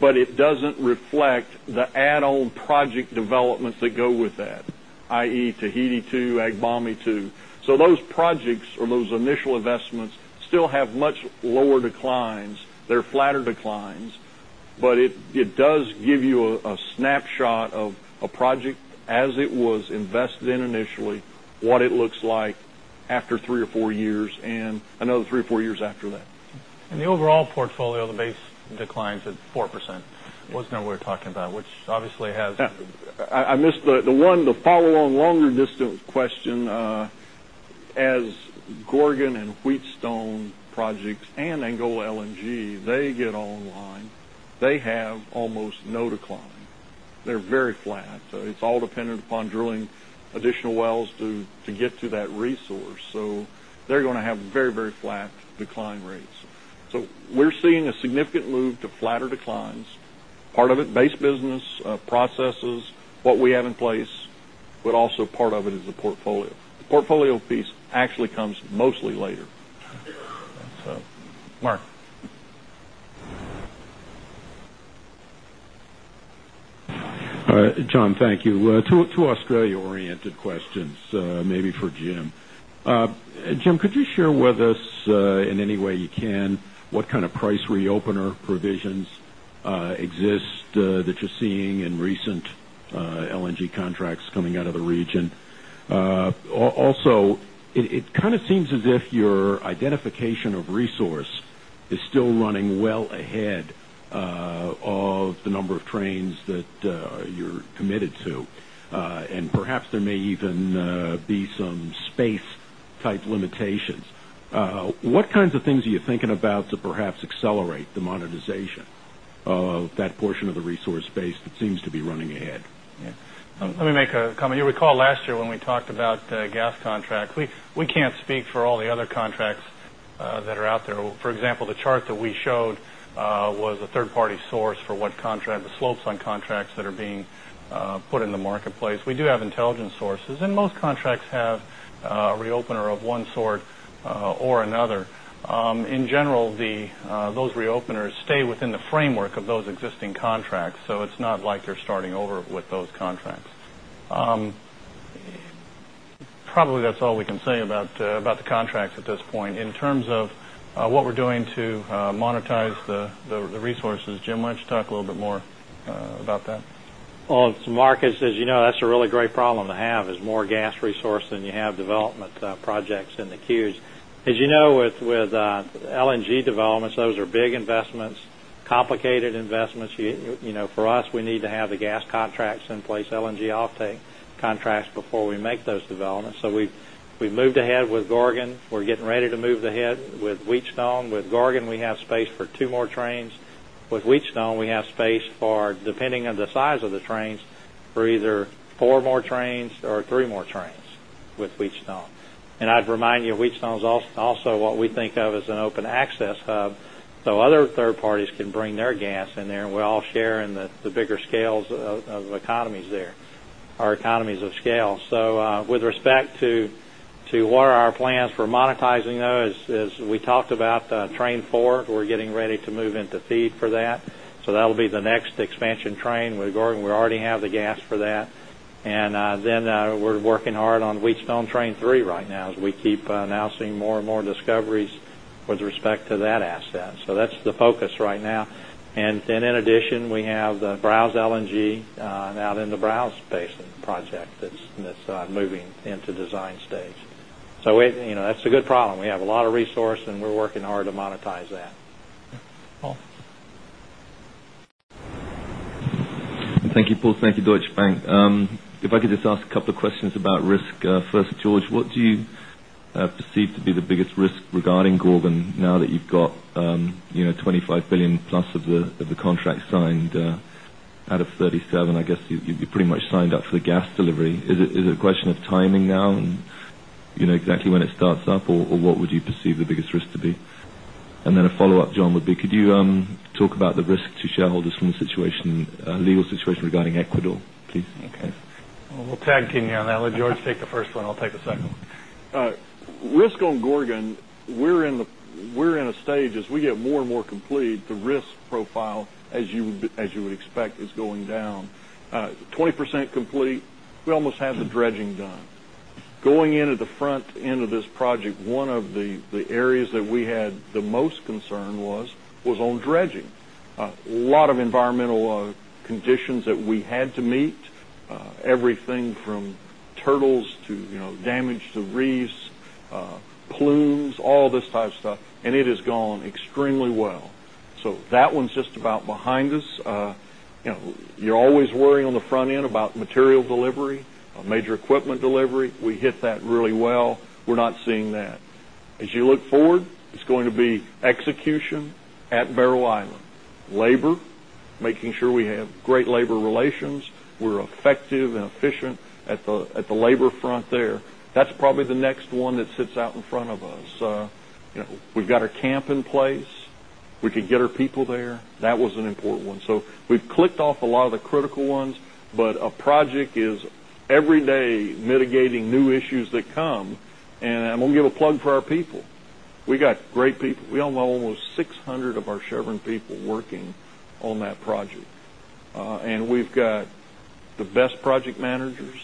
But it doesn't reflect the add on project developments that go with that, I. E, Tahiti II, Agbami II. So those projects or those initial investments still have much lower declines. They're flatter declines, but it does give you a snapshot of a project as it was invested in initially, what it looks like after 3 or 4 years and another 3 or 4 years after that. And 3 or 4 years after that. And the overall portfolio, the base declines at 4% wasn't a way of talking about, which obviously has I missed the one to follow on longer distance question. As Gorgon and Wheatstone as Gorgon and Wheatstone projects and Angola LNG, they get online, they have almost no decline. They're very flat. It's all dependent upon drilling additional wells to get to that resource. So they're going to have very, very flat decline rates. So we're seeing a significant move to flatter declines. Part of it base business, processes, what we have in place, but also part of it is the portfolio. The portfolio piece actually comes mostly later. Mark? John, thank you. 2 Australia oriented questions, maybe for Jim. Jim, could you share with us in any way you can what kind of price reopener provisions exist that you're seeing in recent LNG contracts coming out of the region? Also, it kind of seems as if your identification of resource is still running well ahead of the number of trains that you're committed to. And perhaps there may even be some space type limitations. What kinds of things are you thinking about to perhaps accelerate the monetization of that portion of the resource base that seems to be running ahead. Yes. Let me make a comment. You recall last year when we talked about gas contract, we can't speak for all the other contracts that are out there. For example, the chart that we showed was a third party source for what contract, the slopes on contracts that are being put in the marketplace. We do have intelligent sources and most contracts have a reopener of one sort or another. In general, those reopeners stay within the framework of those existing contracts. So it's not like you're starting over with those contracts. Probably that's all we can say about the contracts at this point. In terms of what we're doing to monetize the resources, Jim, why don't you talk a little bit more about that? Well, Marcus, as you know, that's a really great problem to have is more gas resource than you have development projects in the queues. As you know, with LNG developments, those are big investments, complicated investments. For us, we need to have the gas contracts in place, LNG offtake contracts before we make those developments. So we've moved ahead with Gorgon. We're getting ready to move ahead with Wheatstone. With Gorgon we have space for 2 more trains. With Wheatstone, we have space for depending on the size of the trains for either 4 more trains or 3 more trains with Wheatstone. And I'd remind you Wheatstone is also what we think of as an open access hub, so other third parties can bring their gas in there and we all share in the bigger scales of economies there, our economies of scale. So with respect to what are our plans for monetizing those as we talked about Train 4, we're getting ready to move into feed for that. So that will be the next expansion train. We already have the gas for that. And then we're working hard on Wheatstone Train 3 right now as we keep announcing more and more discoveries with respect to that asset. So that's the focus right now. And in addition, we have the Browse LNG out in the Browse Basin project that's moving into design stage. So that's a good problem. We have a lot of resource and we're working hard to monetize that. Paul? Thank you, Paul. Thank you, Deutsche Bank. If I could just ask a couple of questions about risk. First, George, do you perceive to be the biggest risk regarding Gorgon now that you've got €25,000,000,000 plus of the contract signed out of $37,000,000 I guess you pretty much signed up for the gas delivery. Is it a question of timing now and exactly when it starts up or what would you perceive the biggest risk to be? And then a follow-up John would be could you talk about the risk to shareholders from the situation legal situation regarding Ecuador, please? Okay. We'll tag Kinyon. I'll let George take the first one. I'll take the second. Risk on Gorgon, we're in a stage as we get more and more complete, the risk profile as you would expect is going down. 20% complete, we almost had the dredging done. Going into the front end of this project, one of the areas that we had the most concern was on dredging. A lot of environmental conditions that we had to meet, everything from turtles to damage to reefs, plumes, all this type of stuff, and it has gone extremely well. So that one's just about behind us. You're always worrying on the front end about material delivery, major equipment delivery. We hit that really well. We're not seeing that. As you look forward, it's going to be execution at Barrow Island. Labor, making sure we have great labor relations. We're effective and efficient at the labor front front there. That's probably the next one that sits out in front of us. We've got our camp in place. We can get our people there. That was an important mitigating new issues that come. I'm going to give a plug for our people. We got great people. We own almost 600 of our Chevron people working on that project. And we've got the best project managers.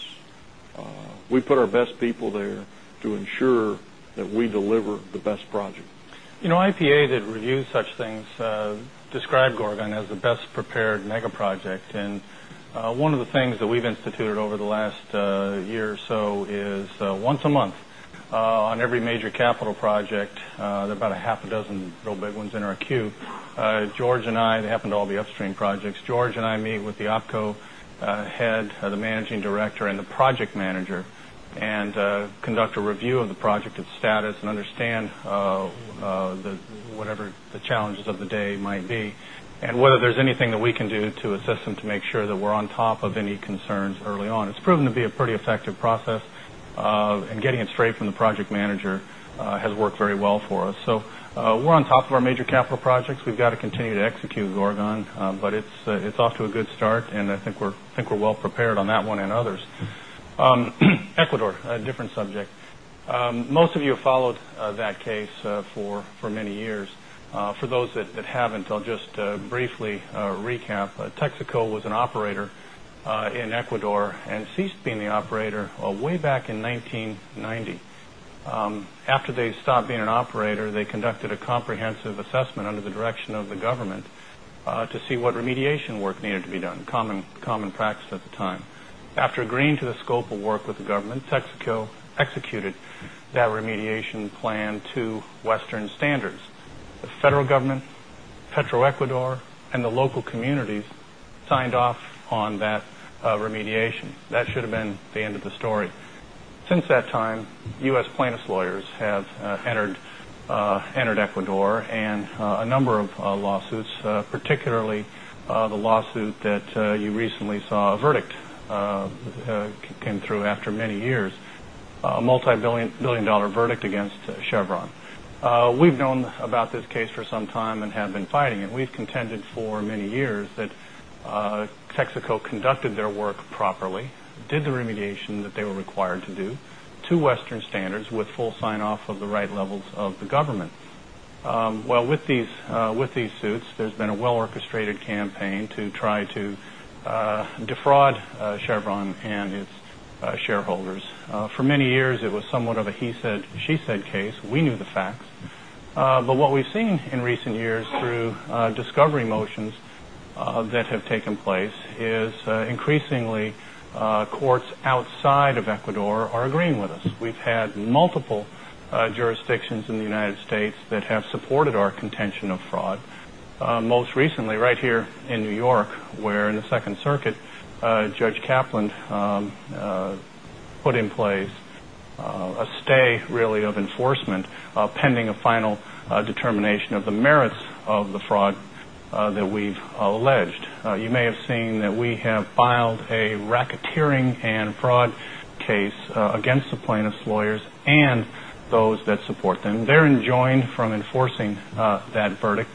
We put our best people there to ensure that we deliver the best project. IPA that reviews such things described Gorgon as the best prepared mega project. And one of the things that we've instituted over the last year or so is once a month, on every major capital project, there are about a half a dozen real big ones in our queue. George and I, they happen to all the upstream projects. George and I meet with the Opco head, the managing director and the project manager and conduct a review of the project and status and understand whatever the challenges of the day might be. And whether there's anything that we can do to assist them to make sure that we're on top of any concerns early on. It's proven to be a pretty effective process and getting it straight from the project manager has worked very well for us. So we're on top of our major capital projects. We've got to continue to execute with Oregon, but it's off to a good start. And I think we're well prepared on that one and others. Ecuador, a different subject. Most of you have an operator, they conducted a comprehensive assessment under the direction of the government to see what remediation work needed to be done, common practice at the time. After agreeing to the scope of work with the government, Texaco executed that remediation plan to Western standards. The federal government, Petro Ecuador and the local communities signed off on that remediation. That should have been the end of the story. Since that time, U. S. Plaintiff's lawyers have entered Ecuador and a number of lawsuits, multi $1,000,000,000 verdict against Chevron. We've known about this case for some time and have been fighting it. We've contended for many years that Texaco conducted their work properly, did the remediation that they were required to do to Western standards with full sign off of the right levels of the government. Well, with these suits, there's been a well orchestrated campaign to try to defraud Chevron and its shareholders. For many years, it was somewhat of a he said, she said case. We knew the facts. But what we've seen in recent years through discovery motions that have taken place is increasingly courts outside of Ecuador are agreeing with us. We've had multiple jurisdictions in the United States that have supported our contention of fraud. Most recently right here in New York, where in the 2nd Circuit, Judge Kaplan put in place a stay really of enforcement pending a final determination of the merits of the fraud that we've alleged. You may have seen that we have filed a racketeering and fraud case against the plaintiff's lawyers and those that support them. They're enjoined from enforcing that verdict,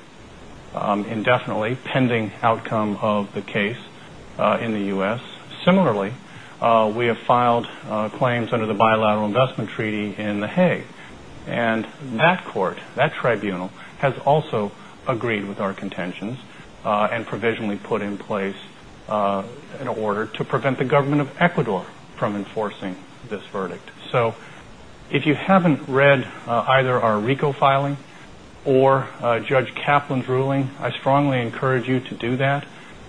indefinitely pending outcome of the case in the U. S. Similarly, we have filed claims under the bilateral investment treaty in the Hague. And that court, that tribunal has also agreed with our contentions and provisionally put in place an order to prevent the government of Ecuador from enforcing this verdict. So if you haven't read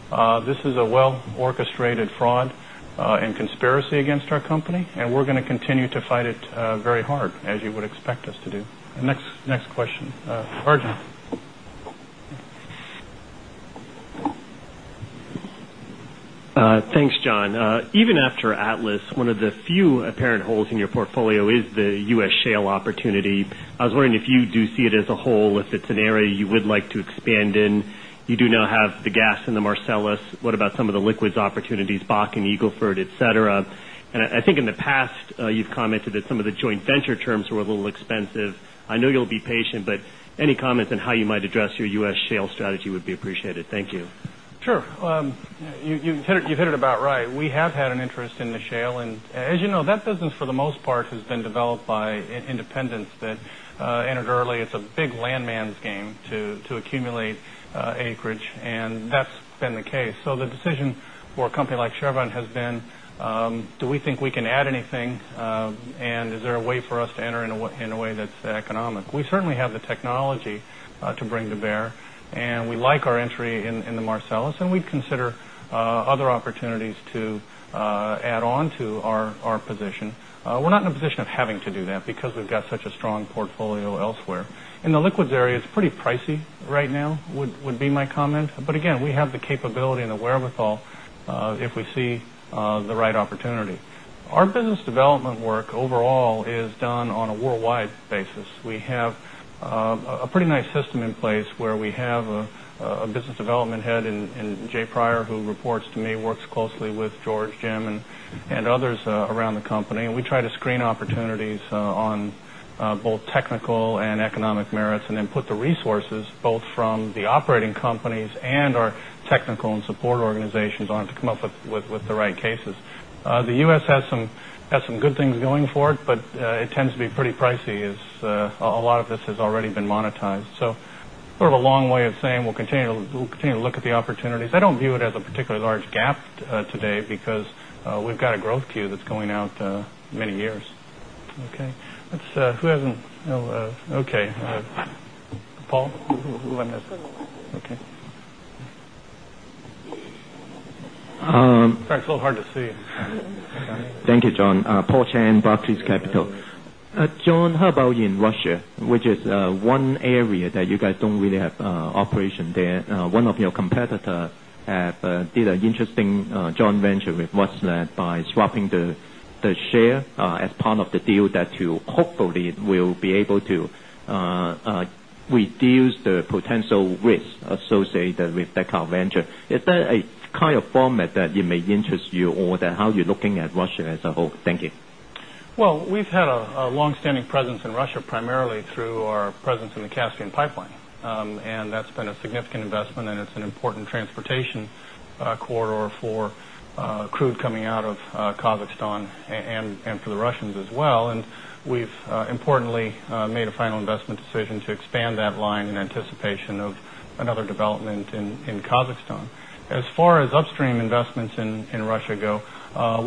that. This is a well orchestrated fraud and that. This is a well orchestrated fraud and conspiracy against our company, and we're going to continue to fight it very hard as you would expect us to do. Next question, Arjun? Thanks, John. Even after Atlas, one of the few apparent holes in your portfolio is the U. S. Shale opportunity. I was wondering if you do see it as a whole, if it's an area you would like to expand in. You do now have the gas in the Marcellus. What about some of the liquids opportunities, Bakken, Eagle Ford, etcetera? And I think in the past, you've commented that some of the joint venture terms were a little expensive. I know you'll be patient, but any comments on how you might address your U. S. Shale strategy would be appreciated. Thank you. Sure. You hit it about right. We have had an interest in the shale. And as you know, that business for the most part has been developed by independents that entered early. It's a big land man's game to accumulate acreage and that's been the case. So the decision for a company like Chevron has been, do we think we can add anything and is there a way for us to enter in a way that's economic? We certainly have the technology to bring to bear. And we like our entry in the Marcellus and we consider other opportunities to add on to our position. We're not in a position of having to do that because we've got such a strong portfolio elsewhere. In the liquids area, it's pretty pricey right now would be my comment. But again, we have the capability and the wherewithal if we see the right opportunity. Our business development work overall is done on a worldwide basis. We have a pretty nice system in place where we have a business development head in Jay Pryor, who reports to me, works closely with George, Jim and others around the company. And we try to screen opportunities on both technical and economic merits and then put the resources both from the operating companies to be pretty pricey as a lot of this has already been monetized. So sort of a long way of saying we'll continue to look at the opportunities. I don't view it as a particularly large gap today because we've got a growth queue that's going out many years. Okay. Who hasn't okay. Paul, who won this? Okay. Paul Chan, Barclays Capital. How about in Russia, which is one area that you guys don't really have operation there? One of your competitor have did an interesting joint venture with Whatsnad by swapping the share as part of the deal that you hopefully will be able to reduce the potential risk associated with that kind of venture. Is there a kind of format that may interest you or that how you're looking at Russia as a whole? Well, we've had a long standing presence in Russia primarily through our presence in the Caspian pipeline. And that's been a significant investment and it's an transportation corridor for crude coming out of Kazakhstan and for the Russians as well. And we've importantly made a final investment decision to expand that line in anticipation of another development in Kazakhstan. As far as upstream investments in Russia go,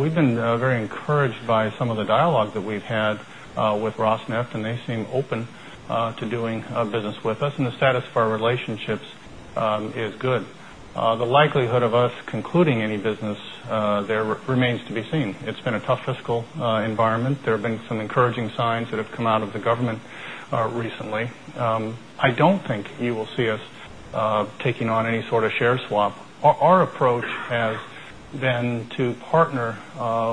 we've been very encouraged by some of the dialogue that we've had with Ross Neft and they seem open to doing business with us and the status of our relationships is good. The likelihood of us concluding any business there remains to be seen. It's been a tough fiscal environment. There have been some encouraging signs that have come out of the government recently. I don't think you will see us taking on any sort of share swap. Our approach has been to partner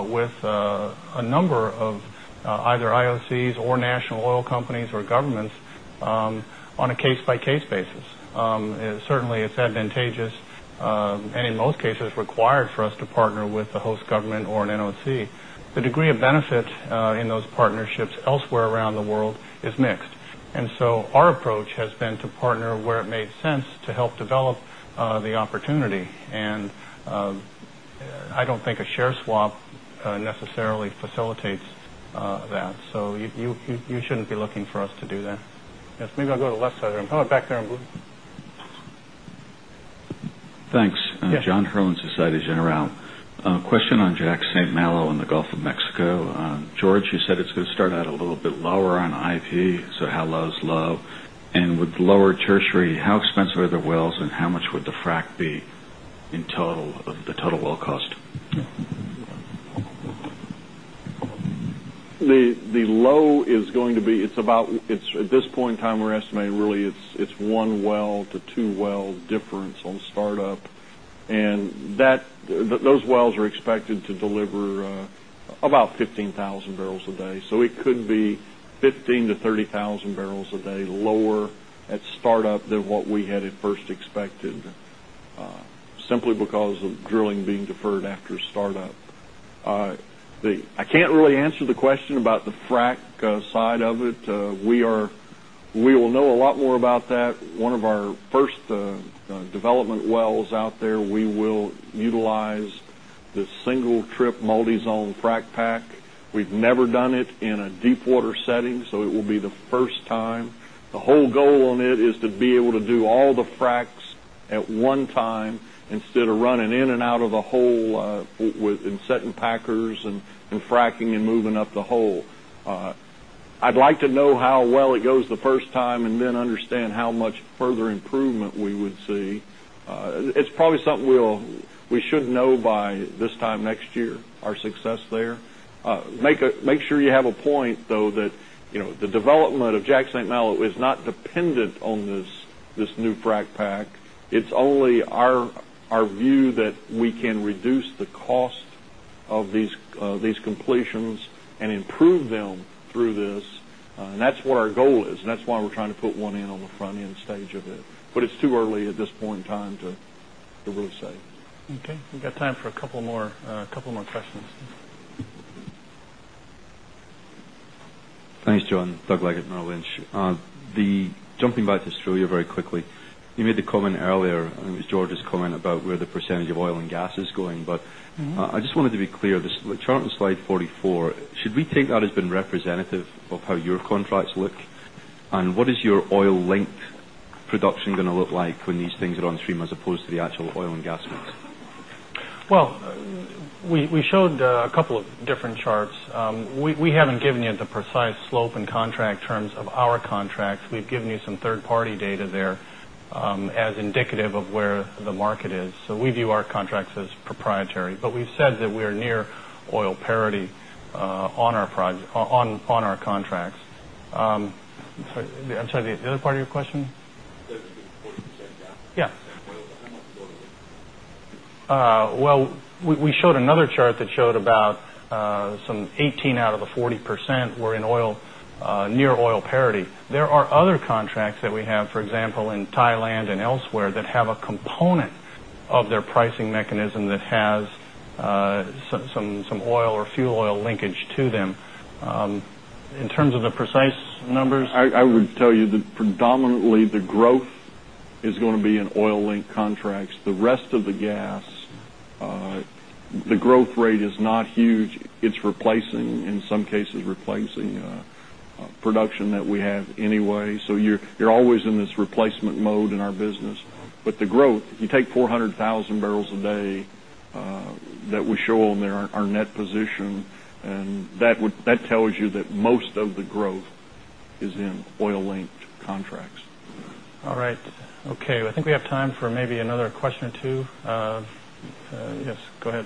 with a number of either IOCs or National Oil companies or governments on a case by case basis. Certainly, it's advantageous and in most cases required for us to partner with the host government or an NOC. The degree of benefit in those partnerships elsewhere around the world is mixed. And so our approach has been to partner where it made sense to help develop the opportunity. And I don't think a share swap necessarily facilitates that. So you shouldn't be looking for us to do that. Maybe I'll go to the left side. I'm coming back there on blue. Thanks. John Herrlin, Societe Generale. A question on Jack St. Malo in the Gulf of Mexico. George, you said it's going to start out a little bit lower on IP. So how low is low? And with lower tertiary, how expensive are the wells and how much would the frac be in total of the total well cost? The low is going to be it's about at this point in time we're estimating really it's one well to 2 wells difference on startup. And that those wells are expected to deliver about 15,000 barrels a day. So it could be 15,000 to 30,000 barrels a day lower at startup than what we had first expected simply because of drilling being deferred after startup. I can't really answer the question about the frac side of it. We are we will know a lot more about that. 1 of our first development wells out there, we will utilize the single trip multi zone frac pack. We've never done it in a deepwater setting, so it will be the first time. The whole goal on it is to be able to do all the fracs at one time instead of running in and out of the hole with and setting packers and fracking and moving up the hole. I'd like to know how well it goes the first time and then understand how much further improvement we would see. It's probably something we'll we should know by this time next year, our success there. Make sure you have a point though that the development of Jack St. Malo is not dependent on this new frac pack. It's only our view that we can reduce the cost of these it. But it's too early at this point in time to really say. Yes, it. But it's too early at this point in time to really say. Okay. We've got time for a couple more questions. Thanks, John. Doug Leggate, Merrill Lynch. Jumping back to Australia very quickly, you made the comment earlier, I think it was George's comment about where the percentage of oil and gas is going. But I just wanted to be clear, the chart on Slide 44, should we take that as being representative of how your contracts look? And what is your oil linked production going to look like when these things are on stream as opposed to the actual oil and gas mix? Well, we showed a couple of different charts. We haven't given you the precise slope and contract terms of our contracts. We've given you some third party data there as indicative of where the market is. So we view our contracts as proprietary. But we've said that we are near oil parity on our contracts. I'm sorry, the other part of your question? Yes. Well, we showed another chart that showed land and elsewhere that have a component of their pricing mechanism that has some oil or fuel oil linkage to them. In terms of the precise numbers? I would tell you that predominantly the growth is going to be in oil linked contracts. The rest of the gas, the growth rate is not huge. It's replacing, in some cases replacing production that we have anyway. So you're always in this replacement mode in our business. But the growth, you take 400,000 barrels a day that we show on there our net position. And that would that tells you that most of the growth is in oil linked contracts. All right. Okay. I think we have time for maybe another question or 2. Yes, go ahead.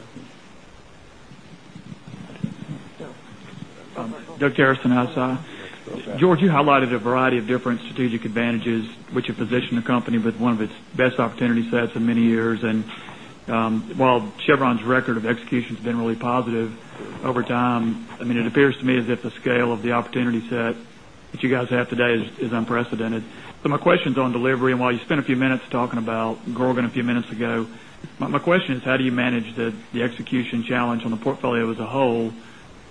George, you highlighted a variety of different strategic advantages which have positioned the company with one of its best opportunity sets in many years. And while Chevron's record of execution has been really positive over time, I mean it appears to me as if the scale of the opportunity set that you guys have today is unprecedented. So my question is on delivery. While you spent a few minutes talking about Gorgon a few minutes ago, my question is how do you manage the execution challenge on the portfolio as a whole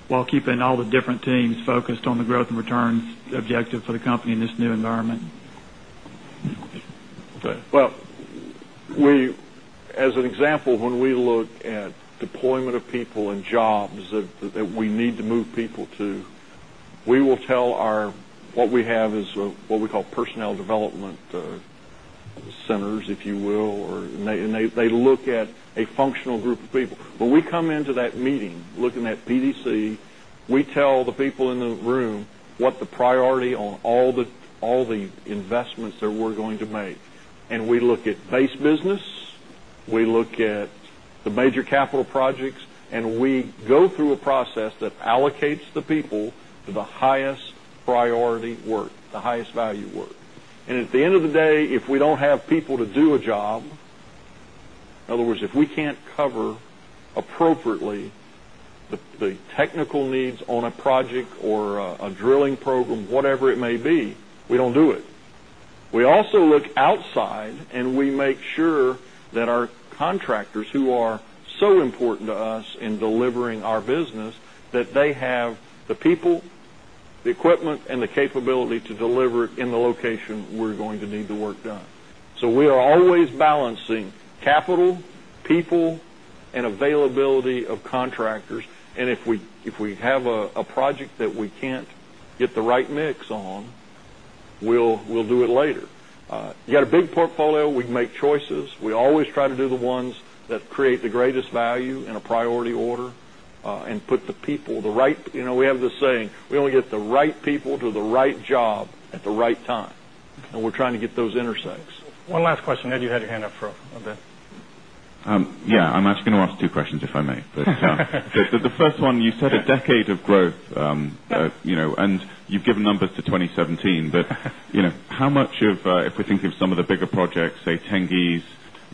while keeping all the different teams focused on the growth and returns objective for the company in this new environment? Well, we as an example, when we look at deployment of people and jobs that we need to move people to, we will tell our what we have is what we call personnel development centers, if you will, and they look at a functional group of people. When we come into that meeting looking at BDC, we tell the people in the room what the priority on all the investments that we're going to make. And we look at base business, we look at the major capital projects, and we go through a process that allocates the people to the highest priority work, the highest value work. And at the end of the day, if we don't have people to do a job, in other words, if we can't cover appropriately the technical needs on a project or a drilling program, whatever it may be, we don't do it. We also look outside and we make sure that our contractors who are so important to us in delivering our business that they have the people, the equipment and the capability to deliver in the location we're going to need the work done. So we are always balancing capital, people and availability of contractors. And if we have a project that we can't get the right mix on, we'll do it later. You got a big portfolio, we can make choices. We always try to do the ones that create the greatest value in a priority order and put the people the right we have the saying, we only get the right people to the right job at the right time. And we're trying to get those intersects. One last question, Ed, you had your hand up for a bit. Yes. I'm actually going to ask 2 questions, if I may. But the first one, you said a decade of growth and you've given numbers to 2017, but how much of if we think of some of the bigger projects, say, Tengiz,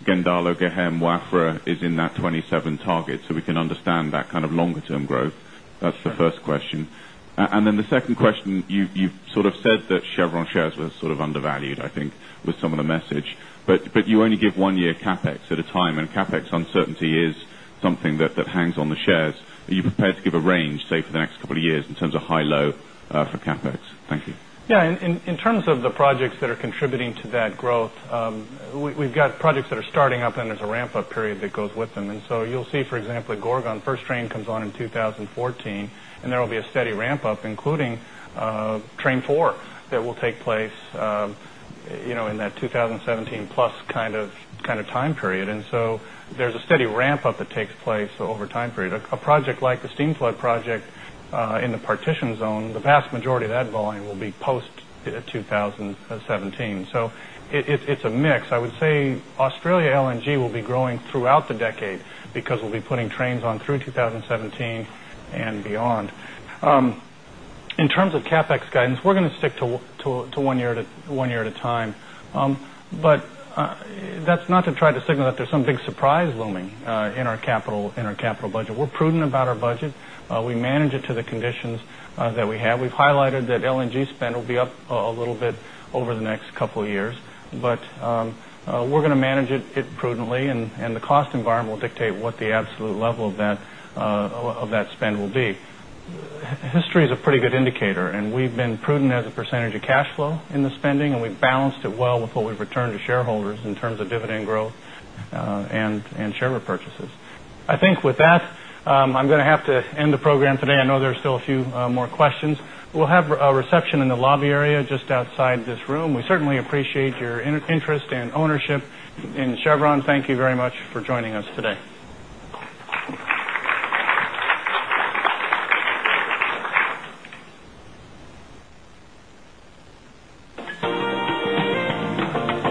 Gendalo, Gehem, Wafra is in that 'twenty seven target, so we can I I think, with some of the message? But you only give 1 year CapEx at a time and CapEx uncertainty is something that hangs on the shares. Are you prepared to give a range say for the next couple of years in terms of high low for CapEx? Thank you. Yes. In terms of the projects that are contributing to that growth, we've got projects that are starting up and there's a ramp up period that goes with them. And so you'll see, for example, Gorgon First Train comes on in 2014, and there will be a steady ramp up, including Train 4 that will take place in that 2017 plus kind of time period. And so there's a steady ramp up that takes place over time period. A project like the steam flood project in the partition zone, the vast majority of that volume will be post 2017. So it's a mix. I would say Australia LNG will be growing through the decade because we'll be putting trains on through 2017 beyond. In terms of CapEx guidance, we're going to stick to 1 year at a time. But that's not to try to signal that there's some big surprise looming in our capital budget. We're prudent about our budget. We manage it to the conditions that we have. We've highlighted that LNG spend will be up a little bit over the next couple of years. But we're going to manage it prudently and the cost environment will dictate what the absolute level of that spend will be. History is a pretty good indicator and we've been prudent as a percentage of cash flow in the spending and we've balanced it well with what we've returned to shareholders in terms of still a few more questions. We'll have a reception in the lobby area just outside this room. We certainly appreciate your interest and ownership in Chevron. Thank you very much for joining us today.